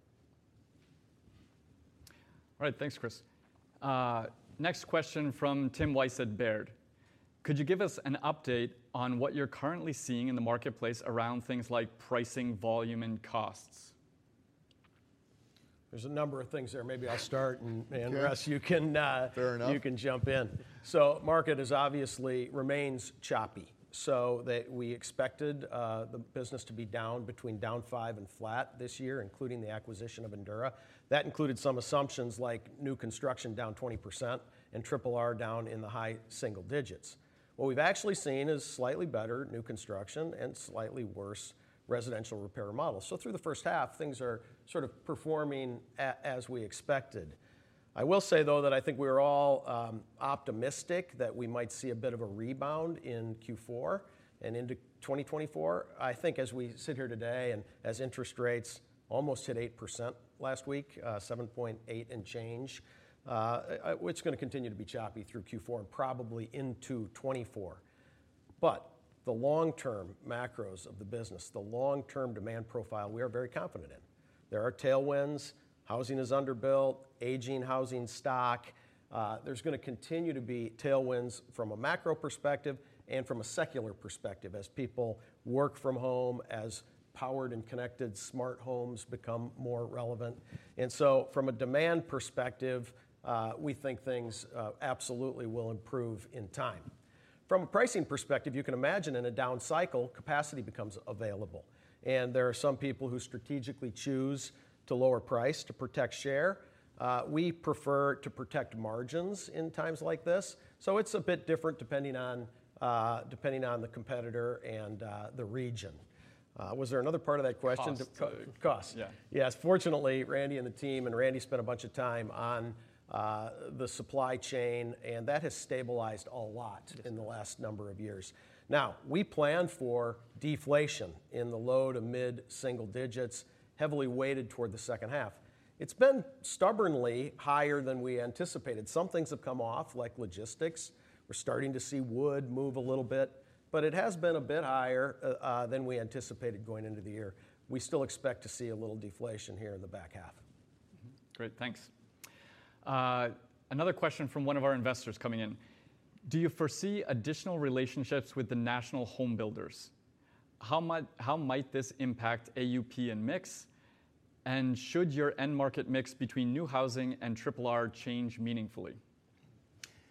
All right, thanks, Chris. Next question from Tim Wojs at Baird: "Could you give us an update on what you're currently seeing in the marketplace around things like pricing, volume, and costs? There's a number of things there. Maybe I'll start and, Russ- Okay. you can- Fair enough... you can jump in. Market obviously remains choppy. We expected the business to be down between down 5% and flat this year, including the acquisition of Endura. That included some assumptions like new construction down 20% and R&R down in the high single digits. What we've actually seen is slightly better new construction and slightly worse residential repair models. Through the first half, things are sort of performing as we expected. I will say, though, that I think we're all optimistic that we might see a bit of a rebound in Q4 and into 2024. I think as we sit here today and as interest rates almost hit 8% last week, 7.8% and change, it's going to continue to be choppy through Q4 and probably into 2024. But the long-term macros of the business, the long-term demand profile, we are very confident in.... There are tailwinds. Housing is underbuilt, aging housing stock. There's gonna continue to be tailwinds from a macro perspective and from a secular perspective, as people work from home, as powered and connected smart homes become more relevant. And so from a demand perspective, we think things absolutely will improve in time. From a pricing perspective, you can imagine in a down cycle, capacity becomes available, and there are some people who strategically choose to lower price to protect share. We prefer to protect margins in times like this. So it's a bit different depending on, depending on the competitor and, the region. Was there another part of that question? Cost. Uh, cost. Yeah. Yes. Fortunately, Randy and the team, and Randy spent a bunch of time on the supply chain, and that has stabilized a lot. Mm-hmm In the last number of years. Now, we planned for deflation in the low to mid-single digits, heavily weighted toward the second half. It's been stubbornly higher than we anticipated. Some things have come off, like logistics. We're starting to see wood move a little bit, but it has been a bit higher than we anticipated going into the year. We still expect to see a little deflation here in the back half. Mm-hmm. Great, thanks. Another question from one of our investors coming in: Do you foresee additional relationships with the national home builders? How might, how might this impact AUP and mix? And should your end market mix between new housing and triple R change meaningfully?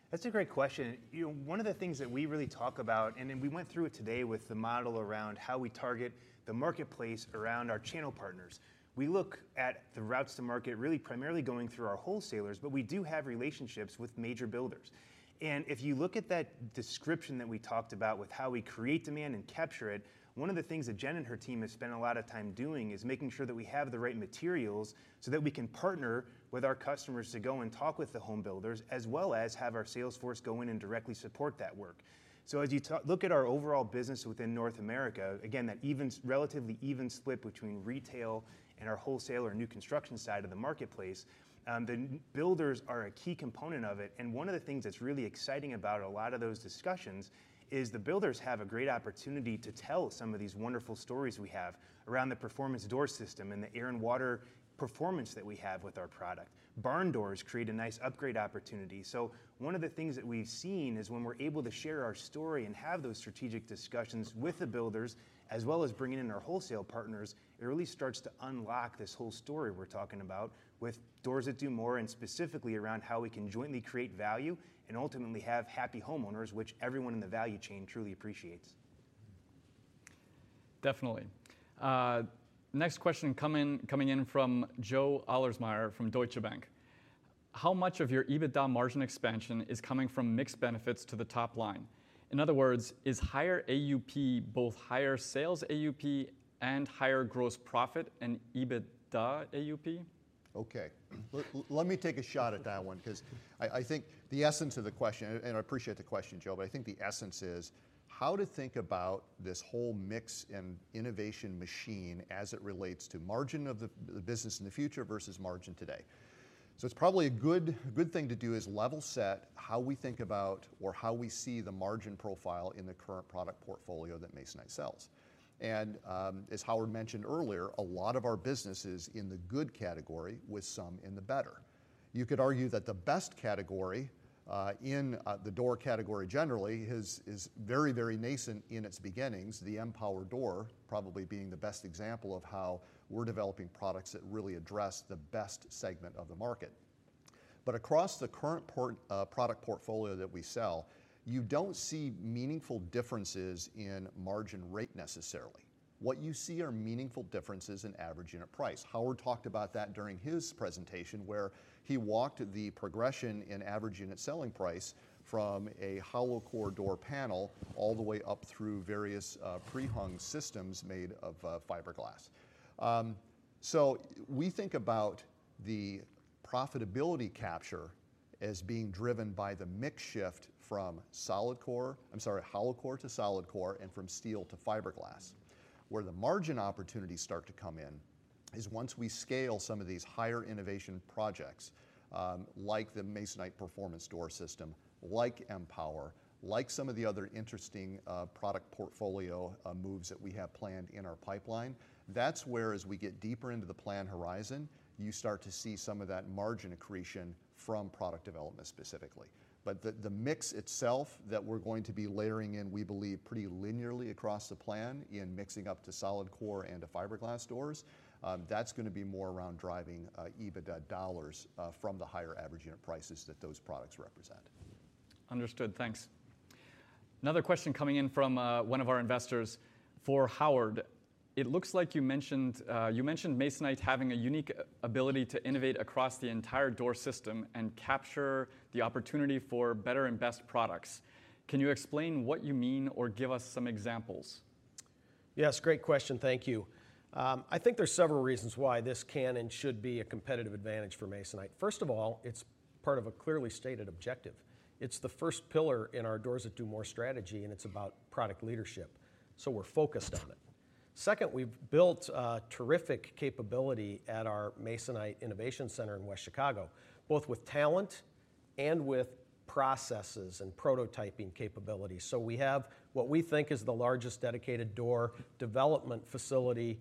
That's a great question. You know, one of the things that we really talk about, and then we went through it today with the model around how we target the marketplace around our channel partners. We look at the routes to market, really primarily going through our wholesalers, but we do have relationships with major builders. If you look at that description that we talked about with how we create demand and capture it, one of the things that Jen and her team have spent a lot of time doing, is making sure that we have the right materials, so that we can partner with our customers to go and talk with the home builders, as well as have our sales force go in and directly support that work. So as you look at our overall business within North America, again, that relatively even split between retail and our wholesaler, new construction side of the marketplace, the builders are a key component of it. And one of the things that's really exciting about a lot of those discussions is, the builders have a great opportunity to tell some of these wonderful stories we have around the Performance Door System and the air and water performance that we have with our product. Barn doors create a nice upgrade opportunity. One of the things that we've seen is, when we're able to share our story and have those strategic discussions with the builders, as well as bringing in our wholesale partners, it really starts to unlock this whole story we're talking about with Doors That Do More, and specifically around how we can jointly create value and ultimately have happy homeowners, which everyone in the value chain truly appreciates. Definitely. Next question coming in from Joe Ahlersmeyer from Deutsche Bank: How much of your EBITDA margin expansion is coming from mix benefits to the top line? In other words, is higher AUP both higher sales AUP and higher gross profit and EBITDA AUP? Okay. Let me take a shot at that one, 'cause I think the essence of the question... And I appreciate the question, Joe, but I think the essence is, how to think about this whole mix and innovation machine as it relates to margin of the business in the future versus margin today. So it's probably a good thing to do, is level set how we think about or how we see the margin profile in the current product portfolio that Masonite sells. And, as Howard mentioned earlier, a lot of our business is in the good category, with some in the better. You could argue that the best category in the door category generally is very, very nascent in its beginnings, the M-Pwr door probably being the best example of how we're developing products that really address the best segment of the market. But across the current portfolio that we sell, you don't see meaningful differences in margin rate necessarily. What you see are meaningful differences in average unit price. Howard talked about that during his presentation, where he walked the progression in average unit selling price from a hollow-core door panel all the way up through various pre-hung systems made of fiberglass. So we think about the profitability capture as being driven by the mix shift from solid core... I'm sorry, hollow core to solid core and from steel to fiberglass. Where the margin opportunities start to come in is once we scale some of these higher innovation projects, like the Masonite Performance Door System, like M-Pwr, like some of the other interesting product portfolio moves that we have planned in our pipeline. That's where as we get deeper into the plan horizon, you start to see some of that margin accretion from product development specifically. But the, the mix itself that we're going to be layering in, we believe pretty linearly across the plan in mixing up to solid core and to fiberglass doors, that's gonna be more around driving EBITDA dollars from the higher average unit prices that those products represent. Understood. Thanks. Another question coming in from one of our investors for Howard: It looks like you mentioned Masonite having a unique ability to innovate across the entire door system and capture the opportunity for better and best products. Can you explain what you mean or give us some examples? Yes, great question. Thank you. I think there's several reasons why this can and should be a competitive advantage for Masonite. First of all, it's part of a clearly stated objective. It's the first pillar in our Doors That Do More strategy, and it's about product leadership, so we're focused on it. Second, we've built a terrific capability at our Masonite Innovation Center in West Chicago, both with talent and with processes and prototyping capabilities. So we have what we think is the largest dedicated door development facility,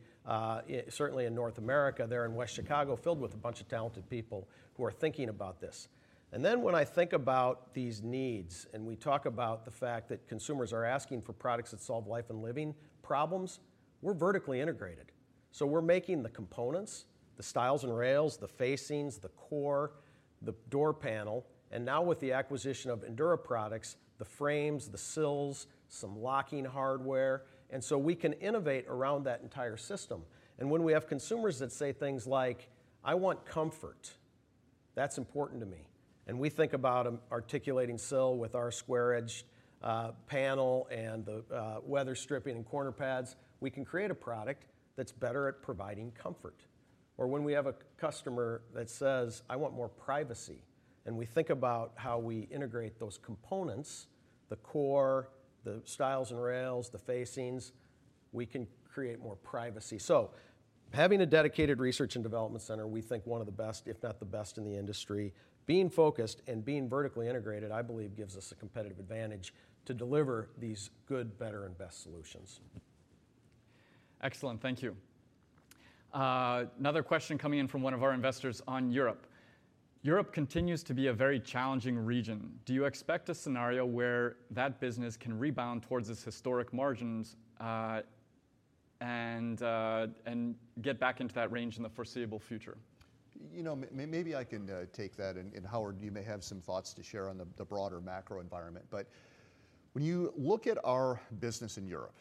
certainly in North America, there in West Chicago, filled with a bunch of talented people who are thinking about this. And then when I think about these needs, and we talk about the fact that consumers are asking for products that solve life and living problems, we're vertically integrated. So we're making the components, the stiles and rails, the facings, the core, the door panel, and now with the acquisition of Endura Products, the frames, the sills, some locking hardware, and so we can innovate around that entire system. And when we have consumers that say things like, "I want comfort, that's important to me," and we think about an articulating sill with our square-edged panel and the weather stripping and corner pads, we can create a product that's better at providing comfort. Or when we have a customer that says, "I want more privacy," and we think about how we integrate those components, the core, the stiles and rails, the facings, we can create more privacy. Having a dedicated research and development center, we think one of the best, if not the best in the industry, being focused and being vertically integrated, I believe, gives us a competitive advantage to deliver these good, better, and best solutions. Excellent. Thank you. Another question coming in from one of our investors on Europe. Europe continues to be a very challenging region. Do you expect a scenario where that business can rebound towards its historic margins, and get back into that range in the foreseeable future? You know, maybe I can take that, and Howard, you may have some thoughts to share on the broader macro environment. But when you look at our business in Europe,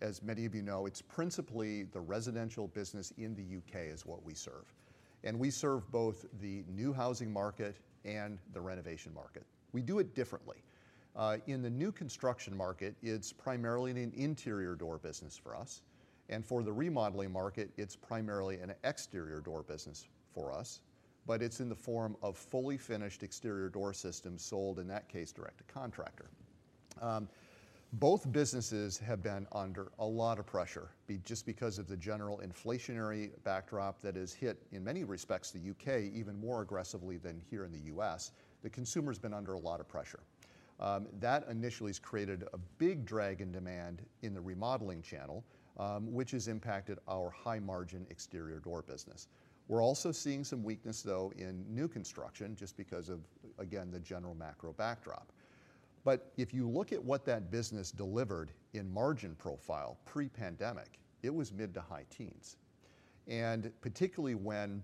as many of you know, it's principally the residential business in the UK is what we serve, and we serve both the new housing market and the renovation market. We do it differently. In the new construction market, it's primarily an interior door business for us, and for the remodeling market, it's primarily an exterior door business for us, but it's in the form of fully finished exterior door systems sold, in that case, direct to contractor. Both businesses have been under a lot of pressure just because of the general inflationary backdrop that has hit, in many respects, the U.K., even more aggressively than here in the U.S., the consumer's been under a lot of pressure. That initially has created a big drag in demand in the remodeling channel, which has impacted our high-margin exterior door business. We're also seeing some weakness, though, in new construction, just because of, again, the general macro backdrop. But if you look at what that business delivered in margin profile pre-pandemic, it was mid to high teens. And particularly when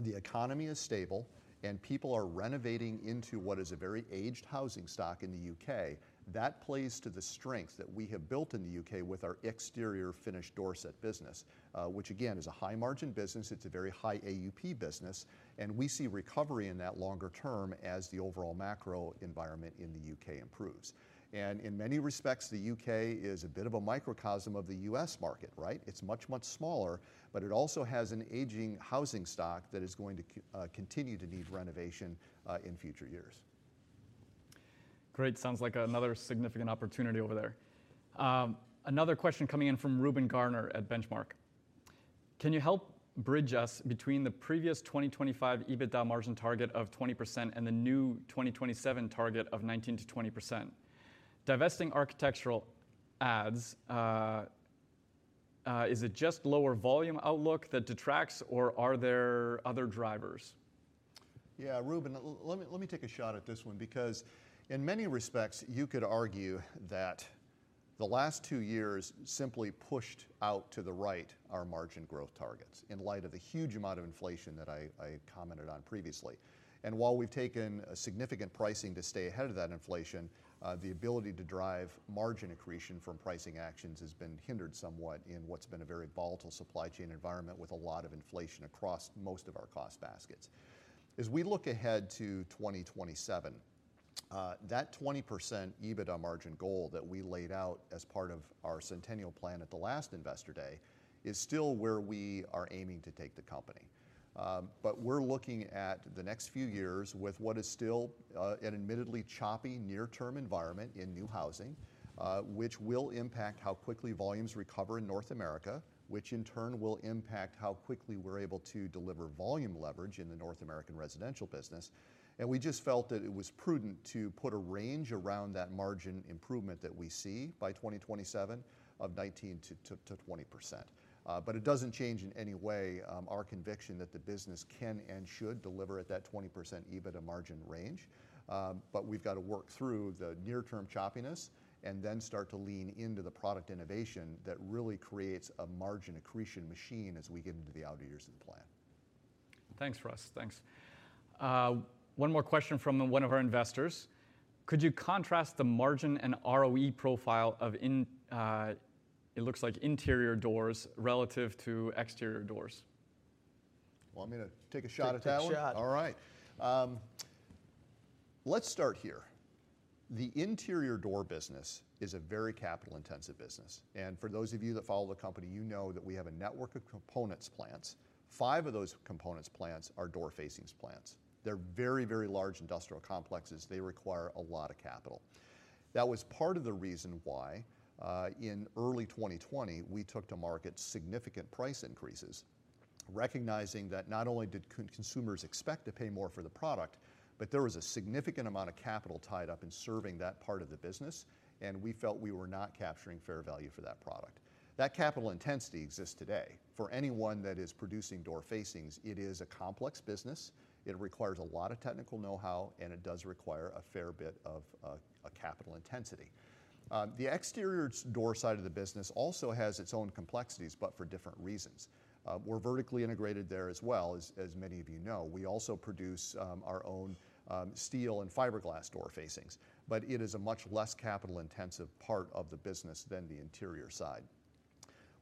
the economy is stable and people are renovating into what is a very aged housing stock in the U.K., that plays to the strength that we have built in the U.K. with our exterior finished door set business, which again, is a high-margin business. It's a very high AUP business, and we see recovery in that longer term as the overall macro environment in the U.K. improves. And in many respects, the U.K. is a bit of a microcosm of the U.S. market, right? It's much, much smaller, but it also has an aging housing stock that is going to continue to need renovation in future years. Great. Sounds like another significant opportunity over there. Another question coming in from Reuben Garner at Benchmark: Can you help bridge us between the previous 2025 EBITDA margin target of 20% and the new 2027 target of 19%-20%? Divesting architectural adds, is it just lower volume outlook that detracts, or are there other drivers? Yeah, Reuben, let me, let me take a shot at this one, because in many respects, you could argue that the last two years simply pushed out to the right our margin growth targets, in light of the huge amount of inflation that I, I commented on previously. And while we've taken a significant pricing to stay ahead of that inflation, the ability to drive margin accretion from pricing actions has been hindered somewhat in what's been a very volatile supply chain environment with a lot of inflation across most of our cost baskets. As we look ahead to 2027, that 20% EBITDA margin goal that we laid out as part of our Centennial Plan at the last Investor Day is still where we are aiming to take the company. But we're looking at the next few years with what is still an admittedly choppy near-term environment in new housing, which will impact how quickly volumes recover in North America, which in turn will impact how quickly we're able to deliver volume leverage in the North American residential business. And we just felt that it was prudent to put a range around that margin improvement that we see by 2027 of 19%-20%. But it doesn't change in any way our conviction that the business can and should deliver at that 20% EBITDA margin range. But we've got to work through the near-term choppiness and then start to lean into the product innovation that really creates a margin accretion machine as we get into the outer years of the plan. Thanks, Russ. Thanks. One more question from one of our investors: Could you contrast the margin and ROE profile of interior doors relative to exterior doors? Well, I'm gonna take a shot at that one. Take a shot. All right. Let's start here. The interior door business is a very capital-intensive business, and for those of you that follow the company, you know that we have a network of components plants. Five of those components plants are door facings plants. They're very, very large industrial complexes. They require a lot of capital. That was part of the reason why, in early 2020, we took to market significant price increases, recognizing that not only did consumers expect to pay more for the product, but there was a significant amount of capital tied up in serving that part of the business, and we felt we were not capturing fair value for that product. That capital intensity exists today. For anyone that is producing door facings, it is a complex business. It requires a lot of technical know-how, and it does require a fair bit of a capital intensity. The exterior door side of the business also has its own complexities, but for different reasons. We're vertically integrated there as well, as many of you know. We also produce our own steel and fiberglass door facings, but it is a much less capital-intensive part of the business than the interior side.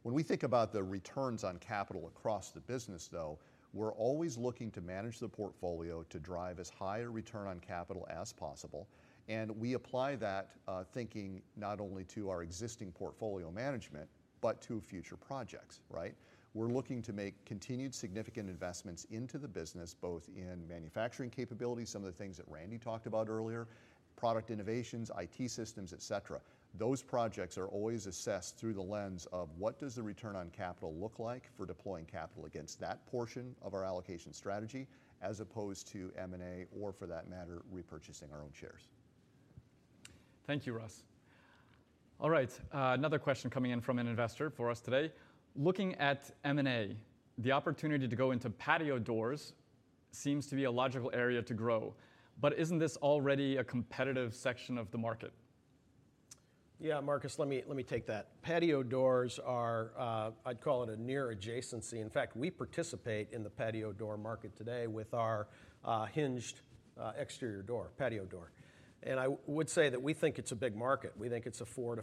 When we think about the returns on capital across the business, though, we're always looking to manage the portfolio to drive as high a return on capital as possible, and we apply that thinking not only to our existing portfolio management, but to future projects, right? We're looking to make continued significant investments into the business, both in manufacturing capabilities, some of the things that Randy talked about earlier, product innovations, IT systems, et cetera. Those projects are always assessed through the lens of: What does the return on capital look like for deploying capital against that portion of our allocation strategy, as opposed to M&A, or for that matter, repurchasing our own shares? Thank you, Russ. All right, another question coming in from an investor for us today: Looking at M&A, the opportunity to go into patio doors seems to be a logical area to grow, but isn't this already a competitive section of the market? Yeah, Marcus, let me, let me take that. Patio doors are... I'd call it a near adjacency. In fact, we participate in the patio door market today with our, hinged, exterior door, patio door. I would say that we think it's a big market. We think it's a $4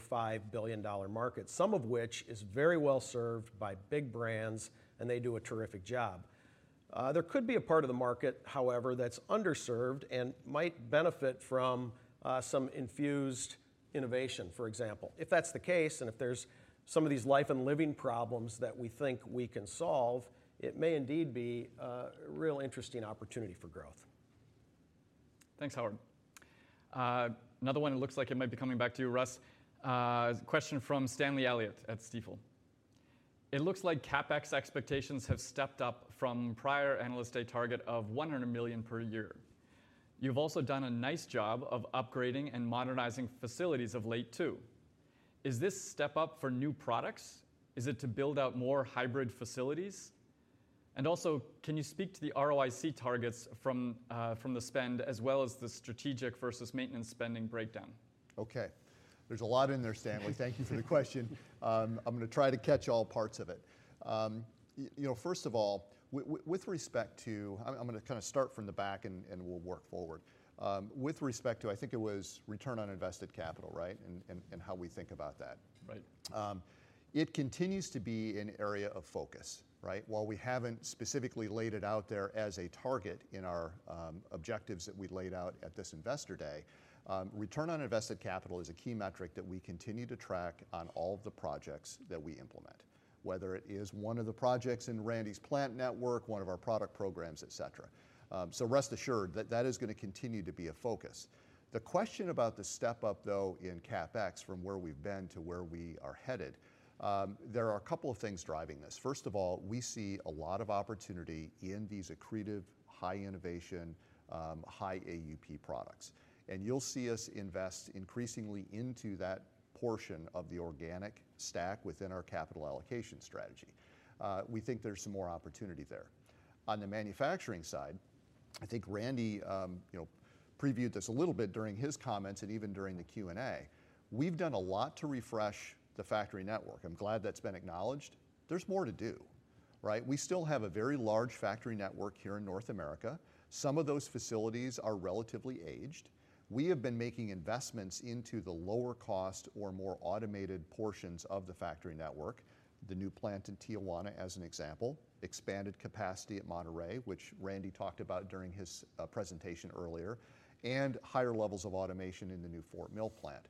billion-$5 billion market, some of which is very well served by big brands, and they do a terrific job. There could be a part of the market, however, that's underserved and might benefit from, some infused innovation, for example. If that's the case, and if there's some of these life and living problems that we think we can solve, it may indeed be a real interesting opportunity for growth. Thanks, Howard. Another one, it looks like it might be coming back to you, Russ. A question from Stanley Elliott at Stifel: It looks like CapEx expectations have stepped up from prior Analyst Day target of $100 million per year. You've also done a nice job of upgrading and modernizing facilities of late, too. Is this step up for new products? Is it to build out more hybrid facilities? And also, can you speak to the ROIC targets from the spend as well as the strategic versus maintenance spending breakdown? Okay. There's a lot in there, Stanley. Thank you for the question. I'm gonna try to catch all parts of it. You know, first of all, with respect to... I'm gonna kinda start from the back and we'll work forward. With respect to, I think it was return on invested capital, right? And how we think about that. Right. It continues to be an area of focus, right? While we haven't specifically laid it out there as a target in our objectives that we laid out at this Investor Day, return on invested capital is a key metric that we continue to track on all the projects that we implement, whether it is one of the projects in Randy's plant network, one of our product programs, et cetera. So rest assured, that that is gonna continue to be a focus. The question about the step up, though, in CapEx, from where we've been to where we are headed, there are a couple of things driving this. First of all, we see a lot of opportunity in these accretive, high-innovation, high-AUP products, and you'll see us invest increasingly into that portion of the organic stack within our capital allocation strategy. We think there's some more opportunity there. On the manufacturing side, I think Randy, you know, previewed this a little bit during his comments and even during the Q&A. We've done a lot to refresh the factory network. I'm glad that's been acknowledged. There's more to do, right? We still have a very large factory network here in North America. Some of those facilities are relatively aged. We have been making investments into the lower-cost or more automated portions of the factory network, the new plant in Tijuana, as an example, expanded capacity at Monterrey, which Randy talked about during his presentation earlier, and higher levels of automation in the new Fort Mill plant.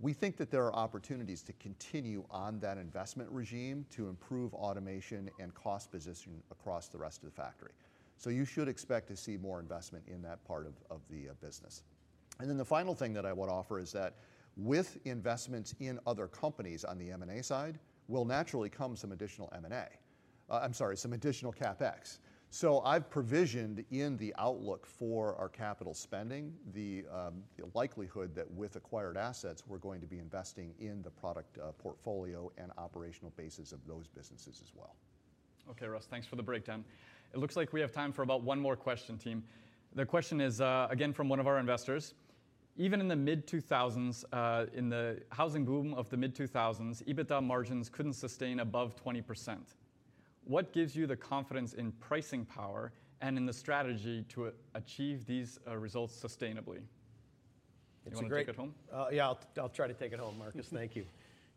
We think that there are opportunities to continue on that investment regime to improve automation and cost positioning across the rest of the factory, so you should expect to see more investment in that part of the business. And then the final thing that I would offer is that with investments in other companies on the M&A side, will naturally come some additional M&A. I'm sorry, some additional CapEx. So I've provisioned in the outlook for our capital spending the likelihood that with acquired assets, we're going to be investing in the product portfolio and operational bases of those businesses as well. Okay, Russ, thanks for the breakdown. It looks like we have time for about one more question, team. The question is, again, from one of our investors: Even in the mid-2000s, in the housing boom of the mid-2000s, EBITDA margins couldn't sustain above 20%. What gives you the confidence in pricing power and in the strategy to achieve these, results sustainably? It's a great- You wanna take it home? Yeah, I'll try to take it home, Marcus. Thank you.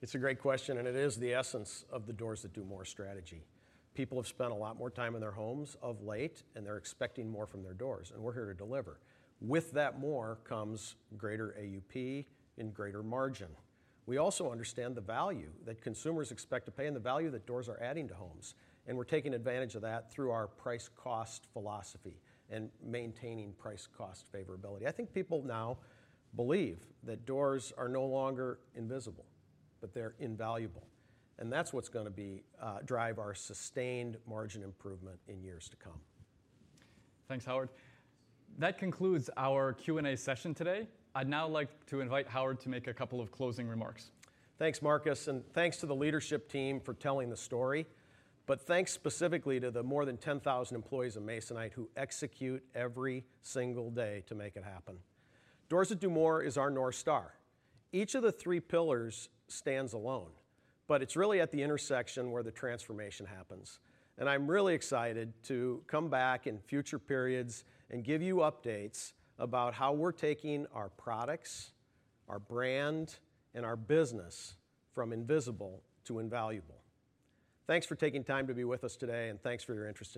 It's a great question, and it is the essence of the Doors That Do More strategy. People have spent a lot more time in their homes of late, and they're expecting more from their doors, and we're here to deliver. With that more comes greater AUP and greater margin. We also understand the value that consumers expect to pay and the value that doors are adding to homes, and we're taking advantage of that through our price-cost philosophy and maintaining price-cost favorability. I think people now believe that doors are no longer invisible, but they're invaluable, and that's what's gonna be drive our sustained margin improvement in years to come. Thanks, Howard. That concludes our Q&A session today. I'd now like to invite Howard to make a couple of closing remarks. Thanks, Marcus, and thanks to the leadership team for telling the story, but thanks specifically to the more than 10,000 employees of Masonite who execute every single day to make it happen. Doors That Do More is our North Star. Each of the three pillars stands alone, but it's really at the intersection where the transformation happens, and I'm really excited to come back in future periods and give you updates about how we're taking our products, our brand, and our business from invisible to invaluable. Thanks for taking time to be with us today, and thanks for your interest in Masonite.